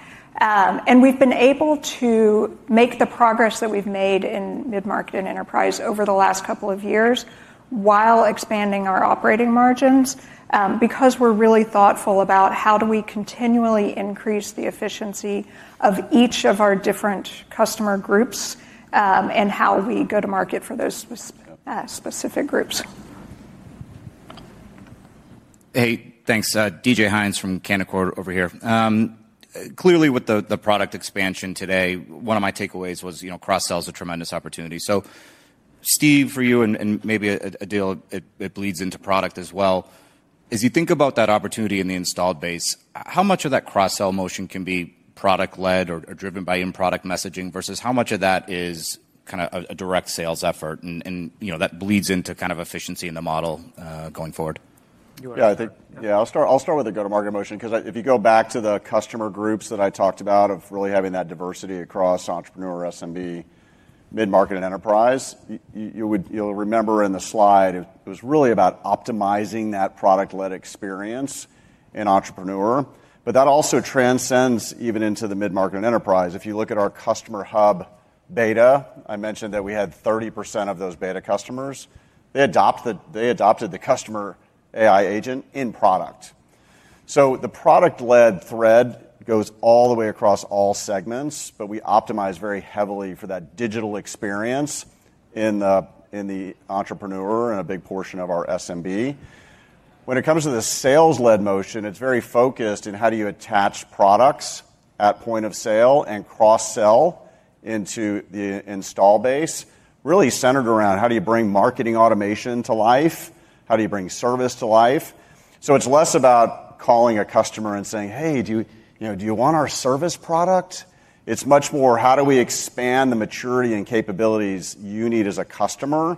We've been able to make the progress that we've made in mid-market and enterprise over the last couple of years while expanding our operating margins because we're really thoughtful about how we continually increase the efficiency of each of our different customer groups and how we go to market for those specific groups. Hey, thanks. DJ Hines from Canaccord over here. Clearly, with the product expansion today, one of my takeaways was, you know, cross-sell is a tremendous opportunity. Steve, for you, and maybe Adil, it bleeds into product as well. As you think about that opportunity in the installed base, how much of that cross-sell motion can be product-led or driven by in-product messaging versus how much of that is kind of a direct sales effort? You know, that bleeds into kind of efficiency in the model going forward. Yeah, I think I'll start with the go-to-market motion because if you go back to the customer groups that I talked about of really having that diversity across entrepreneur, SMB, mid-market, and enterprise, you'll remember in the slide, it was really about optimizing that product-led experience. and entrepreneur, but that also transcends even into the mid-market enterprise. If you look at our customer hub beta, I mentioned that we had 30% of those beta customers. They adopted the customer AI agent in product. The product-led thread goes all the way across all segments, but we optimize very heavily for that digital experience in the entrepreneur and a big portion of our SMB. When it comes to the sales-led motion, it's very focused in how do you attach products at point of sale and cross-sell into the install base, really centered around how do you bring marketing automation to life, how do you bring service to life. It's less about calling a customer and saying, "Hey, do you want our service product?" It's much more, "How do we expand the maturity and capabilities you need as a customer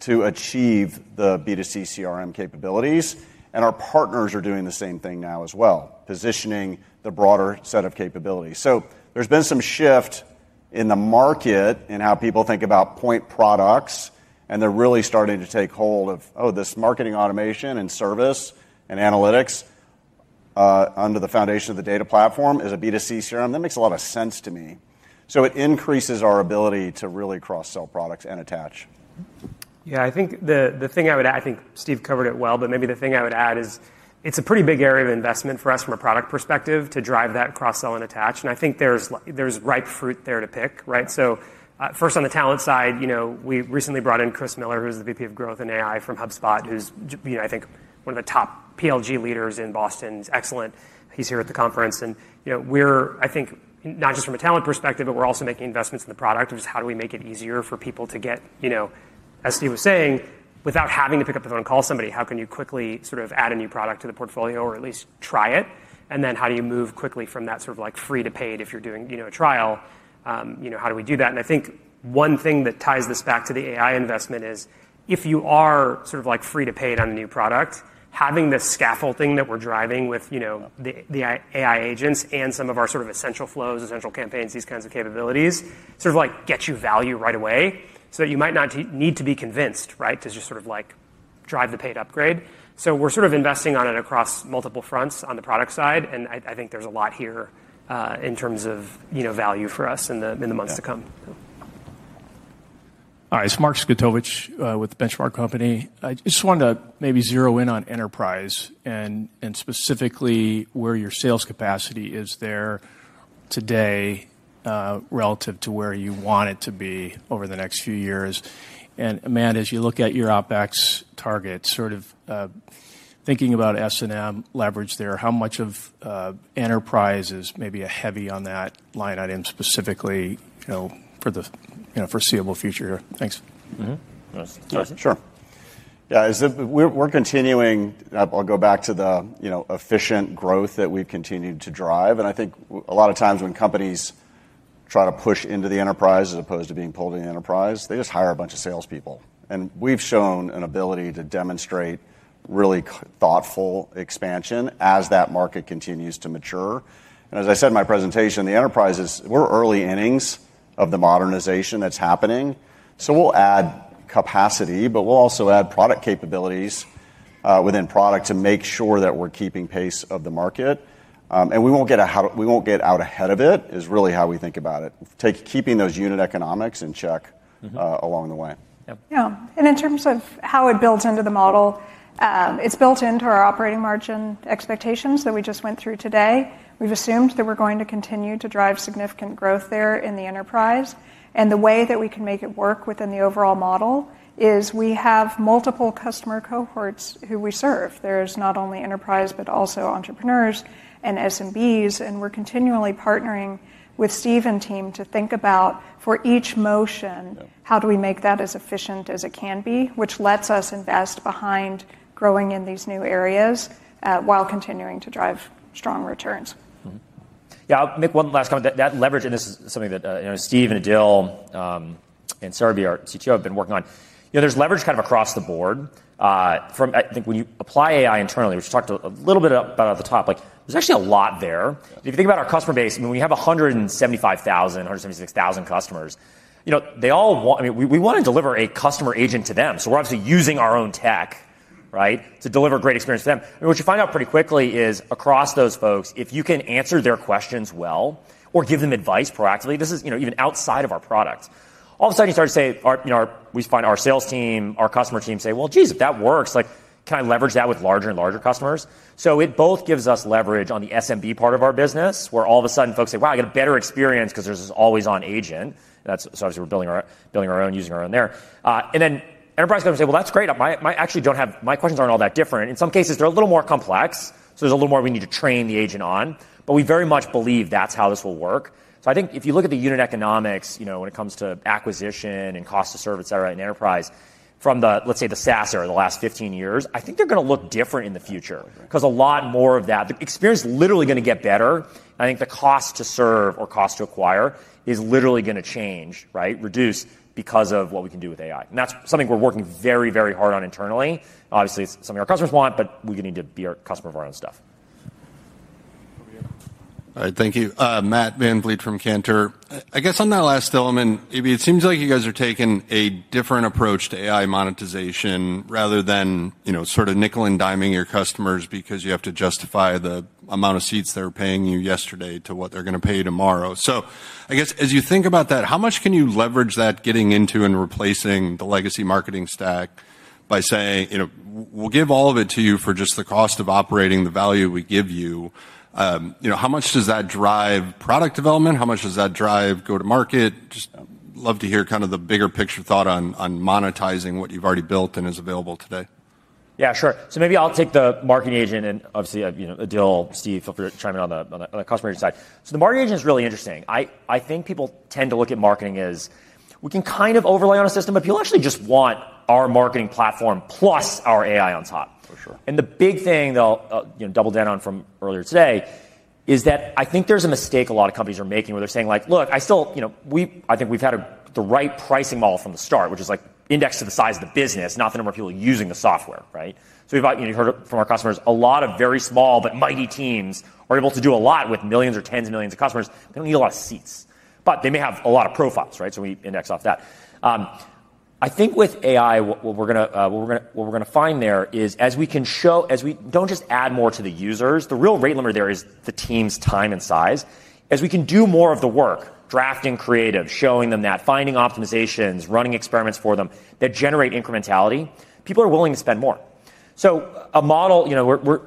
to achieve the B2C CRM capabilities?" Our partners are doing the same thing now as well, positioning the broader set of capabilities. There has been some shift in the market and how people think about point products, and they're really starting to take hold of, "Oh, this marketing automation and service and analytics under the foundation of the data platform is a B2C CRM." That makes a lot of sense to me. It increases our ability to really cross-sell products and attach. Yeah, I think the thing I would add, I think Steve covered it well, but maybe the thing I would add is it's a pretty big area of investment for us from a product perspective to drive that cross-sell and attach. I think there's ripe fruit there to pick, right? First on the talent side, we recently brought in Chris Miller, who's the VP of Growth and AI from HubSpot, who's, I think, one of the top PLG leaders in Boston. He's excellent. He's here at the conference. We're, I think, not just from a talent perspective, but we're also making investments in the product of just how do we make it easier for people to get, you know, as Steve was saying, without having to pick up the phone and call somebody, how can you quickly sort of add a new product to the portfolio or at least try it? How do you move quickly from that sort of like free to paid if you're doing, you know, a trial? How do we do that? I think one thing that ties this back to the AI investment is if you are sort of like free to paid on a new product, having this scaffolding that we're driving with the AI agents and some of our sort of essential flows, essential campaigns, these kinds of capabilities, sort of like get you value right away so that you might not need to be convinced, right, to just sort of like drive the paid upgrade. We're investing on it across multiple fronts on the product side. I think there's a lot here in terms of value for us in the months to come. All right, it's Mark Zgutowivz with The Benchmark Company. I just want to maybe zero in on enterprise and specifically where your sales capacity is there today relative to where you want it to be over the next few years. Amanda, as you look at your OpEx targets, sort of thinking about S&M leverage there, how much of enterprise is maybe heavy on that line item specifically for the foreseeable future here? Thanks. Sure. Yeah, we're continuing. I'll go back to the efficient growth that we've continued to drive. I think a lot of times when companies try to push into the enterprise as opposed to being pulled into the enterprise, they just hire a bunch of salespeople. We've shown an ability to demonstrate really thoughtful expansion as that market continues to mature. As I said in my presentation, the enterprises, we're early innings of the modernization that's happening. We'll add capacity, but we'll also add product capabilities within product to make sure that we're keeping pace of the market. We won't get out ahead of it is really how we think about it, keeping those unit economics in check along the way. Yeah, in terms of how it builds into the model, it's built into our operating margin expectations that we just went through today. We've assumed that we're going to continue to drive significant growth there in the enterprise. The way that we can make it work within the overall model is we have multiple customer cohorts who we serve. There's not only enterprise, but also entrepreneurs and SMBs. We're continually partnering with Steve and team to think about for each motion, how do we make that as efficient as it can be, which lets us invest behind growing in these new areas while continuing to drive strong returns. Yeah, I'll make one last comment. That leverage, and this is something that Steve and Adil and Sarabi, our Chief Technology Officer, have been working on. You know, there's leverage kind of across the board. I think when you apply AI internally, which we talked a little bit about at the top, there's actually a lot there. If you think about our customer base, we have 175,000, 176,000 customers. They all want, I mean, we want to deliver a Customer Agent to them. We're actually using our own tech to deliver a great experience to them. What you find out pretty quickly is across those folks, if you can answer their questions well or give them advice proactively, this is even outside of our products. All of a sudden, you start to say, we find our sales team, our customer team say, geez, if that works, can I leverage that with larger and larger customers? It both gives us leverage on the SMB part of our business, where all of a sudden folks say, wow, I get a better experience because there's this always-on agent. That's so obviously we're building our own, using our own there. Then enterprise customers say, that's great. I actually don't have, my questions aren't all that different. In some cases, they're a little more complex. There's a little more we need to train the agent on. We very much believe that's how this will work. I think if you look at the unit economics, when it comes to acquisition and cost to serve, etc., in enterprise, from the, let's say, the SaaS or the last 15 years, I think they're going to look different in the future because a lot more of that, the experience is literally going to get better. I think the cost to serve or cost to acquire is literally going to change, reduce because of what we can do with AI. That's something we're working very, very hard on internally. Obviously, some of our customers want, but we need to be a customer of our own stuff. All right, thank you. Matt VanVliet from Cantor. I guess on that last element, maybe it seems like you guys are taking a different approach to AI monetization rather than, you know, sort of nickel and diming your customers because you have to justify the amount of seats they're paying you yesterday to what they're going to pay tomorrow. As you think about that, how much can you leverage that getting into and replacing the legacy marketing stack by saying, you know, we'll give all of it to you for just the cost of operating the value we give you? How much does that drive product development? How much does that drive go-to-market? Just love to hear kind of the bigger picture thought on monetizing what you've already built and is available today. Yeah, sure. Maybe I'll take the Marketing Agent, and obviously, you know, Adil, Steve, feel free to chime in on the Customer Agent side. The Marketing Agent is really interesting. I think people tend to look at marketing as something we can kind of overlay on a system, but people actually just want our marketing platform plus our AI on top. For sure. The big thing they'll double down on from earlier today is that I think there's a mistake a lot of companies are making where they're saying like, look, I still, you know, we, I think we've had the right pricing model from the start, which is indexed to the size of the business, not the number of people using the software, right? We've got, you heard from our customers, a lot of very small but mighty teams are able to do a lot with millions or tens of millions of customers. They don't need a lot of seats, but they may have a lot of profiles, right? We index off that. I think with AI, what we're going to find there is as we can show, as we don't just add more to the users, the real rate limit there is the team's time and size. As we can do more of the work, drafting creative, showing them that, finding optimizations, running experiments for them that generate incrementality, people are willing to spend more. A model, you know,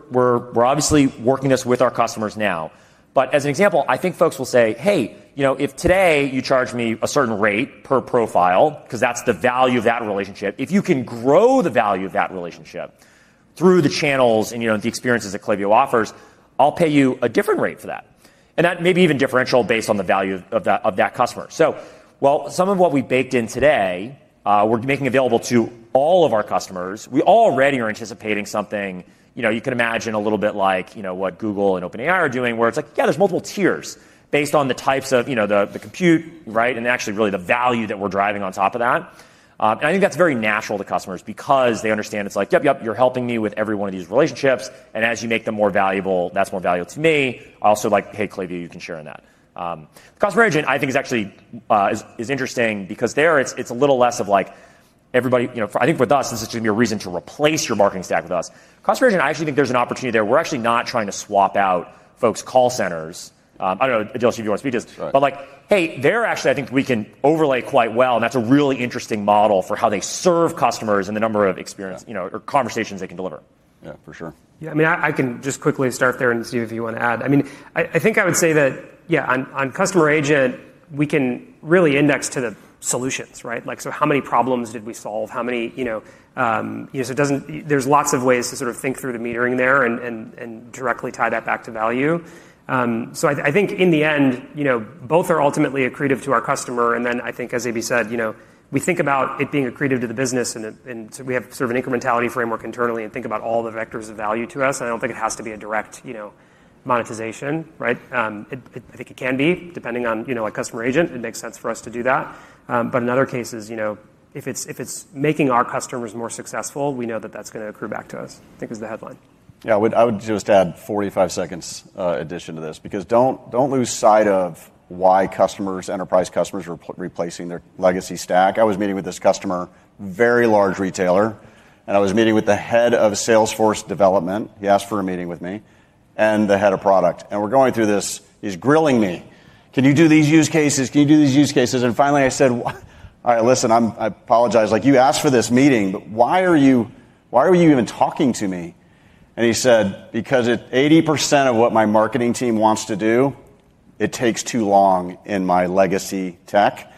we're obviously working this with our customers now. As an example, I think folks will say, hey, if today you charge me a certain rate per profile, because that's the value of that relationship, if you can grow the value of that relationship through the channels and the experiences that Klaviyo offers, I'll pay you a different rate for that. That may be even differential based on the value of that customer. Some of what we baked in today, we're making available to all of our customers. We already are anticipating something, you could imagine a little bit like what Google and OpenAI are doing, where it's like, yeah, there's multiple tiers based on the types of the compute, right? Actually, really the value that we're driving on top of that. I think that's very natural to customers because they understand it's like, yep, yep, you're helping me with every one of these relationships. As you make them more valuable, that's more valuable to me. I also like, hey, Klaviyo, you can share in that. The Customer Agent, I think, is actually interesting because there it's a little less of like everybody, I think with us, this is just going to be a reason to replace your marketing stack with us. Customer Agent, I actually think there's an opportunity there. We're actually not trying to swap out folks' call centers. I don't know, Adil, if you want to speak to this, but like, hey, they're actually, I think we can overlay quite well. That's a really interesting model for how they serve customers and the number of experiences or conversations they can deliver. Yeah, for sure. Yeah, I mean, I can just quickly start there and see if you want to add. I think I would say that, yeah, on Customer Agent, we can really index to the solutions, right? Like, how many problems did we solve? How many, you know, so it doesn't, there's lots of ways to sort of think through the metering there and directly tie that back to value. I think in the end, both are ultimately accretive to our customer. I think, as AB said, we think about it being accretive to the business. We have sort of an incrementality framework internally and think about all the vectors of value to us. I don't think it has to be a direct, you know, monetization, right? I think it can be depending on, you know, a Customer Agent. It makes sense for us to do that. In other cases, if it's making our customers more successful, we know that that's going to accrue back to us. I think is the headline. Yeah, I would just add 45 seconds addition to this because don't lose sight of why customers, enterprise customers are replacing their legacy stack. I was meeting with this customer, very large retailer. I was meeting with the Head of Salesforce Development. He asked for a meeting with me and the Head of Product. We're going through this. He's grilling me. Can you do these use cases? Can you do these use cases? Finally, I said, all right, listen, I apologize. You asked for this meeting, but why are you, why are you even talking to me? He said, because at 80% of what my marketing team wants to do, it takes too long in my legacy tech.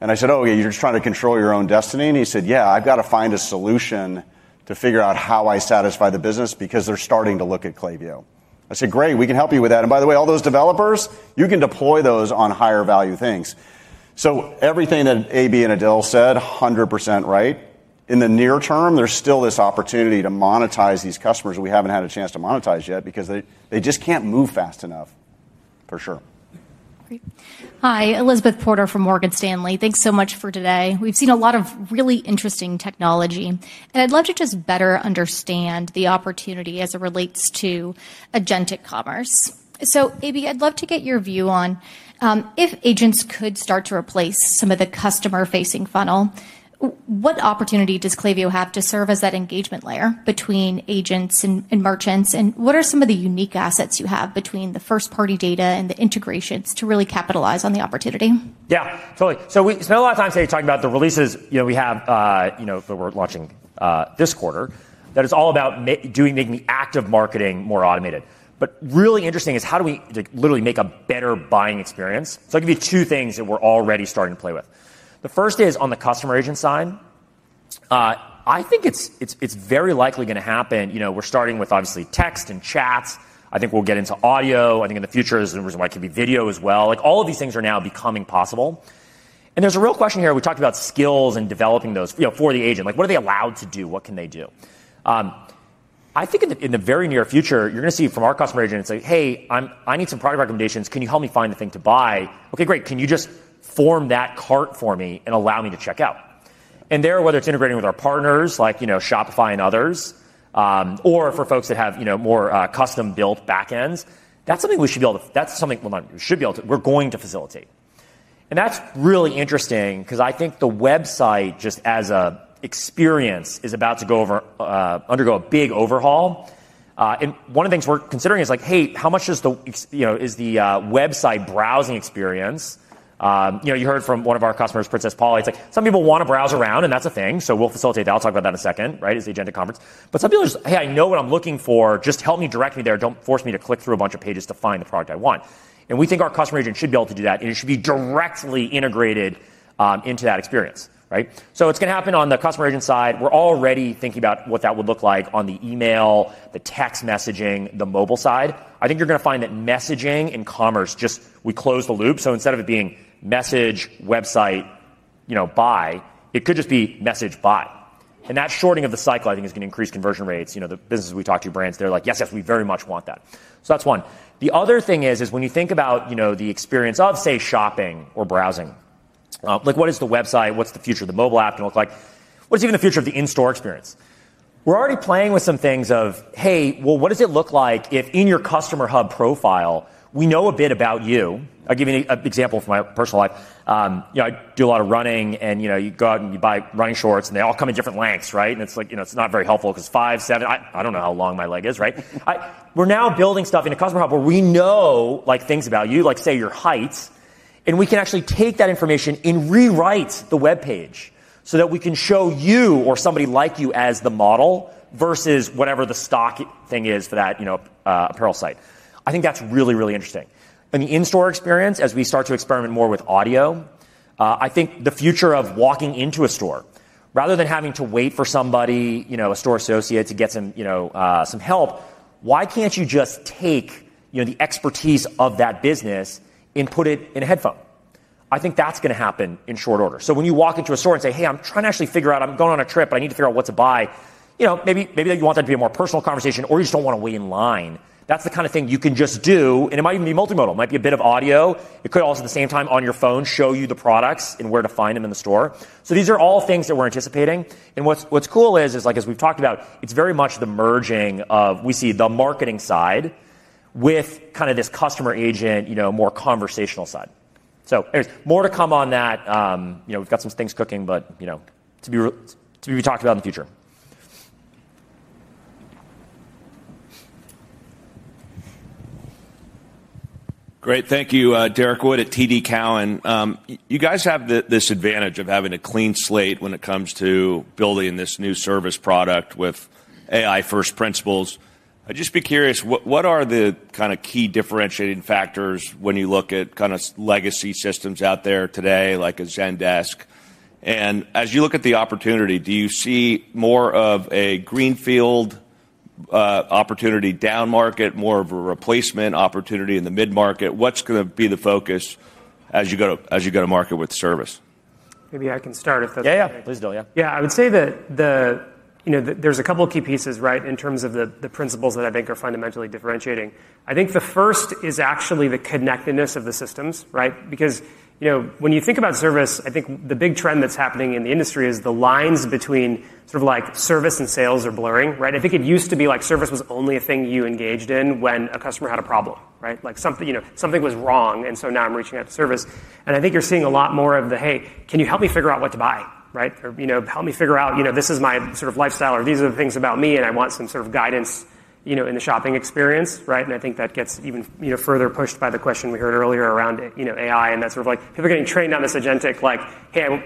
I said, oh, yeah, you're just trying to control your own destiny. He said, yeah, I've got to find a solution to figure out how I satisfy the business because they're starting to look at Klaviyo. I said, great, we can help you with that. By the way, all those developers, you can deploy those on higher value things. Everything that AB and Adil said, 100% right. In the near term, there's still this opportunity to monetize these customers that we haven't had a chance to monetize yet because they just can't move fast enough, for sure. Hi, Elizabeth Porter from Morgan Stanley. Thanks so much for today. We've seen a lot of really interesting technology. I'd love to just better understand the opportunity as it relates to agentic commerce. AB, I'd love to get your view on if agents could start to replace some of the customer-facing funnel. What opportunity does Klaviyo have to serve as that engagement layer between agents and merchants? What are some of the unique assets you have between the first-party data and the integrations to really capitalize on the opportunity? Yeah, totally. We spent a lot of time today talking about the releases we have that we're launching this quarter that is all about making the active marketing more automated. What is really interesting is how do we literally make a better buying experience? I'll give you two things that we're already starting to play with. The first is on the Customer Agent side. I think it's very likely going to happen. We're starting with obviously text and chats. I think we'll get into audio. I think in the future, there's a reason why it could be video as well. All of these things are now becoming possible. There's a real question here. We talked about skills and developing those for the agent. What are they allowed to do? What can they do? I think in the very near future, you're going to see from our Customer Agents, say, hey, I need some product recommendations. Can you help me find the thing to buy? Okay, great. Can you just form that cart for me and allow me to check out? Whether it's integrating with our partners, like Shopify and others, or for folks that have more custom-built backends, that's something we should be able to facilitate. That's really interesting because I think the website, just as an experience, is about to undergo a big overhaul. One of the things we're considering is like, hey, how much is the website browsing experience? You heard from one of our customers, Princess Polly, it's like some people want to browse around and that's a thing. We'll facilitate that. I'll talk about that in a second, right? It's the agenda conference. Some people are just, hey, I know what I'm looking for. Just help me, direct me there. Don't force me to click through a bunch of pages to find the product I want. We think our Customer Agent should be able to do that, and it should be directly integrated into that experience. It's going to happen on the Customer Agent side. We're already thinking about what that would look like on the email, the text messaging, the mobile side. I think you're going to find that messaging in commerce, just we closed the loop. Instead of it being message, website, buy, it could just be message, buy. That shortening of the cycle, I think, is going to increase conversion rates. You know, the businesses we talk to, brands, they're like, yes, yes, we very much want that. That's one. The other thing is, when you think about the experience of, say, shopping or browsing, like what is the website? What's the future of the mobile app going to look like? What's even the future of the in-store experience? We're already playing with some things of, hey, what does it look like if in your customer hub profile, we know a bit about you? I'll give you an example from my personal life. I do a lot of running and, you know, you go out and you buy running shorts and they all come in different lengths, right? It's not very helpful because five, seven, I don't know how long my leg is, right? We're now building stuff in a customer hub where we know things about you, like, say, your height. We can actually take that information and rewrite the web page so that we can show you or somebody like you as the model versus whatever the stock thing is for that apparel site. I think that's really, really interesting. The in-store experience, as we start to experiment more with audio, I think the future of walking into a store, rather than having to wait for somebody, a store associate to get some help, why can't you just take the expertise of that business and put it in a headphone? I think that's going to happen in short order. When you walk into a store and say, hey, I'm trying to actually figure out, I'm going on a trip, but I need to figure out what to buy, maybe you want that to be a more personal conversation or you just don't want to wait in line. That's the kind of thing you can just do. It might even be multimodal. It might be a bit of audio. It could also, at the same time, on your phone, show you the products and where to find them in the store. These are all things that we're anticipating. What's cool is, as we've talked about, it's very much the merging of, we see the marketing side with kind of this Customer Agent, more conversational side. There's more to come on that. We've got some things cooking, but to be talked about in the future. Great, thank you, Derek Wood at TD Cowan. You guys have this advantage of having a clean slate when it comes to building this new service product with AI-first principles. I'd just be curious, what are the kind of key differentiating factors when you look at kind of legacy systems out there today, like a Zendesk? As you look at the opportunity, do you see more of a greenfield opportunity down market, more of a replacement opportunity in the mid-market? What's going to be the focus as you go to market with service? Maybe I can start if that's okay. Yeah, yeah, please, Adil. I would say that there's a couple of key pieces, right, in terms of the principles that I think are fundamentally differentiating. I think the first is actually the connectedness of the systems, right? When you think about service, I think the big trend that's happening in the industry is the lines between sort of like service and sales are blurring, right? It used to be like service was only a thing you engaged in when a customer had a problem, right? Like something was wrong, and now I'm reaching out to service. I think you're seeing a lot more of the, hey, can you help me figure out what to buy, right? Or help me figure out, you know, this is my sort of lifestyle or these are the things about me and I want some sort of guidance in the shopping experience, right? I think that gets even further pushed by the question we heard earlier around AI and that sort of like people are getting trained on this agentic, like, hey,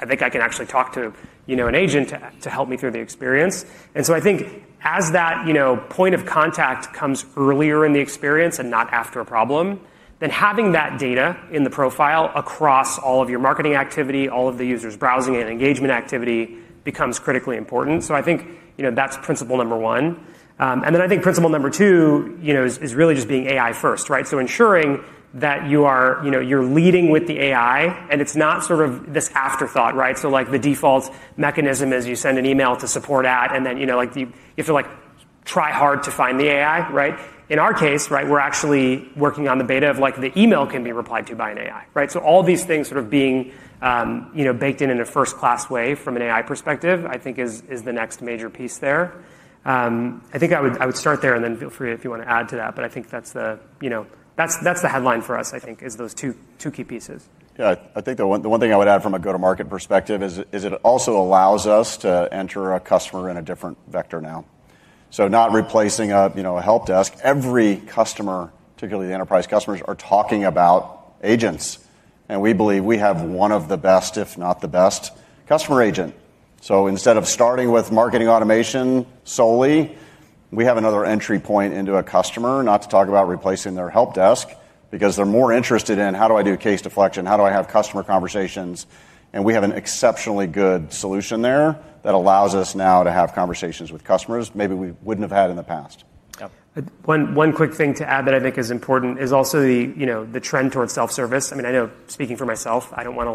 I think I can actually talk to an agent to help me through the experience. I think as that point of contact comes earlier in the experience and not after a problem, then having that data in the profile across all of your marketing activity, all of the users' browsing and engagement activity becomes critically important. I think that's principle number one. I think principle number two is really just being AI-first, right? Ensuring that you are leading with the AI and it's not sort of this afterthought, right? The default mechanism is you send an email to support at, and then, like, if they're like, try hard to find the AI, right? In our case, we're actually working on the beta of like the email can be replied to by an AI, right? All these things sort of being baked in in a first-class way from an AI perspective, I think is the next major piece there. I would start there and then feel free if you want to add to that, but I think that's the headline for us, I think, is those two key pieces. I think the one thing I would add from a go-to-market perspective is it also allows us to enter a customer in a different vector now. It is not replacing a, you know, a help desk. Every customer, particularly the enterprise customers, are talking about agents. We believe we have one of the best, if not the best, Customer Agent. Instead of starting with marketing automation solely, we have another entry point into a customer, not to talk about replacing their help desk, because they're more interested in how do I do case deflection, how do I have customer conversations. We have an exceptionally good solution there that allows us now to have conversations with customers maybe we wouldn't have had in the past. Yeah, one quick thing to add that I think is important is also the trend towards self-service. I mean, I know speaking for myself, I don't want to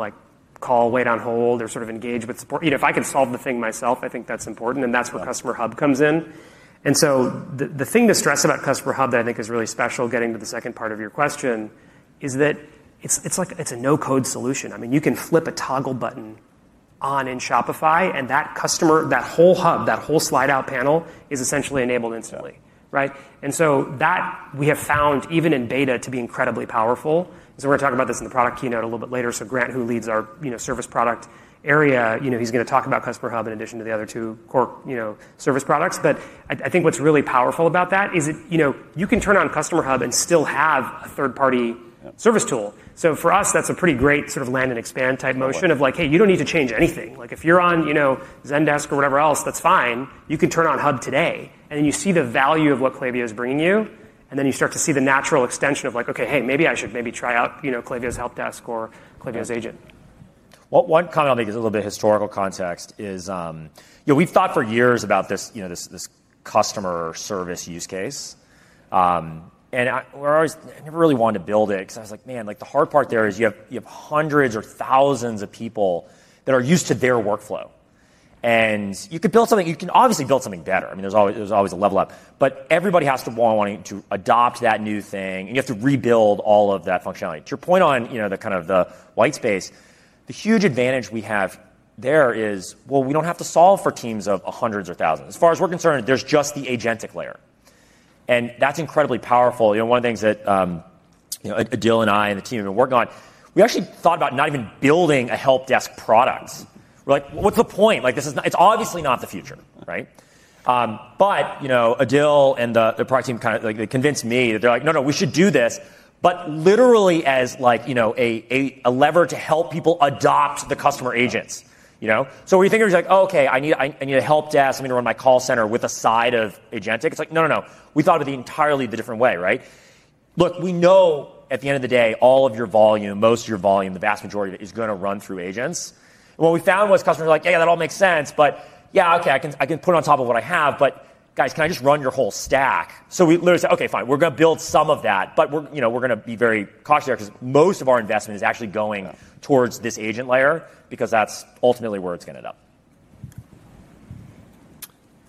call, wait on hold, or sort of engage with support. If I could solve the thing myself, I think that's important. That's where Customer Hub comes in. The thing to stress about Customer Hub that I think is really special, getting to the second part of your question, is that it's like a no-code solution. You can flip a toggle button on in Shopify and that customer, that whole hub, that whole slide-out panel is essentially enabled instantly, right? We have found even in beta to be incredibly powerful. We are going to talk about this in the product keynote a little bit later. Grant, who leads our service product area, is going to talk about Customer Hub in addition to the other two core service products. I think what's really powerful about that is that you can turn on Customer Hub and still have a third-party service tool. For us, that's a pretty great sort of land and expand type motion of like, hey, you don't need to change anything. If you're on Zendesk or whatever else, that's fine. You can turn on Hub today. You see the value of what Klaviyo is bringing you. You start to see the natural extension of like, okay, hey, maybe I should maybe try out Klaviyo's help desk or Klaviyo's agent. One comment I'll make is a little bit of historical context is, you know, we've thought for years about this, you know, this customer service use case. I never really wanted to build it because I was like, man, the hard part there is you have hundreds or thousands of people that are used to their workflow. You could build something, you can obviously build something better. I mean, there's always a level up. Everybody has to want to adopt that new thing, and you have to rebuild all of that functionality. To your point on, you know, the kind of the white space, the huge advantage we have there is, we don't have to solve for teams of hundreds or thousands. As far as we're concerned, there's just the agentic layer, and that's incredibly powerful. One of the things that Adil and I and the team have been working on, we actually thought about not even building a help desk product. We're like, what's the point? This is not, it's obviously not the future, right? Adil and the product team kind of, like, they convinced me that they're like, no, no, we should do this. Literally as, like, a lever to help people adopt the customer agents, you know. What you think of is like, oh, okay, I need a help desk. I'm going to run my call center with a side of agentic. It's like, no, no, no. We thought of it an entirely different way, right? Look, we know at the end of the day, all of your volume, most of your volume, the vast majority of it is going to run through agents. What we found was customers were like, yeah, that all makes sense. Yeah, okay, I can put it on top of what I have. Guys, can I just run your whole stack? We literally said, okay, fine. We're going to build some of that. We're going to be very cautious because most of our investment is actually going towards this agent layer because that's ultimately where it's going to end up.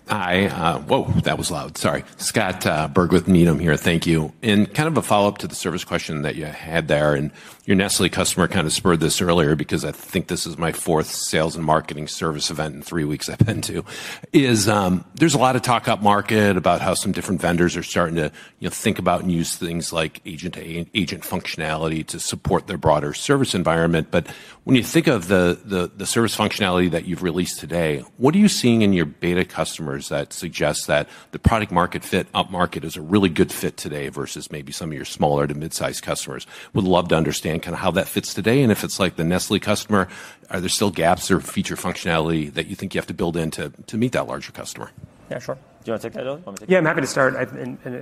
Hi, whoa, that was loud. Sorry. Scott Berg with Needham here. Thank you. Kind of a follow-up to the service question that you had there. Your Nestlé Health Science customer kind of spurred this earlier because I think this is my fourth sales and marketing service event in three weeks I've been to. There's a lot of talk up market about how some different vendors are starting to, you know, think about and use things like agent functionality to support their broader service environment. When you think of the service functionality that you've released today, what are you seeing in your beta customers that suggest that the product-market fit up market is a really good fit today versus maybe some of your smaller to mid-sized customers? We'd love to understand kind of how that fits today. If it's like the Nestlé customer, are there still gaps or feature functionality that you think you have to build in to meet that larger customer? Yeah, sure. Do you want to take that, Adil? Yeah, I'm happy to start. I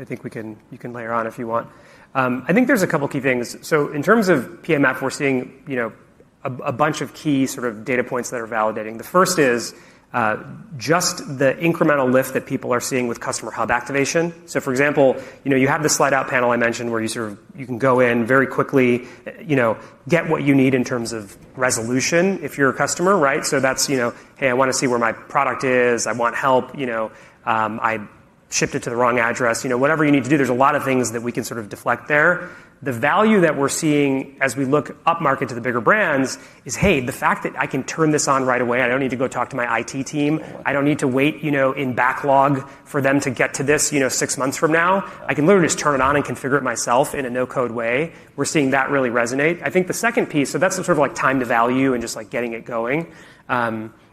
think we can, you can layer on if you want. I think there's a couple of key things. In terms of PMF, we're seeing a bunch of key sort of data points that are validating. The first is just the incremental lift that people are seeing with customer hub activation. For example, you have the slide-out panel I mentioned where you can go in very quickly, get what you need in terms of resolution if you're a customer, right? That's, you know, hey, I want to see where my product is. I want help, I shipped it to the wrong address, whatever you need to do. There's a lot of things that we can deflect there. The value that we're seeing as we look up market to the bigger brands is, hey, the fact that I can turn this on right away. I don't need to go talk to my IT team. I don't need to wait in backlog for them to get to this, six months from now. I can literally just turn it on and configure it myself in a no-code way. We're seeing that really resonate. I think the second piece, that's sort of like time to value and just like getting it going.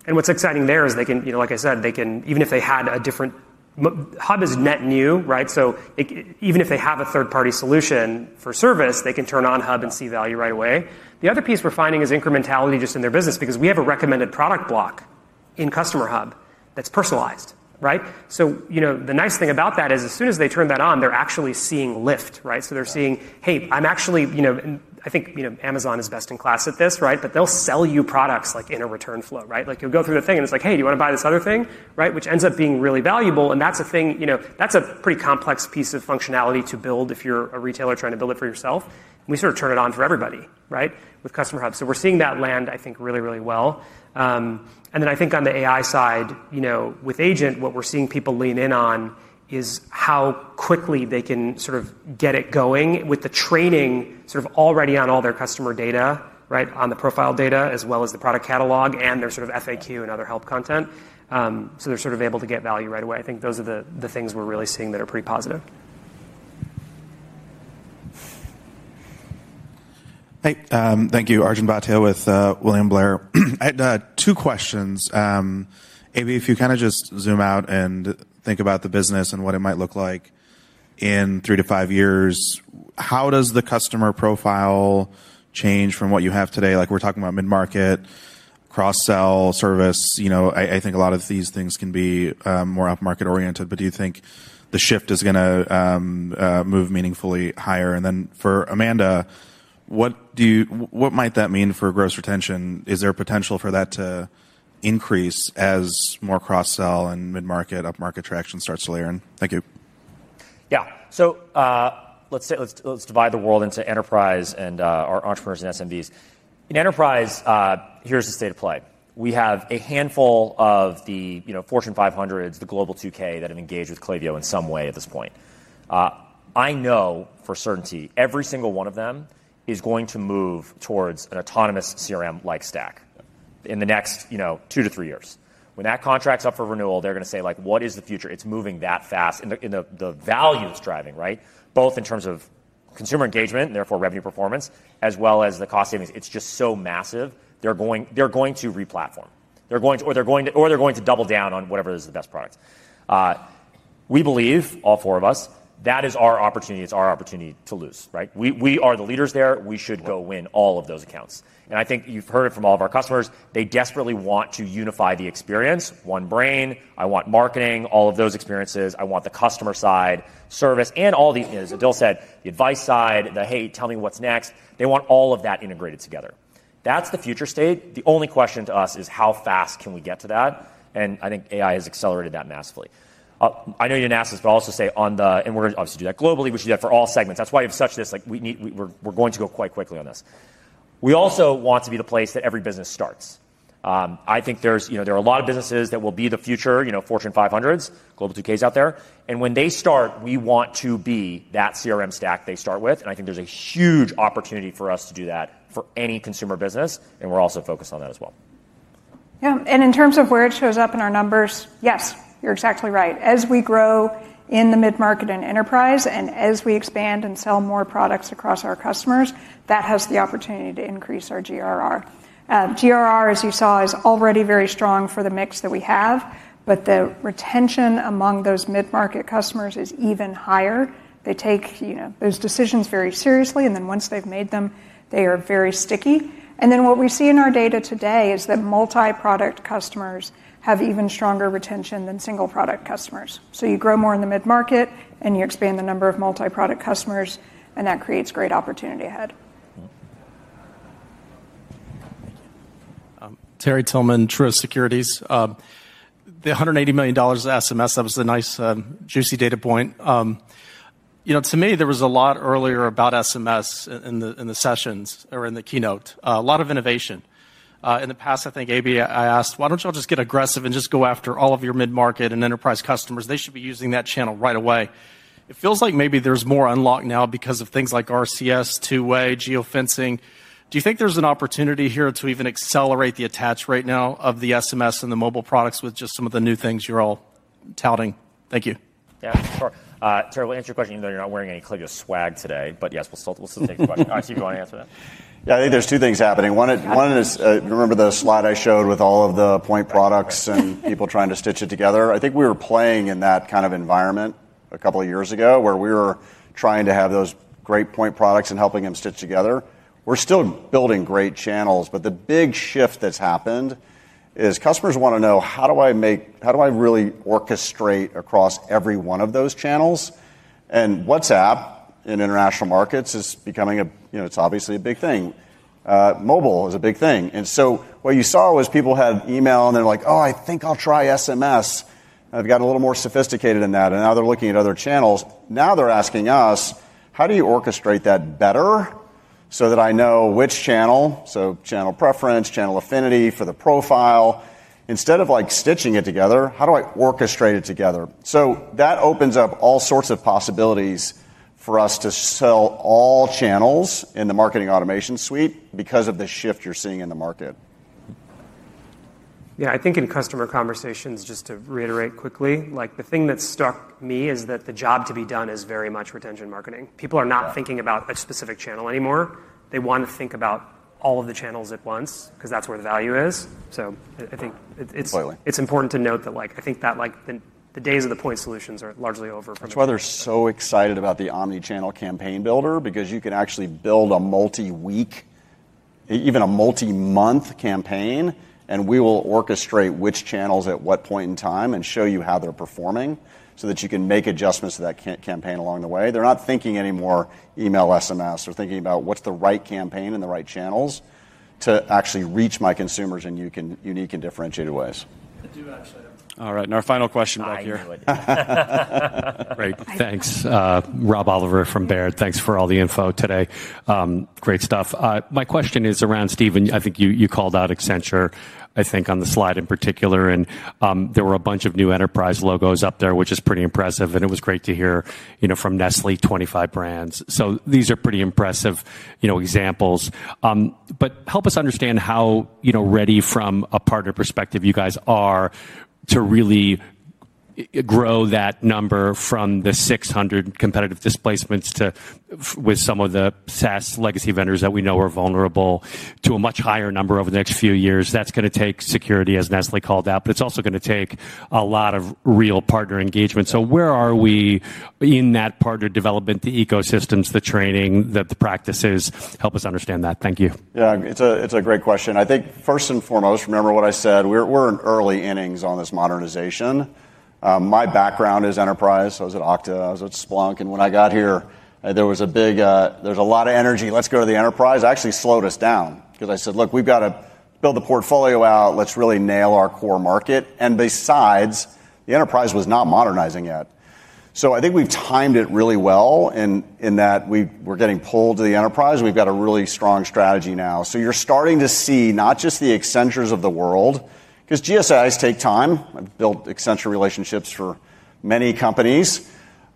What's exciting there is they can, like I said, they can, even if they had a different, hub is net new, right? Even if they have a third-party solution for service, they can turn on hub and see value right away. The other piece we're finding is incrementality just in their business because we have a recommended product block in customer hub that's personalized, right? The nice thing about that is as soon as they turn that on, they're actually seeing lift, right? They're seeing, hey, I'm actually, and I think Amazon is best in class at this, right? They'll sell you products like in a return flow, right? You'll go through the thing and it's like, hey, do you want to buy this other thing, right? Which ends up being really valuable. That's a pretty complex piece of functionality to build if you're a retailer trying to build it for yourself. We turn it on for everybody, right, with customer hub. We're seeing that land, I think, really, really well. I think on the AI side, with Agent, what we're seeing people lean in on is how quickly they can get it going with the training already on all their customer data, on the profile data as well as the product catalog and their FAQ and other help content. They're able to get value right away. I think those are the things we're really seeing that are pretty positive. Thank you, Arjun Bhatia with William Blair. I had two questions. AB, if you kind of just zoom out and think about the business and what it might look like in three to five years, how does the customer profile change from what you have today? Like we're talking about mid-market, cross-sell service, I think a lot of these things can be more up-market oriented. Do you think the shift is going to move meaningfully higher? For Amanda, what might that mean for gross retention? Is there potential for that to increase as more cross-sell and mid-market, up-market traction starts to layer in? Thank you. Yeah, so let's divide the world into enterprise and our entrepreneurs and SMBs. In enterprise, here's the state of play. We have a handful of the, you know, Fortune 500s, the Global 2K that have engaged with Klaviyo in some way at this point. I know for certainty, every single one of them is going to move towards an autonomous CRM-like stack in the next, you know, two to three years. When that contract's up for renewal, they're going to say, like, what is the future? It's moving that fast. The value it's driving, right? Both in terms of consumer engagement and therefore revenue performance, as well as the cost savings. It's just so massive. They're going to re-platform. They're going to, or they're going to double down on whatever is the best product. We believe, all four of us, that is our opportunity. It's our opportunity to lose, right? We are the leaders there. We should go win all of those accounts. I think you've heard it from all of our customers. They desperately want to unify the experience. One brain. I want marketing, all of those experiences. I want the customer side, service, and all the, you know, as Adil said, the advice side, the, hey, tell me what's next. They want all of that integrated together. That's the future state. The only question to us is how fast can we get to that? I think AI has accelerated that massively. I know you didn't ask this, but I'll also say on the, and we're obviously doing that globally. We should do that for all segments. That's why we've such this, like, we need, we're going to go quite quickly on this. We also want to be the place that every business starts. I think there's, you know, there are a lot of businesses that will be the future, you know, Fortune 500s, Global 2Ks out there. When they start, we want to be that CRM stack they start with. I think there's a huge opportunity for us to do that for any consumer business. We're also focused on that as well. Yeah, and in terms of where it shows up in our numbers, yes, you're exactly right. As we grow in the mid-market and enterprise, and as we expand and sell more products across our customers, that has the opportunity to increase our GRR. GRR, as you saw, is already very strong for the mix that we have. The retention among those mid-market customers is even higher. They take, you know, those decisions very seriously. Once they've made them, they are very sticky. What we see in our data today is that multi-product customers have even stronger retention than single-product customers. You grow more in the mid-market and you expand the number of multi-product customers. That creates great opportunity ahead. The $180 million SMS, that was a nice juicy data point. You know, to me, there was a lot earlier about SMS in the sessions or in the keynote. A lot of innovation. In the past, I think AB, I asked, why don't y'all just get aggressive and just go after all of your mid-market and enterprise customers? They should be using that channel right away. It feels like maybe there's more unlocked now because of things like RCS, two-way, geofencing. Do you think there's an opportunity here to even accelerate the attach rate now of the SMS and the mobile products with just some of the new things you're all touting? Thank you. Yeah, sure. Terry, I'll answer your question. You know, you're not wearing any Klaviyo swag today, but yes, we'll still take the question. I'll keep going after that. Yeah, I think there's two things happening. One is, remember the slide I showed with all of the point products and people trying to stitch it together? I think we were playing in that kind of environment a couple of years ago where we were trying to have those great point products and helping them stitch together. We're still building great channels. The big shift that's happened is customers want to know, how do I make, how do I really orchestrate across every one of those channels? WhatsApp in international markets is becoming a, you know, it's obviously a big thing. Mobile is a big thing. What you saw was people had email and they're like, oh, I think I'll try SMS. I've gotten a little more sophisticated in that. Now they're looking at other channels. Now they're asking us, how do you orchestrate that better so that I know which channel, so channel preference, channel affinity for the profile, instead of like stitching it together, how do I orchestrate it together? That opens up all sorts of possibilities for us to sell all channels in the marketing automation suite because of the shift you're seeing in the market. I think in customer conversations, just to reiterate quickly, the thing that struck me is that the job to be done is very much retention marketing. People are not thinking about a specific channel anymore. They want to think about all of the channels at once because that's where the value is. I think it's important to note that the days of the point solutions are largely over for me. That's why they're so excited about the omnichannel campaign builder, because you can actually build a multi-week, even a multi-month campaign. We will orchestrate which channels at what point in time and show you how they're performing, so that you can make adjustments to that campaign along the way. They're not thinking anymore email, SMS. They're thinking about what's the right campaign and the right channels to actually reach my consumers in unique and differentiated ways. All right. Our final question right here. Great. Thanks, Rob Oliver from Baird. Thanks for all the info today. Great stuff. My question is around Steven. I think you called out Accenture, I think, on the slide in particular. There were a bunch of new enterprise logos up there, which is pretty impressive. It was great to hear from Nestlé, 25 brands. These are pretty impressive examples. Help us understand how, you know, ready from a partner perspective you guys are to really grow that number from the 600 competitive displacements with some of the SaaS legacy vendors that we know are vulnerable to a much higher number over the next few years. That's going to take security, as Nestlé called out. It's also going to take a lot of real partner engagement. Where are we in that partner development, the ecosystems, the training, the practices? Help us understand that. Thank you. Yeah, it's a great question. I think first and foremost, remember what I said, we're in early innings on this modernization. My background is enterprise. I was at Okta. I was at Splunk. When I got here, there was a lot of energy. Let's go to the enterprise. I actually slowed us down because I said, look, we've got to build the portfolio out. Let's really nail our core market. Besides, the enterprise was not modernizing yet. I think we've timed it really well in that we're getting pulled to the enterprise. We've got a really strong strategy now. You're starting to see not just the Accentures of the world, because GSIs take time. I've built Accenture relationships for many companies.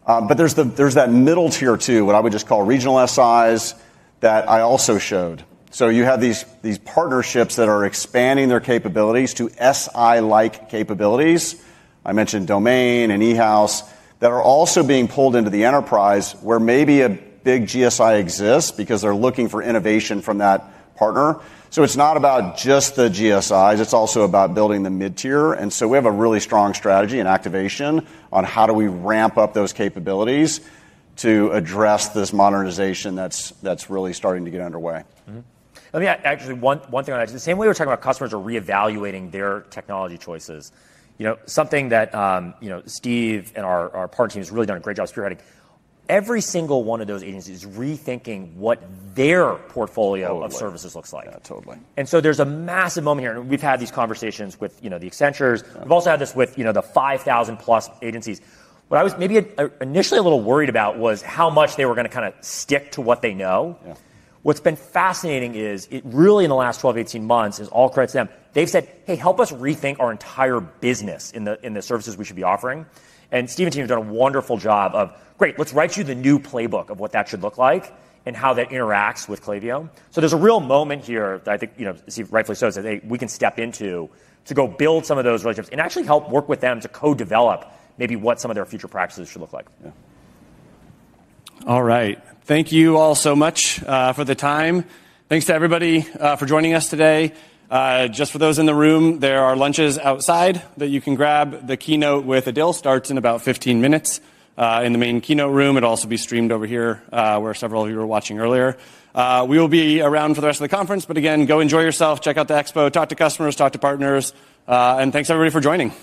There's that middle tier too, what I would just call regional SIs that I also showed. You have these partnerships that are expanding their capabilities to SI-like capabilities. I mentioned Domain and eHouse that are also being pulled into the enterprise where maybe a big GSI exists because they're looking for innovation from that partner. It's not about just the GSIs. It's also about building the mid-tier. We have a really strong strategy and activation on how do we ramp up those capabilities to address this modernization that's really starting to get underway. Let me add actually one thing on that. The same way we're talking about customers are reevaluating their technology choices, something that Steve and our partner team has really done a great job spearheading. Every single one of those agencies is rethinking what their portfolio of services looks like. Totally. There is a massive moment here. We've had these conversations with, you know, Accentures. We've also had this with, you know, the 5,000+ agencies. What I was maybe initially a little worried about was how much they were going to kind of stick to what they know. Yeah. What's been fascinating is it really in the last 12, 18 months, is all credit to them. They've said, hey, help us rethink our entire business in the services we should be offering. Steve and team have done a wonderful job of, great, let's write you the new playbook of what that should look like and how that interacts with Klaviyo. There's a real moment here that I think, you know, Steve rightfully says that, hey, we can step in to go build some of those relationships and actually help work with them to co-develop maybe what some of their future practices should look like. Yeah. All right. Thank you all so much for the time. Thanks to everybody for joining us today. Just for those in the room, there are lunches outside that you can grab. The keynote with Adil Wali starts in about 15 minutes in the main keynote room. It'll also be streamed over here where several of you were watching earlier. We will be around for the rest of the conference. Again, go enjoy yourself. Check out the expo. Talk to customers. Talk to partners. Thanks everybody for joining.